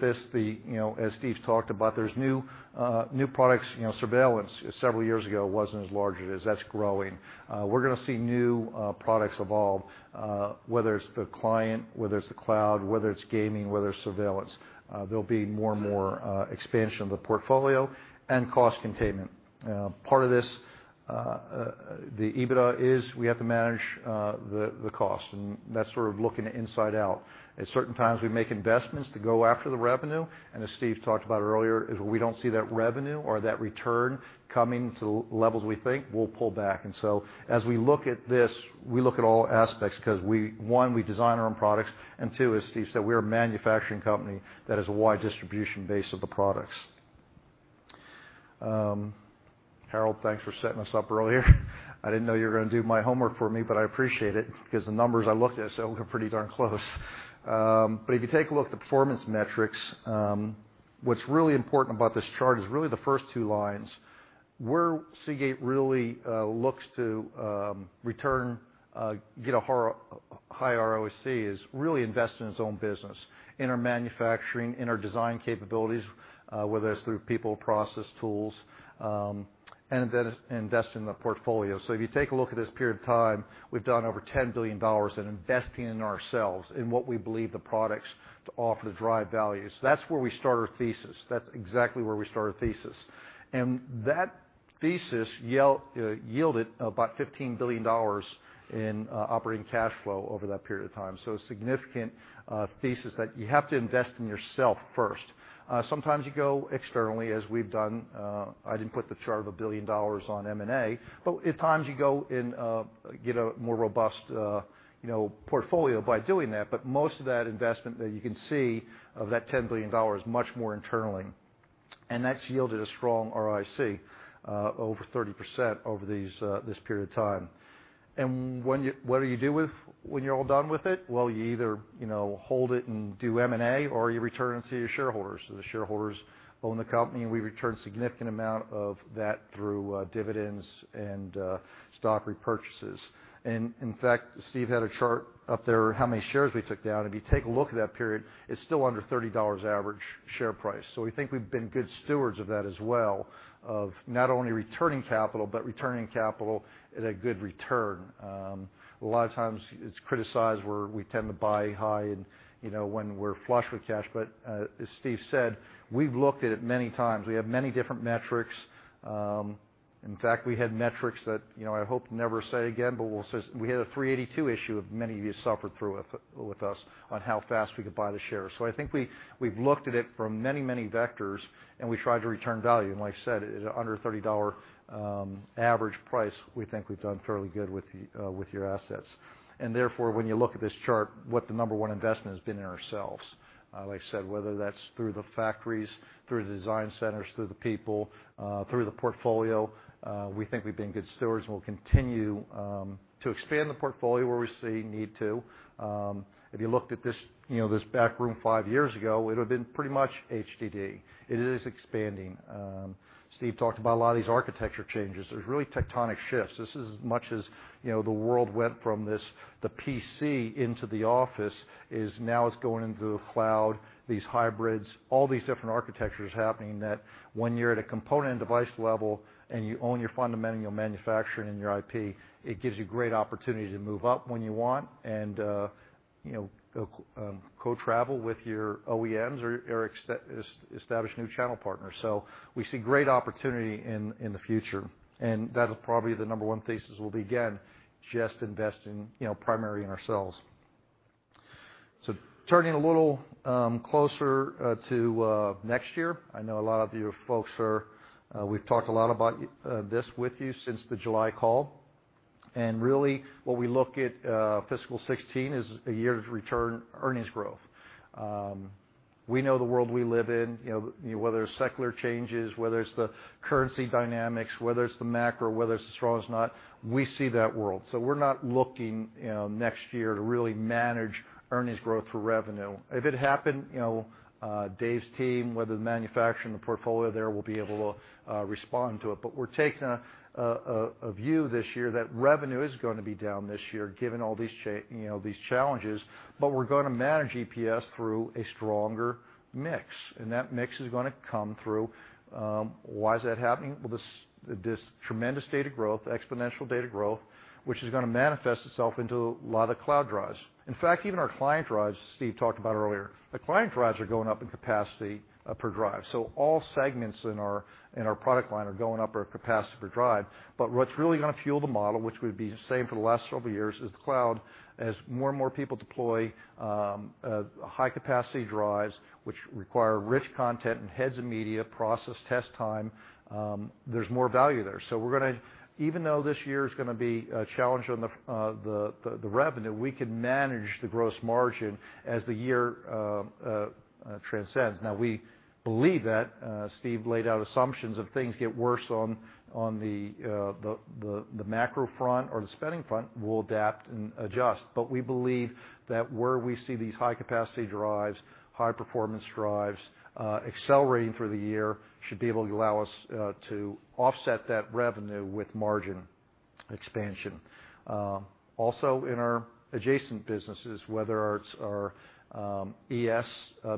this, as Steve talked about, there's new products. Surveillance several years ago wasn't as large as it is. That's growing. We're going to see new products evolve, whether it's the client, whether it's the cloud, whether it's gaming, whether it's surveillance. There'll be more and more expansion of the portfolio and cost containment. Part of this, the EBITDA is we have to manage the cost, and that's sort of looking inside out. At certain times, we make investments to go after the revenue. As Steve talked about earlier, if we don't see that revenue or that return coming to the levels we think, we'll pull back. As we look at this, we look at all aspects because, one, we design our own products. Two, as Steve said, we're a manufacturing company that has a wide distribution base of the products. Harold, thanks for setting us up earlier. I didn't know you were going to do my homework for me, I appreciate it because the numbers I looked at said we were pretty darn close. If you take a look at the performance metrics, what's really important about this chart is really the first two lines. Where Seagate really looks to return, get a high ROIC, is really invest in its own business, in our manufacturing, in our design capabilities, whether that's through people, process, tools, and invest in the portfolio. If you take a look at this period of time, we've done over $10 billion in investing in ourselves, in what we believe the products to offer to drive value. That's where we start our thesis. That's exactly where we start our thesis. That thesis yielded about $15 billion in operating cash flow over that period of time. A significant thesis that you have to invest in yourself first. Sometimes you go externally, as we've done. I didn't put the chart of a billion dollars on M&A, at times you go and get a more robust portfolio by doing that. Most of that investment that you can see of that $10 billion is much more internally, that's yielded a strong ROIC, over 30% over this period of time. What do you do when you're all done with it? Well, you either hold it and do M&A or you return it to your shareholders. The shareholders own the company, we return significant amount of that through dividends and stock repurchases. In fact, Steve had a chart up there how many shares we took down, if you take a look at that period, it's still under $30 average share price. We think we've been good stewards of that as well, of not only returning capital but returning capital at a good return. A lot of times it's criticized where we tend to buy high and when we're flush with cash. As Steve said, we've looked at it many times. We have many different metrics. In fact, we had metrics that I hope to never say again, but we had a 382 issue many of you suffered through with us on how fast we could buy the shares. I think we've looked at it from many, many vectors, and we tried to return value, and like I said, at under $30 average price, we think we've done fairly good with your assets. Therefore, when you look at this chart, what the number one investment has been in ourselves. Like I said, whether that's through the factories, through the design centers, through the people, through the portfolio, we think we've been good stewards, and we'll continue to expand the portfolio where we see need to. If you looked at this back room five years ago, it would've been pretty much HDD. It is expanding. Steve talked about a lot of these architecture changes. There's really tectonic shifts. This is as much as the world went from the PC into the office is now it's going into the cloud, these hybrids, all these different architectures happening that when you're at a component and device level and you own your fundamental manufacturing and your IP, it gives you great opportunity to move up when you want and co-travel with your OEMs or establish new channel partners. We see great opportunity in the future, and that is probably the number one thesis will be, again, just investing primarily in ourselves. Turning a little closer to next year. I know a lot of you folks, we've talked a lot about this with you since the July call. Really what we look at fiscal 2016 is a year to return earnings growth. We know the world we live in, whether it's secular changes, whether it's the currency dynamics, whether it's the macro, whether it's strong or not, we see that world. We're not looking next year to really manage earnings growth through revenue. If it happened, Dave's team, whether the manufacturing, the portfolio there will be able to respond to it. We're taking a view this year that revenue is going to be down this year, given all these challenges. We're going to manage EPS through a stronger mix, and that mix is going to come through. Why is that happening? Well, this tremendous data growth, exponential data growth, which is going to manifest itself into a lot of cloud drives. In fact, even our client drives, Steve talked about earlier, the client drives are going up in capacity per drive. All segments in our product line are going up our capacity per drive. What's really going to fuel the model, which we've been saying for the last several years, is the cloud. As more and more people deploy high-capacity drives, which require rich content and heads and media, process test time, there's more value there. Even though this year is going to be a challenge on the revenue, we can manage the gross margin as the year transcends. We believe that Steve laid out assumptions. If things get worse on the macro front or the spending front, we'll adapt and adjust. We believe that where we see these high-capacity drives, high-performance drives, accelerating through the year, should be able to allow us to offset that revenue with margin expansion. Also, in our adjacent businesses, whether it's our ES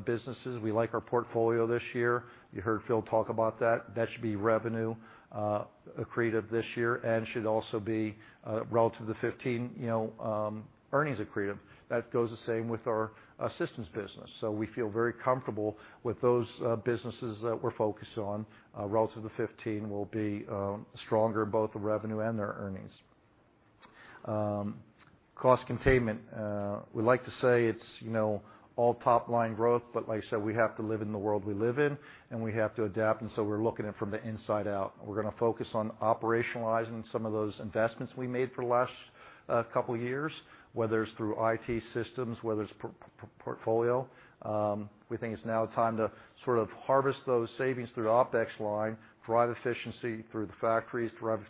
businesses, we like our portfolio this year. You heard Phil talk about that. That should be revenue accretive this year and should also be relative to 2015 earnings accretive. That goes the same with our systems business. We feel very comfortable with those businesses that we're focused on. Relative to 2015, we'll be stronger both the revenue and their earnings. Cost containment. We like to say it's all top-line growth, like I said, we have to live in the world we live in, and we have to adapt, we're looking in from the inside out. We're going to focus on operationalizing some of those investments we made for the last couple of years, whether it's through IT systems, whether it's portfolio. We think it's now time to sort of harvest those savings through the OpEx line, drive efficiency through the factories, drive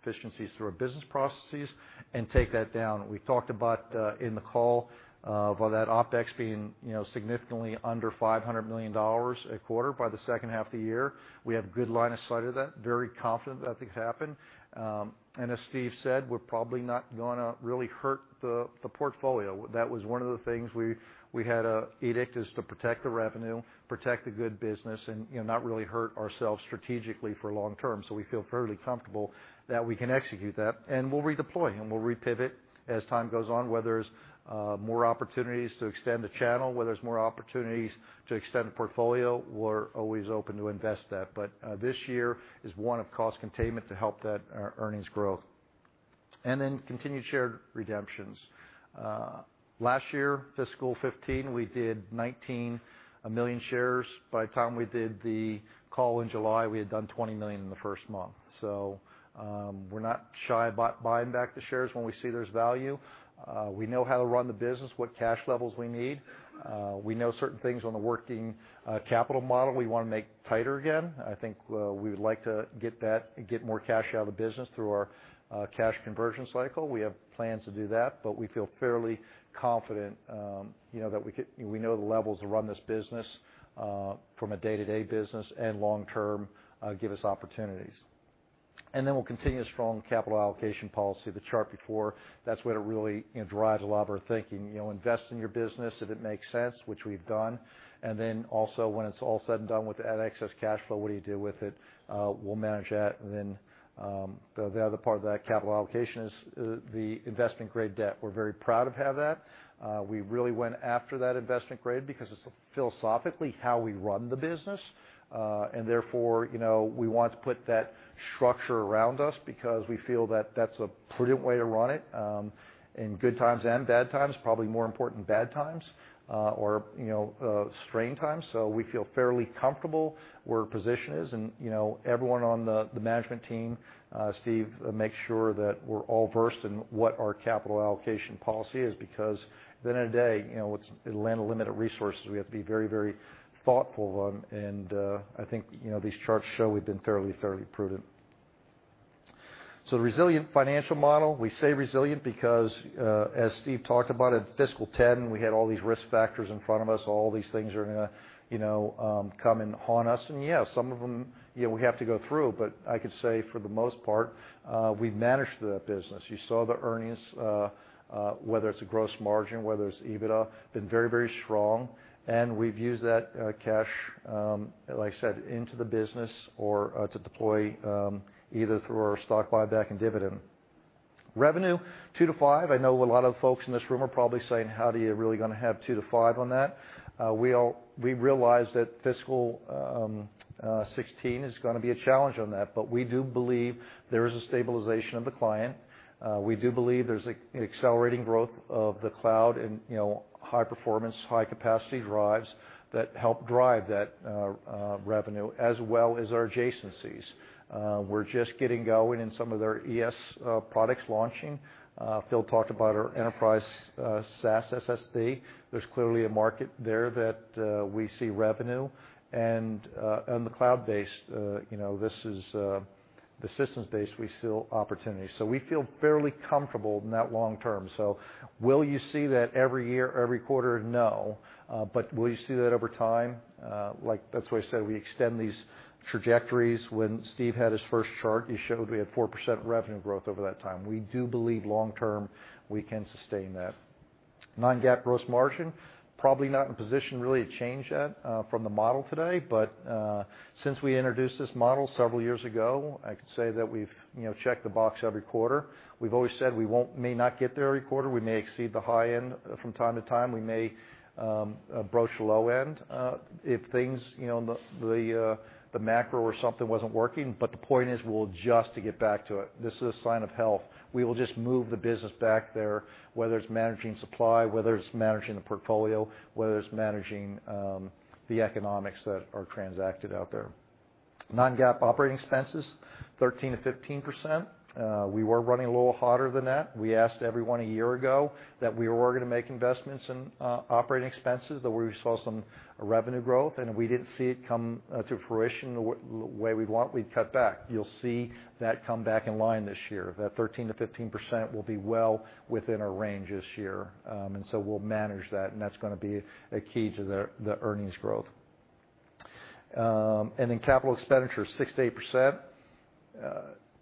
efficiencies through our business processes and take that down. We talked about in the call about that OpEx being significantly under $500 million a quarter by the second half of the year. We have good line of sight of that, very confident that things happen. As Steve said, we're probably not going to really hurt the portfolio. That was one of the things we had edict is to protect the revenue, protect the good business, and not really hurt ourselves strategically for long term. We feel fairly comfortable that we can execute that, we'll redeploy, and we'll repivot as time goes on, whether it's more opportunities to extend the channel, whether it's more opportunities to extend the portfolio. We're always open to invest that. This year is one of cost containment to help that earnings growth. Continued share redemptions. Last year, fiscal 2015, we did 19 million shares. By the time we did the call in July, we had done 20 million in the first month. We're not shy about buying back the shares when we see there's value. We know how to run the business, what cash levels we need. We know certain things on the working capital model we want to make tighter again. I think we would like to get more cash out of the business through our cash conversion cycle. We have plans to do that, we feel fairly confident that we know the levels to run this business from a day-to-day business and long term give us opportunities. We'll continue strong capital allocation policy. The chart before, that's where it really drives a lot of our thinking. Invest in your business if it makes sense, which we've done. Also, when it's all said and done with that excess cash flow, what do you do with it? We'll manage that. The other part of that capital allocation is the investment-grade debt. We're very proud to have that. We really went after that investment grade because it's philosophically how we run the business. Therefore, we want to put that structure around us because we feel that that's a prudent way to run it in good times and bad times, probably more important in bad times or strained times. We feel fairly comfortable where our position is, and everyone on the management team, Steve makes sure that we're all versed in what our capital allocation policy is, because at the end of the day, it'll land a limit of resources. We have to be very thoughtful. I think these charts show we've been fairly prudent. The resilient financial model, we say resilient because, as Steve talked about, at fiscal 2010, we had all these risk factors in front of us. All these things are going to come and haunt us. Yeah, some of them we have to go through. I could say for the most part, we've managed the business. You saw the earnings, whether it's a gross margin, whether it's EBITDA, been very strong. We've used that cash, like I said, into the business or to deploy either through our stock buyback and dividend. Revenue, 2%-5%. I know a lot of folks in this room are probably saying, "How are you really going to have 2%-5% on that?" We realize that fiscal 2016 is going to be a challenge on that, but we do believe there is a stabilization of the client. We do believe there's an accelerating growth of the cloud and high-performance, high-capacity drives that help drive that revenue, as well as our adjacencies. We're just getting going in some of their ES products launching. Phil talked about our enterprise SAS SSD. There's clearly a market there that we see revenue, and the cloud-based, the systems based, we see opportunity. We feel fairly comfortable in that long term. Will you see that every year, every quarter? No. Will you see that over time? That's why I said we extend these trajectories. When Steve had his first chart, he showed we had 4% revenue growth over that time. We do believe long-term, we can sustain that. Non-GAAP gross margin, probably not in a position really to change that from the model today. Since we introduced this model several years ago, I can say that we've checked the box every quarter. We've always said we may not get there every quarter. We may exceed the high end from time to time. We may approach the low end if things, the macro or something wasn't working. The point is, we'll adjust to get back to it. This is a sign of health. We will just move the business back there, whether it's managing supply, whether it's managing the portfolio, whether it's managing the economics that are transacted out there. Non-GAAP operating expenses, 13%-15%. We were running a little hotter than that. We asked everyone a year ago that we were going to make investments in operating expenses, that we saw some revenue growth, and if we didn't see it come to fruition the way we want, we'd cut back. You'll see that come back in line this year. That 13%-15% will be well within our range this year. We'll manage that, and that's going to be a key to the earnings growth. Capital expenditure, 6%-8%.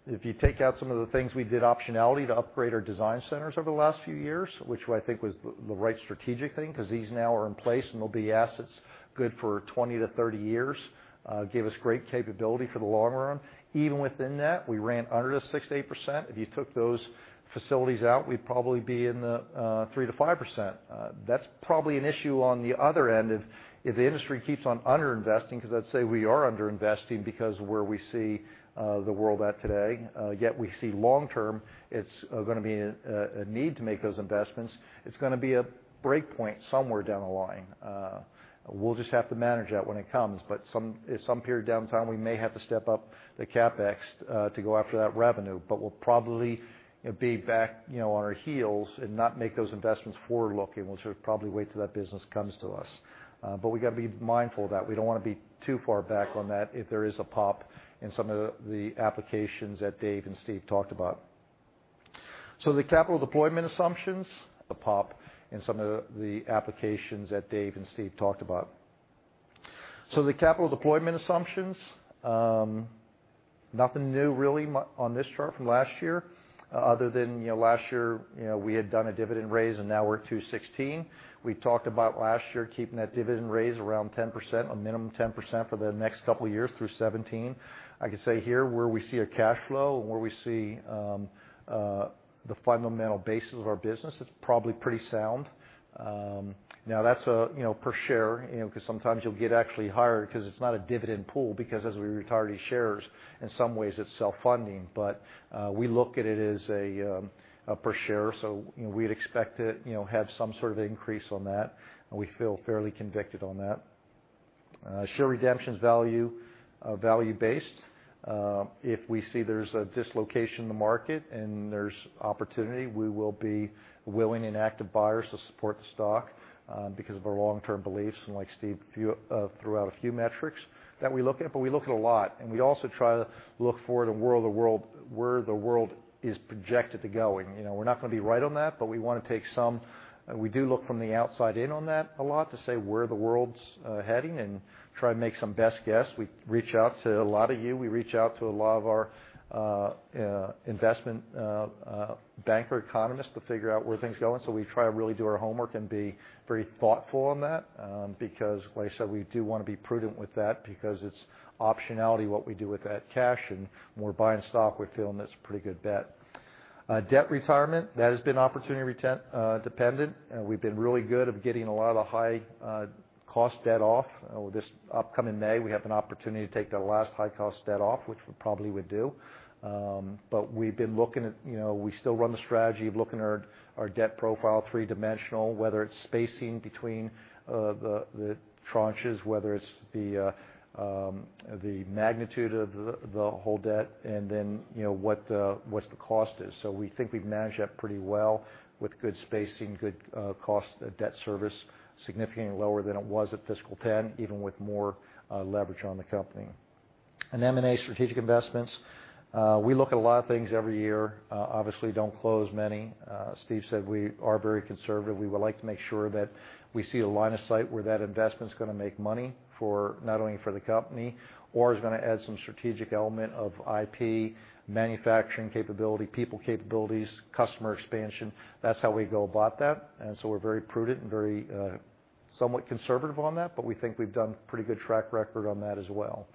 If you take out some of the things we did optionality to upgrade our design centers over the last few years, which I think was the right strategic thing because these now are in place and they'll be assets good for 20-30 years, give us great capability for the long run. Even within that, we ran under the 6%-8%. If you took those facilities out, we'd probably be in the 3%-5%. That's probably an issue on the other end if the industry keeps on under-investing, because I'd say we are under-investing because of where we see the world at today. We see long-term, it's going to be a need to make those investments. It's going to be a break point somewhere down the line. We'll just have to manage that when it comes. At some period of downtime, we may have to step up the CapEx to go after that revenue. We'll probably be back on our heels and not make those investments forward-looking. We'll just probably wait till that business comes to us. We got to be mindful of that. We don't want to be too far back on that if there is a pop in some of the applications that Dave and Steve talked about. The capital deployment assumptions, nothing new really on this chart from last year other than last year, we had done a dividend raise and now we're $2.16. We talked about last year, keeping that dividend raise around 10%, a minimum 10% for the next couple of years through 2017. I can say here where we see a cash flow and where we see the fundamental basis of our business, it's probably pretty sound. Now that's per share, because sometimes you'll get actually higher because it's not a dividend pool, because as we retire these shares, in some ways it's self-funding. We look at it as a per share, so we'd expect to have some sort of increase on that, and we feel fairly convicted on that. Share redemptions, value-based. If we see there's a dislocation in the market and there's opportunity, we will be willing and active buyers to support the stock because of our long-term beliefs. Like Steve threw out a few metrics that we look at, but we look at a lot, and we also try to look for where the world is projected to go. We're not going to be right on that, but we want to take some. We do look from the outside in on that a lot to say where the world's heading and try to make some best guess. We reach out to a lot of you. We reach out to a lot of our investment banker economists to figure out where things are going. We try to really do our homework and be very thoughtful on that because like I said, we do want to be prudent with that because it's optionality what we do with that cash, and when we're buying stock, we feel that's a pretty good bet. Debt retirement, that has been opportunity-dependent. We've been really good of getting a lot of the high-cost debt off. This upcoming May, we have an opportunity to take the last high-cost debt off, which we probably would do. We still run the strategy of looking at our debt profile three-dimensional, whether it's spacing between the tranches, whether it's the magnitude of the whole debt, and then what the cost is. We think we've managed that pretty well with good spacing, good cost of debt service, significantly lower than it was at fiscal 2010, even with more leverage on the company. M&A strategic investments, we look at a lot of things every year. Obviously don't close many. Steve said we are very conservative. We would like to make sure that we see a line of sight where that investment's going to make money for not only for the company or is going to add some strategic element of IP, manufacturing capability, people capabilities, customer expansion. That's how we go about that, we're very prudent and very somewhat conservative on that, we think we've done pretty good track record on that as well.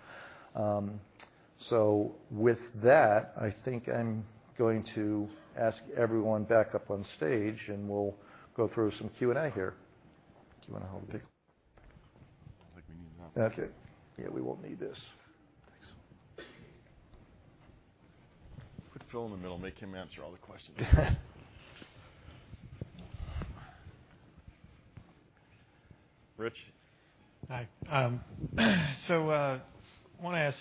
With that, I think I'm going to ask everyone back up on stage, and we'll go through some Q&A here. Do you want to hold the I don't think we need them now. Okay. Yeah, we won't need this. Thanks. Put Phil in the middle, make him answer all the questions. Rick? Hi. I want to ask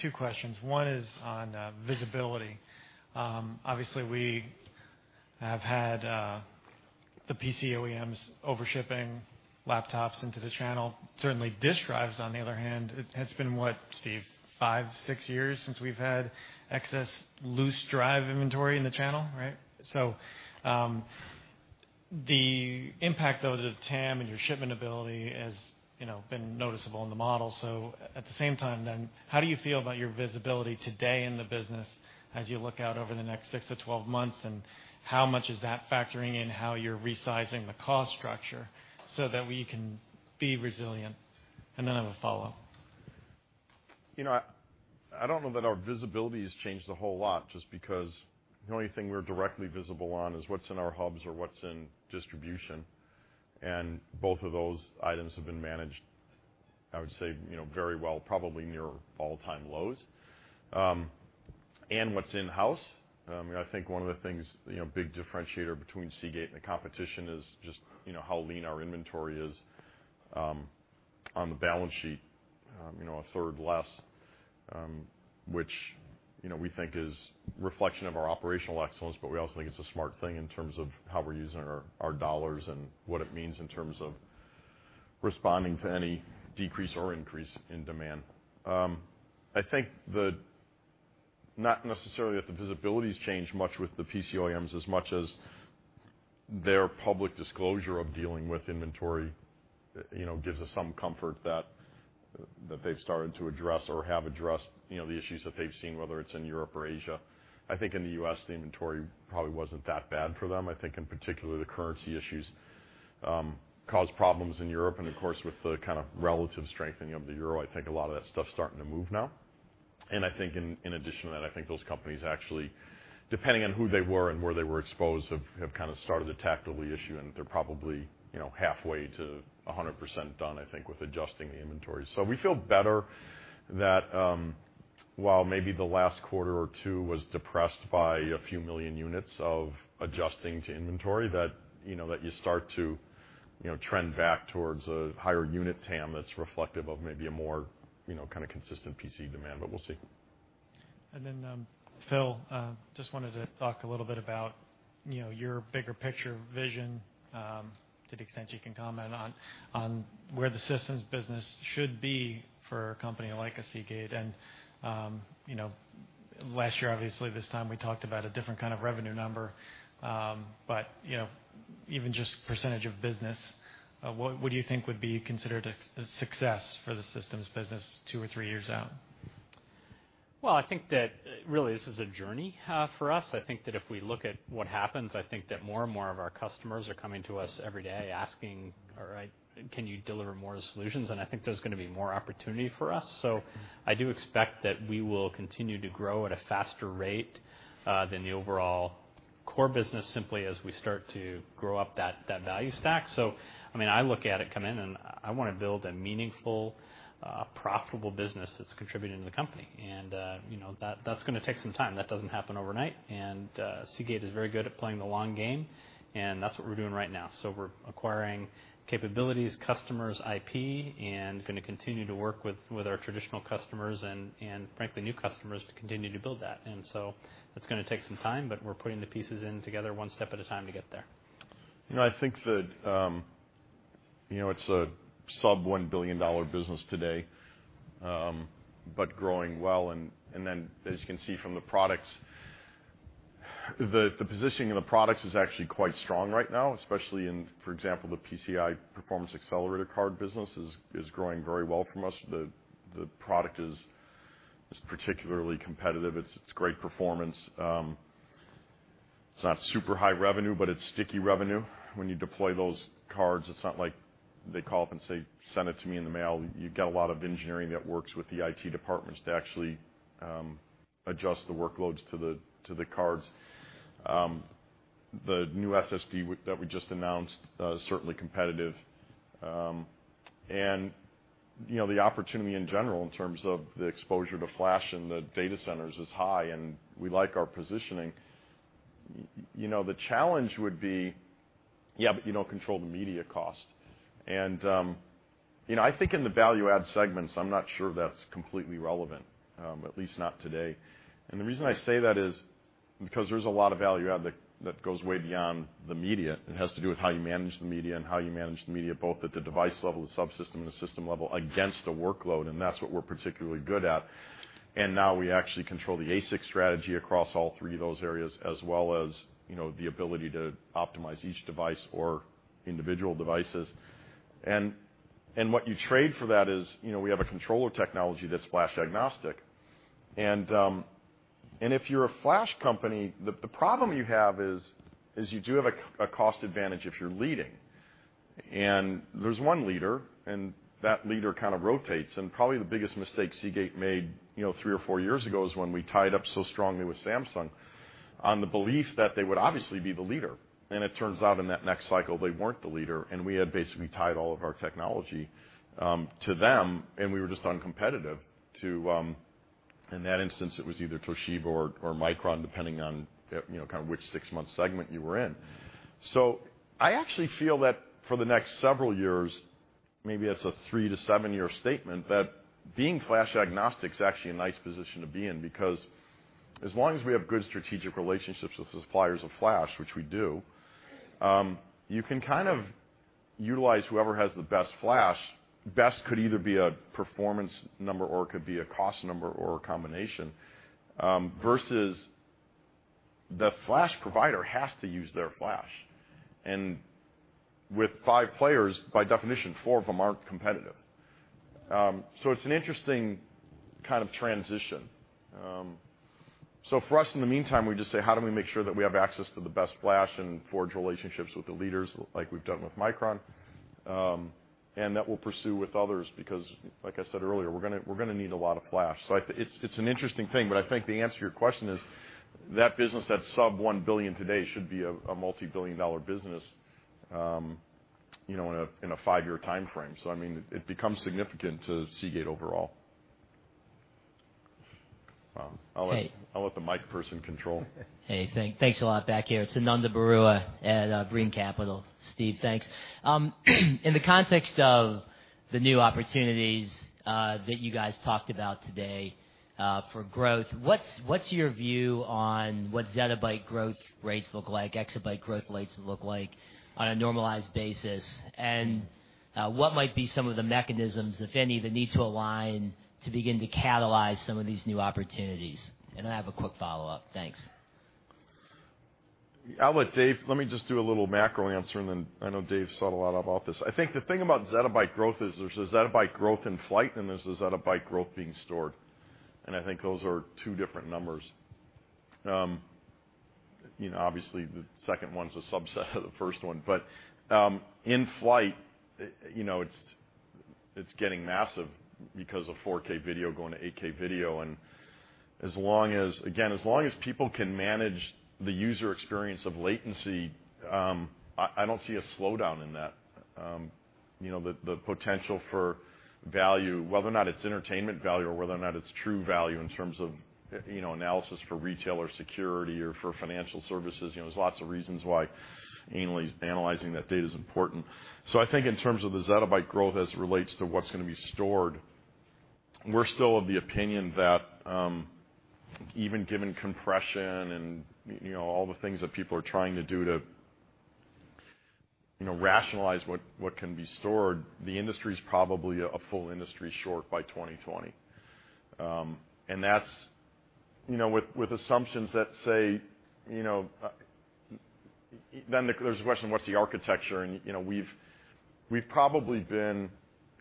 two questions. One is on visibility. Obviously, we have had the PC OEMs over-shipping laptops into the channel. Certainly disk drives, on the other hand, it has been, what, Steve, five, six years since we've had excess loose drive inventory in the channel, right? The impact though, to TAM and your shipment ability has been noticeable in the model. At the same time then, how do you feel about your visibility today in the business as you look out over the next 6 to 12 months, and how much is that factoring in how you're resizing the cost structure so that we can be resilient? I have a follow-up. I don't know that our visibility has changed a whole lot just because the only thing we're directly visible on is what's in our hubs or what's in distribution, and both of those items have been managed, I would say, very well, probably near all-time lows. What's in-house, I think one of the things, big differentiator between Seagate Technology and the competition is just how lean our inventory is on the balance sheet, a third less, which we think is a reflection of our operational excellence, but we also think it's a smart thing in terms of how we're using our dollars and what it means in terms of responding to any decrease or increase in demand. I think that not necessarily that the visibility's changed much with the PC OEMs, as much as their public disclosure of dealing with inventory gives us some comfort that they've started to address or have addressed the issues that they've seen, whether it's in Europe or Asia. I think in the U.S., the inventory probably wasn't that bad for them. I think in particular, the currency issues caused problems in Europe, and of course, with the kind of relative strengthening of the euro, I think a lot of that stuff's starting to move now. I think in addition to that, I think those companies actually, depending on who they were and where they were exposed, have started to tackle the issue, and they're probably halfway to 100% done, I think, with adjusting the inventory. We feel better that while maybe the last quarter or two was depressed by a few million units of adjusting to inventory, that you start to trend back towards a higher unit TAM that's reflective of maybe a more consistent PC demand, but we'll see. Phil, just wanted to talk a little bit about your bigger picture vision, to the extent you can comment on where the systems business should be for a company like a Seagate. Last year, obviously, this time, we talked about a different kind of revenue number, but even just percentage of business, what do you think would be considered a success for the systems business two or three years out? Well, I think that really this is a journey for us. I think that if we look at what happens, I think that more and more of our customers are coming to us every day asking, "All right, can you deliver more solutions?" I think there's going to be more opportunity for us. I do expect that we will continue to grow at a faster rate than the overall core business simply as we start to grow up that value stack. I look at it come in, and I want to build a meaningful, profitable business that's contributing to the company. That's going to take some time. That doesn't happen overnight. Seagate is very good at playing the long game, and that's what we're doing right now. We're acquiring capabilities, customers, IP, and going to continue to work with our traditional customers and frankly, new customers to continue to build that. That's going to take some time, but we're putting the pieces in together one step at a time to get there. I think that it's a sub-$1 billion business today, but growing well. As you can see from the products, the positioning of the products is actually quite strong right now, especially in, for example, the PCIe Performance Accelerator Card business is growing very well for us. The product is particularly competitive. It's great performance. It's not super high revenue, but it's sticky revenue. When you deploy those cards, it's not like they call up and say, "Send it to me in the mail." You've got a lot of engineering that works with the IT departments to actually adjust the workloads to the cards. The new SSD that we just announced is certainly competitive. The opportunity in general in terms of the exposure to flash in the data centers is high, and we like our positioning. The challenge would be, you don't control the media cost. I think in the value-add segments, I'm not sure that's completely relevant, at least not today. The reason I say that is because there's a lot of value-add that goes way beyond the media. It has to do with how you manage the media and how you manage the media both at the device level, the subsystem, and the system level against the workload, and that's what we're particularly good at. Now we actually control the ASIC strategy across all three of those areas, as well as the ability to optimize each device or individual devices. What you trade for that is, we have a controller technology that's flash agnostic. If you're a flash company, the problem you have is you do have a cost advantage if you're leading. There's one leader, and that leader kind of rotates. Probably the biggest mistake Seagate made three or four years ago is when we tied up so strongly with Samsung on the belief that they would obviously be the leader. It turns out in that next cycle, they weren't the leader, and we had basically tied all of our technology to them, and we were just uncompetitive to, in that instance, it was either Toshiba or Micron, depending on which six-month segment you were in. I actually feel that for the next several years, maybe that's a three- to seven-year statement, that being flash agnostic is actually a nice position to be in because as long as we have good strategic relationships with suppliers of flash, which we do, you can kind of utilize whoever has the best flash. Best could either be a performance number or it could be a cost number or a combination, versus the flash provider has to use their flash. With five players, by definition, four of them aren't competitive. It's an interesting kind of transition. For us, in the meantime, we just say, how do we make sure that we have access to the best flash and forge relationships with the leaders like we've done with Micron? That we'll pursue with others, because like I said earlier, we're going to need a lot of flash. It's an interesting thing, but I think the answer to your question is that business, that sub-$1 billion today, should be a multi-billion dollar business in a five-year time frame. It becomes significant to Seagate overall. I'll let the mic person control. Hey, thanks a lot. Back here, it's Ananda Baruah at Brean Capital. Steve, thanks. In the context of the new opportunities that you guys talked about today for growth, what's your view on what zettabyte growth rates look like, exabyte growth rates look like on a normalized basis? What might be some of the mechanisms, if any, that need to align to begin to catalyze some of these new opportunities? I have a quick follow-up. Thanks. Let me just do a little macro answer, then I know Dave's thought a lot about this. I think the thing about zettabyte growth is there's a zettabyte growth in flight, and there's a zettabyte growth being stored. I think those are two different numbers. Obviously, the second one's a subset of the first one. In flight, it's getting massive because of 4K video going to 8K video. Again, as long as people can manage the user experience of latency, I don't see a slowdown in that. The potential for value, whether or not it's entertainment value or whether or not it's true value in terms of analysis for retail or security or for financial services, there's lots of reasons why analyzing that data is important. I think in terms of the zettabyte growth as it relates to what's going to be stored, we're still of the opinion that even given compression and all the things that people are trying to do to rationalize what can be stored, the industry's probably a full industry short by 2020. With assumptions that say, there's the question, what's the architecture? We've probably been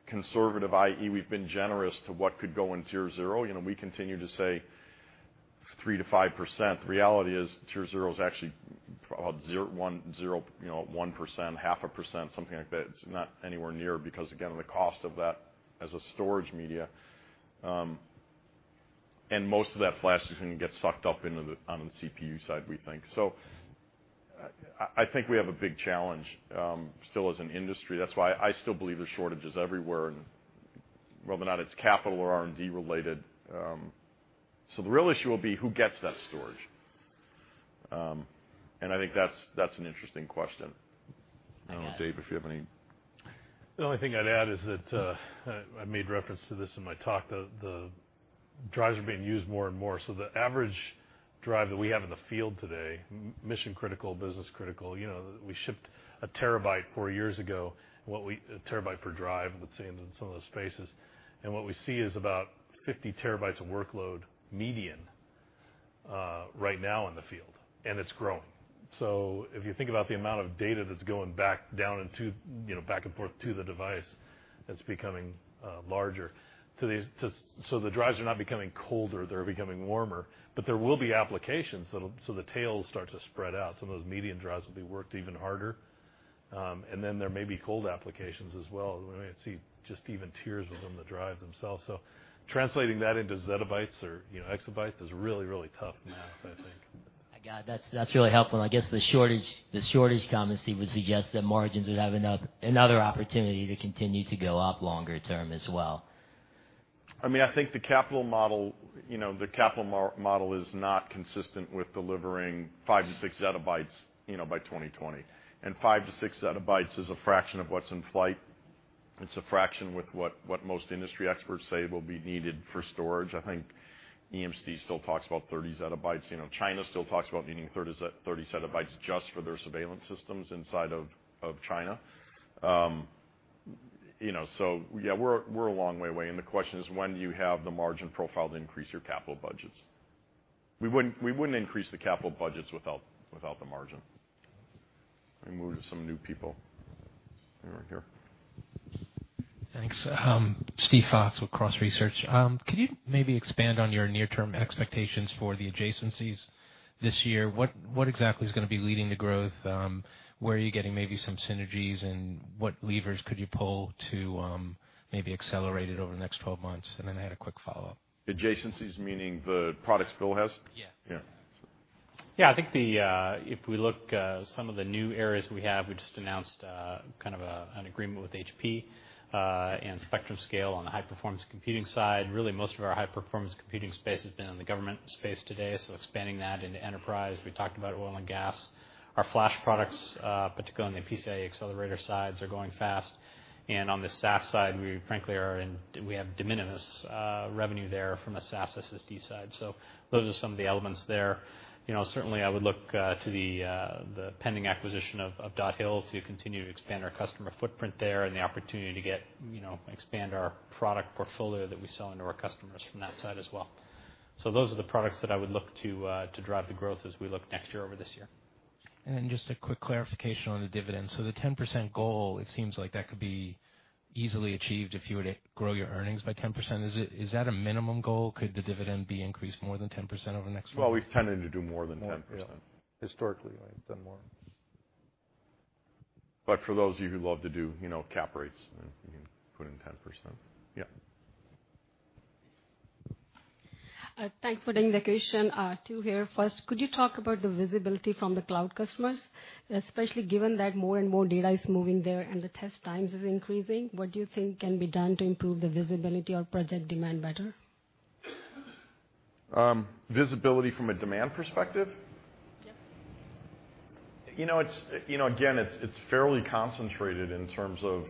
conservative, i.e., we've been generous to what could go in tier 0. We continue to say 3%-5%. The reality is tier 0 is actually 1%, half a %, something like that. It's not anywhere near because, again, the cost of that as a storage media, and most of that flash is going to get sucked up on the CPU side, we think. I think we have a big challenge still as an industry. That's why I still believe there's shortages everywhere, and whether or not it's capital or R&D related. The real issue will be who gets that storage. I think that's an interesting question. The only thing I'd add is that I made reference to this in my talk, the drives are being used more and more. The average drive that we have in the field today, mission critical, business critical, we shipped a terabyte four years ago, a terabyte per drive, let's say, in some of those spaces. What we see is about 50 TB of workload median right now in the field, and it's growing. If you think about the amount of data that's going back and forth to the device, that's becoming larger. The drives are not becoming colder, they're becoming warmer, but there will be applications, the tail will start to spread out. Some of those median drives will be worked even harder. Then there may be cold applications as well. We may see just even tiers within the drives themselves. Translating that into zettabytes or exabytes is really, really tough math, I think. I got it. That's really helpful. I guess the shortage conversely would suggest that margins would have another opportunity to continue to go up longer term as well. I think the capital model is not consistent with delivering 5 to 6 zettabytes by 2020. Five to 6 zettabytes is a fraction of what's in flight. It's a fraction with what most industry experts say will be needed for storage. I think EMC still talks about 30 zettabytes. China still talks about needing 30 zettabytes just for their surveillance systems inside of China. Yeah, we're a long way away, and the question is, when do you have the margin profile to increase your capital budgets? We wouldn't increase the capital budgets without the margin. Let me move to some new people. Right here. Thanks. Steven Fox with Cross Research. Could you maybe expand on your near-term expectations for the adjacencies this year? What exactly is going to be leading to growth? Where are you getting maybe some synergies, and what levers could you pull to maybe accelerate it over the next 12 months? I had a quick follow-up. Adjacencies meaning the products Phil has? Yeah. Yeah. Yeah. I think if we look at some of the new areas we have, we just announced kind of an agreement with HP and Spectrum Scale on the high-performance computing side. Really, most of our high-performance computing space has been in the government space today, so expanding that into enterprise. We talked about oil and gas. Our flash products, particularly on the PCIe accelerator sides, are going fast. On the SAS side, we frankly have de minimis revenue there from the SAS SSD side. Those are some of the elements there. Certainly, I would look to the pending acquisition of Dot Hill to continue to expand our customer footprint there and the opportunity to expand our product portfolio that we sell into our customers from that side as well. Those are the products that I would look to drive the growth as we look next year over this year. just a quick clarification on the dividend. The 10% goal, it seems like that could be easily achieved if you were to grow your earnings by 10%. Is that a minimum goal? Could the dividend be increased more than 10% over the next- Well, we've tended to do more than 10%. More, yeah. Historically, we've done more. For those of you who love to do cap rates, you can put in 10%. Yeah. Thanks for the indication. Two here. First, could you talk about the visibility from the cloud customers, especially given that more and more data is moving there and the test times is increasing, what do you think can be done to improve the visibility or project demand better? Visibility from a demand perspective? Yes. Again, it's fairly concentrated in terms of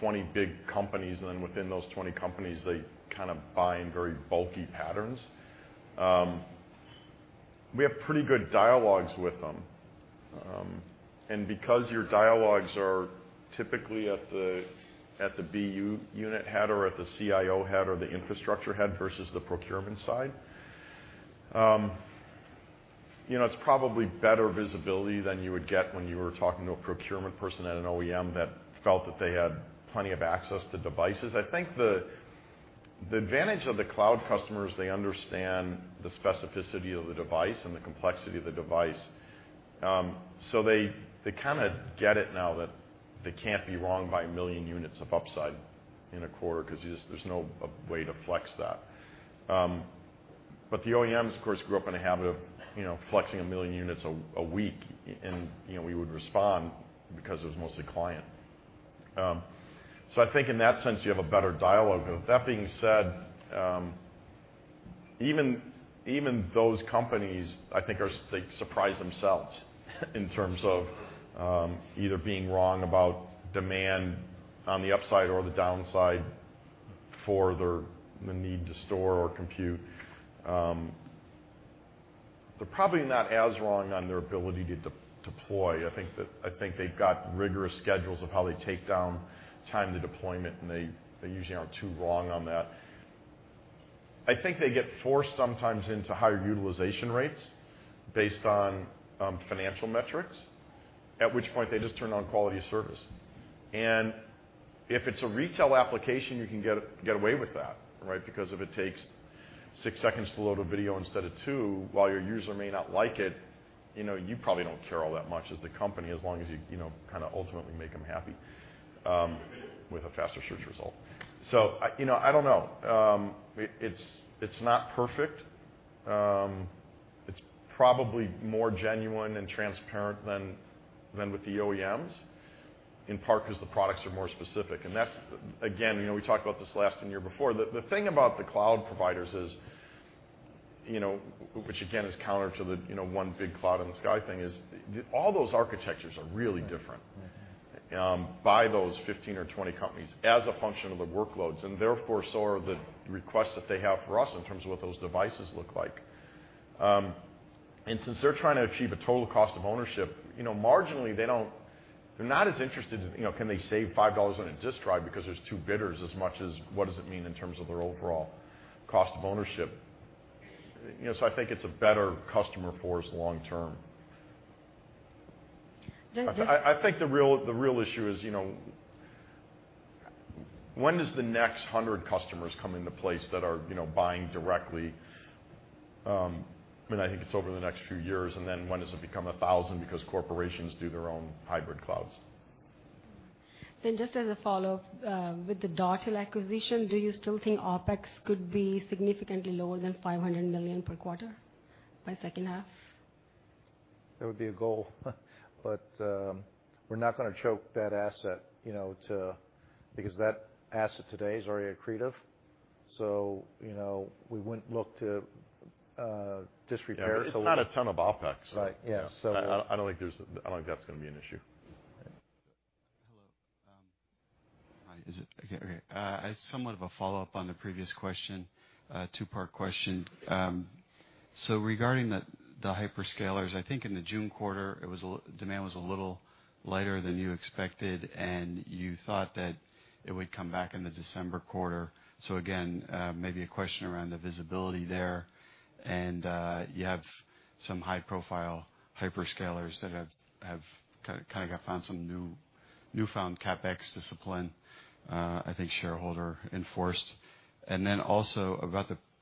20 big companies. Within those 20 companies, they kind of buy in very bulky patterns. We have pretty good dialogues with them. Because your dialogues are typically at the BU unit head or at the CIO head or the infrastructure head versus the procurement side, it's probably better visibility than you would get when you were talking to a procurement person at an OEM that felt that they had plenty of access to devices. I think the advantage of the cloud customer is they understand the specificity of the device and the complexity of the device. They kind of get it now that they can't be wrong by a million units of upside in a quarter because there's no way to flex that. The OEMs, of course, grew up in a habit of flexing a million units a week, and we would respond because it was mostly client. I think in that sense, you have a better dialogue. That being said, even those companies, I think they surprise themselves in terms of either being wrong about demand on the upside or the downside for the need to store or compute. They're probably not as wrong on their ability to deploy. I think they've got rigorous schedules of how they take down time to deployment. They usually aren't too wrong on that. I think they get forced sometimes into higher utilization rates based on financial metrics, at which point they just turn on quality of service. If it's a retail application, you can get away with that, right? If it takes 6 seconds to load a video instead of 2, while your user may not like it, you probably don't care all that much as the company, as long as you kind of ultimately make them happy with a faster search result. I don't know. It's not perfect. It's probably more genuine and transparent than with the OEMs, in part because the products are more specific. That's, again, we talked about this last and year before, the thing about the cloud providers is, which again, is counter to the one big cloud in the sky thing, is all those architectures are really different- Right by those 15 or 20 companies as a function of the workloads, and therefore, so are the requests that they have for us in terms of what those devices look like. Since they're trying to achieve a total cost of ownership, marginally they're not as interested in can they save $5 on a disk drive because there's two bidders as much as what does it mean in terms of their overall cost of ownership. I think it's a better customer for us long term. I think the real issue is when does the next 100 customers come into place that are buying directly? I think it's over the next few years, then when does it become 1,000 because corporations do their own hybrid clouds. Just as a follow-up, with the Dot Hill acquisition, do you still think OpEx could be significantly lower than $500 million per quarter by second half? That would be a goal, but we're not going to choke that asset. Because that asset today is already accretive, we wouldn't look to disrespect. It's not a ton of OpEx. Right. Yeah. I don't think that's going to be an issue. Hello. Hi. Okay, great. I have somewhat of a follow-up on the previous question, a two-part question. Regarding the hyperscalers, I think in the June quarter, demand was a little lighter than you expected, and you thought that it would come back in the December quarter. Again, maybe a question around the visibility there. Some high-profile hyperscalers that have found some newfound CapEx discipline, I think shareholder enforced. Also,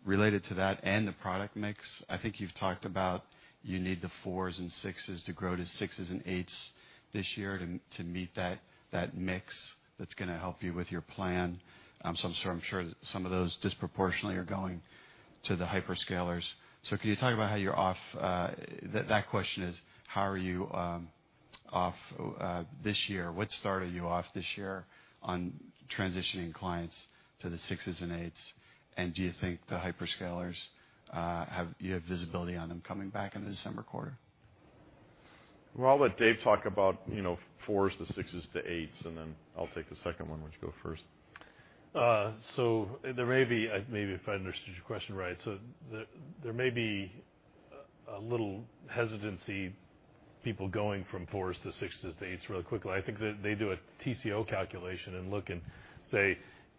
related to that and the product mix, I think you've talked about you need the fours and sixes to grow to sixes and eights this year to meet that mix that's going to help you with your plan. I'm sure some of those disproportionately are going to the hyperscalers. That question is: how are you off this year? What started you off this year on transitioning clients to the sixes and eights? Do you think the hyperscalers, you have visibility on them coming back in the December quarter? Well, I'll let Dave talk about fours to sixes to eights, then I'll take the second one. Why don't you go first? There may be, maybe if I understood your question right, there may be a little hesitancy, people going from fours to sixes to eights really quickly. I think that they do a TCO calculation and look and say,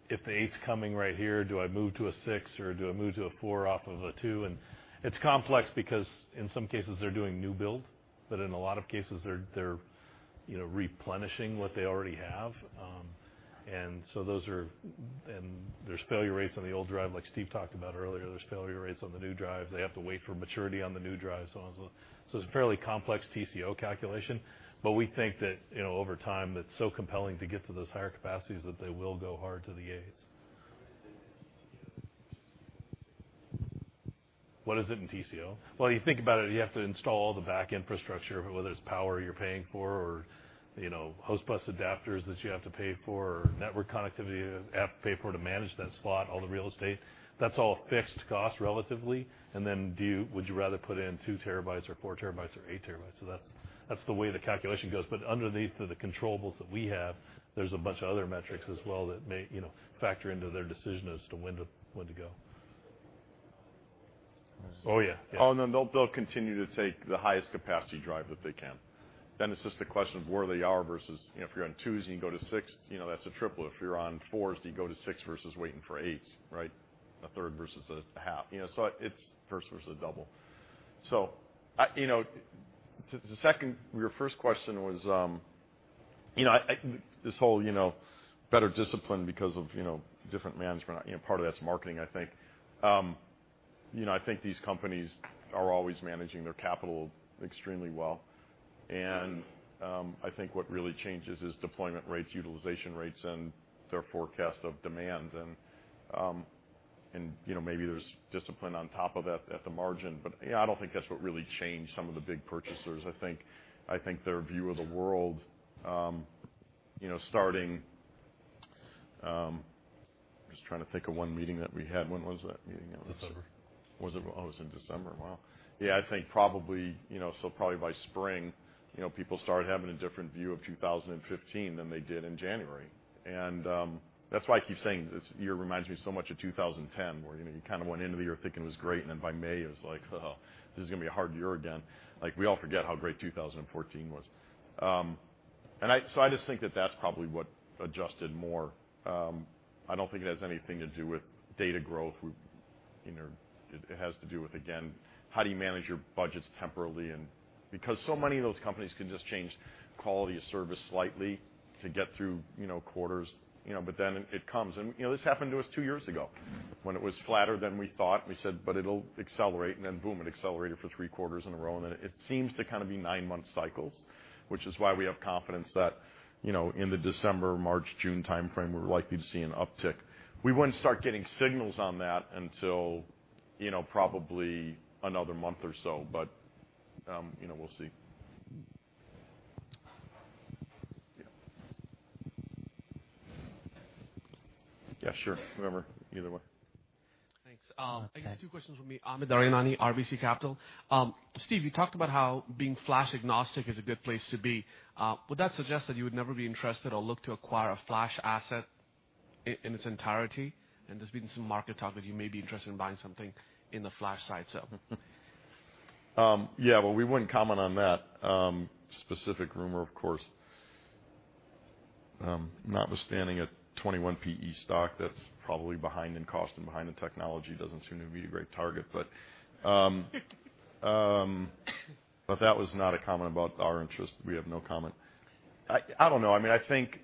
"If the eight's coming right here, do I move to a six, or do I move to a four off of a two?" It's complex because, in some cases, they're doing new build, but in a lot of cases they're replenishing what they already have. There's failure rates on the old drive, like Steve talked about earlier. There's failure rates on the new drives. They have to wait for maturity on the new drives, so on and so on. It's a fairly complex TCO calculation. We think that over time, it's so compelling to get to those higher capacities that they will go hard to the eights. What is it in TCO? What is it in TCO? Well, you think about it, you have to install all the back infrastructure, whether it's power you're paying for or host bus adapters that you have to pay for, or network connectivity, have to pay for to manage that spot, all the real estate. That's all fixed cost, relatively. Then would you rather put in 2 TB or 4 TB or 8 TB? That's the way the calculation goes. Underneath the controllables that we have, there's a bunch of other metrics as well that may factor into their decision as to when to go. Oh, yeah. Then they'll continue to take the highest capacity drive that they can. Then it's just a question of where they are versus if you're on twos and you can go to six, that's a triple. If you're on fours, do you go to six versus waiting for eights, right? A third versus a half. It's first versus a double. Your first question was this whole better discipline because of different management, part of that's marketing, I think. I think these companies are always managing their capital extremely well, and I think what really changes is deployment rates, utilization rates, and their forecast of demand. Maybe there's discipline on top of that at the margin, but I don't think that's what really changed some of the big purchasers. I think their view of the world, I'm just trying to think of one meeting that we had. When was that meeting? December. Oh, it was in December, wow. I think probably by spring, people started having a different view of 2015 than they did in January. That's why I keep saying this year reminds me so much of 2010, where you kind of went into the year thinking it was great, and then by May it was like, oh, this is going to be a hard year again. We all forget how great 2014 was. I just think that that's probably what adjusted more. I don't think it has anything to do with data growth. It has to do with, again, how do you manage your budgets temporarily and because so many of those companies can just change quality of service slightly to get through quarters, but then it comes. This happened to us 2 years ago when it was flatter than we thought, and we said, "But it'll accelerate," it accelerated for 3 quarters in a row. It seems to be 9-month cycles, which is why we have confidence that in the December, March, June timeframe, we're likely to see an uptick. We wouldn't start getting signals on that until probably another month or so. We'll see. Sure. Whatever. Either way. Thanks. I guess two questions from me. Amit Daryanani, RBC Capital Markets. Steve, you talked about how being flash agnostic is a good place to be. Would that suggest that you would never be interested or look to acquire a flash asset in its entirety? There's been some market talk that you may be interested in buying something in the flash side. We wouldn't comment on that specific rumor, of course. Notwithstanding a 21 P/E stock that's probably behind in cost and behind in technology doesn't seem to be a great target. That was not a comment about our interest. We have no comment. I don't know. I think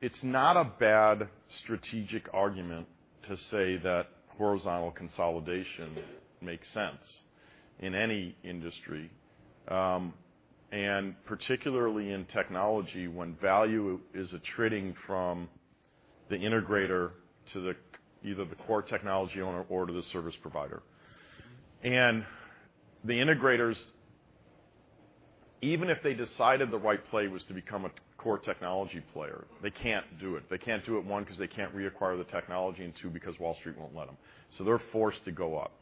it's not a bad strategic argument to say that horizontal consolidation makes sense in any industry, and particularly in technology, when value is attriting from the integrator to either the core technology owner or to the service provider. The integrators, even if they decided the right play was to become a core technology player, they can't do it. They can't do it, one, because they can't reacquire the technology, and two, because Wall Street won't let them. They're forced to go up.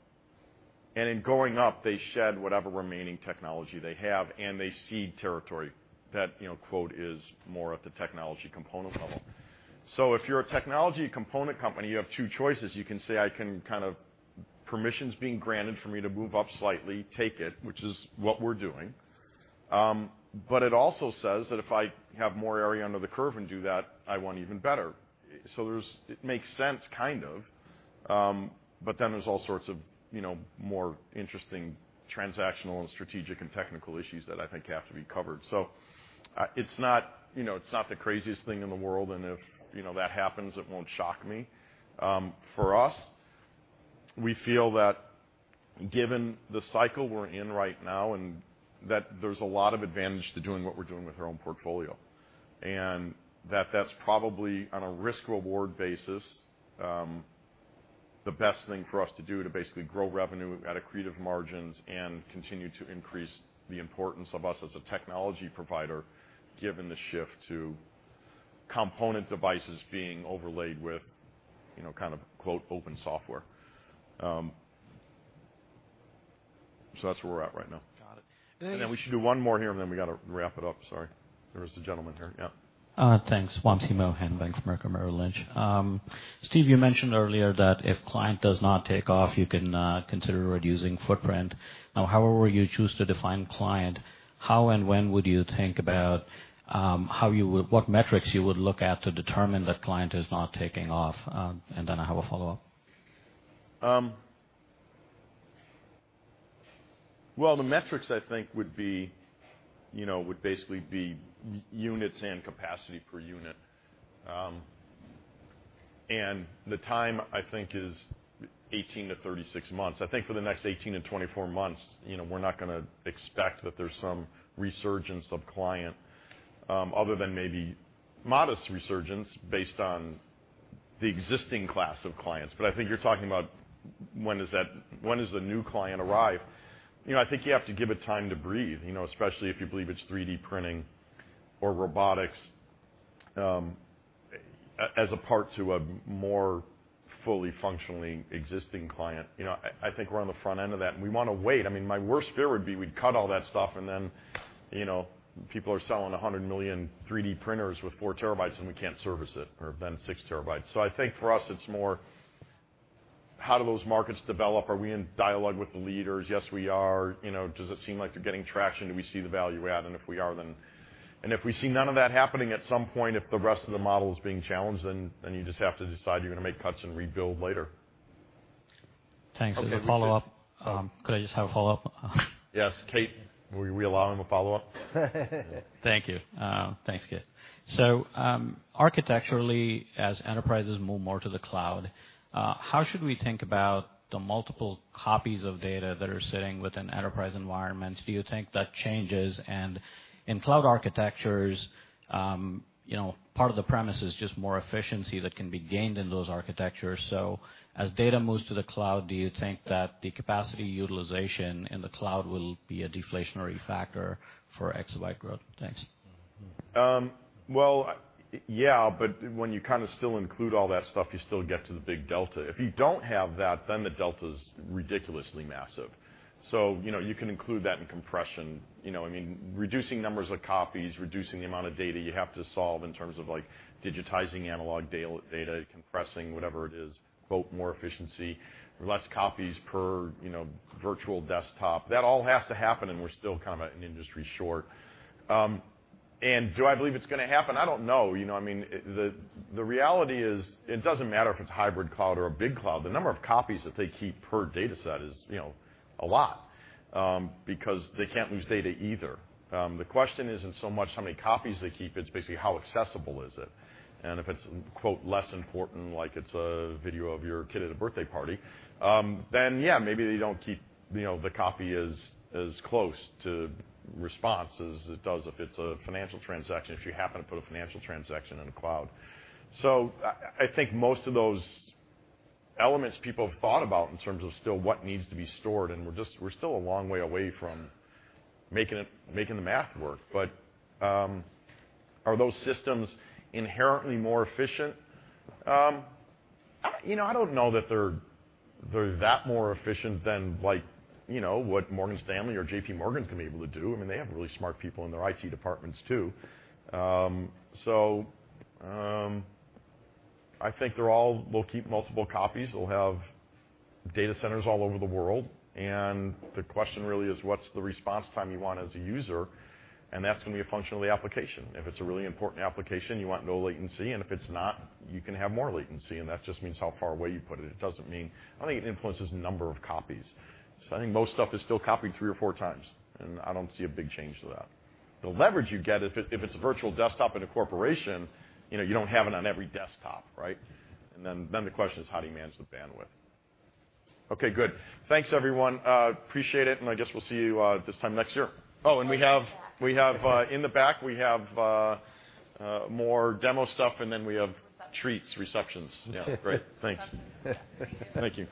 In going up, they shed whatever remaining technology they have, and they cede territory. That quote is more at the technology component level. If you're a technology component company, you have two choices. You can say, permission's being granted for me to move up slightly, take it, which is what we're doing. It also says that if I have more area under the curve and do that, I want even better. It makes sense, kind of. There's all sorts of more interesting transactional and strategic and technical issues that I think have to be covered. It's not the craziest thing in the world, and if that happens, it won't shock me. For us, we feel that given the cycle we're in right now, and that there's a lot of advantage to doing what we're doing with our own portfolio. That's probably, on a risk/reward basis, the best thing for us to do to basically grow revenue at accretive margins and continue to increase the importance of us as a technology provider, given the shift to component devices being overlaid with, quote, "open software." That's where we're at right now. Got it. We should do one more here, and then we got to wrap it up. Sorry. There was a gentleman here. Yeah. Thanks. Wamsi Mohan, Bank of America Merrill Lynch. Steve, you mentioned earlier that if client does not take off, you can consider reducing footprint. However you choose to define client, how and when would you think about what metrics you would look at to determine that client is not taking off? I have a follow-up. The metrics, I think, would basically be units and capacity per unit. The time, I think, is 18 to 36 months. I think for the next 18 to 24 months, we're not going to expect that there's some resurgence of client, other than maybe modest resurgence based on the existing class of clients. I think you're talking about when does the new client arrive. I think you have to give it time to breathe, especially if you believe it's 3D printing or robotics, as a part to a more fully functionally existing client. I think we're on the front end of that, and we want to wait. My worst fear would be we'd cut all that stuff, and then people are selling 100 million 3D printers with 4 TB and we can't service it, or then 6 TB. I think for us, it's more how do those markets develop? Are we in dialogue with the leaders? Yes, we are. Does it seem like they're getting traction? Do we see the value-add? If we see none of that happening at some point, if the rest of the model is being challenged, then you just have to decide you're going to make cuts and rebuild later. Thanks. As a follow-up, could I just have a follow-up? Yes. Kate, will we allow him a follow-up? Thank you. Thanks, Kate. Architecturally, as enterprises move more to the cloud, how should we think about the multiple copies of data that are sitting within enterprise environments? Do you think that changes? In cloud architectures, part of the premise is just more efficiency that can be gained in those architectures. As data moves to the cloud, do you think that the capacity utilization in the cloud will be a deflationary factor for exabyte growth? Thanks. Well, yeah, when you still include all that stuff, you still get to the big delta. If you don't have that, the delta's ridiculously massive. You can include that in compression. Reducing numbers of copies, reducing the amount of data you have to solve in terms of digitizing analog data, compressing whatever it is, quote, "more efficiency," less copies per virtual desktop. That all has to happen and we're still kind of an industry short. Do I believe it's going to happen? I don't know. The reality is, it doesn't matter if it's hybrid cloud or a big cloud. The number of copies that they keep per dataset is a lot, because they can't lose data either. The question isn't so much how many copies they keep, it's basically how accessible is it. If it's, quote, "less important," like it's a video of your kid at a birthday party, yeah, maybe they don't keep the copy as close to response as it does if it's a financial transaction, if you happen to put a financial transaction in a cloud. I think most of those elements people have thought about in terms of still what needs to be stored, we're still a long way away from making the math work. Are those systems inherently more efficient? I don't know that they're that more efficient than what Morgan Stanley or JPMorgan's going to be able to do. They have really smart people in their IT departments, too. I think they all will keep multiple copies. They'll have data centers all over the world. The question really is, what's the response time you want as a user? That's going to be a function of the application. If it's a really important application, you want low latency, and if it's not, you can have more latency, and that just means how far away you put it. It doesn't mean, I don't think it influences the number of copies. I think most stuff is still copied three or four times, and I don't see a big change to that. The leverage you get, if it's a virtual desktop in a corporation, you don't have it on every desktop, right? Then the question is, how do you manage the bandwidth? Okay, good. Thanks, everyone. Appreciate it, and I guess we'll see you this time next year. Oh, we have in the back, we have more demo stuff, and then we have treats, receptions. Yeah. Great. Thanks. Thank you.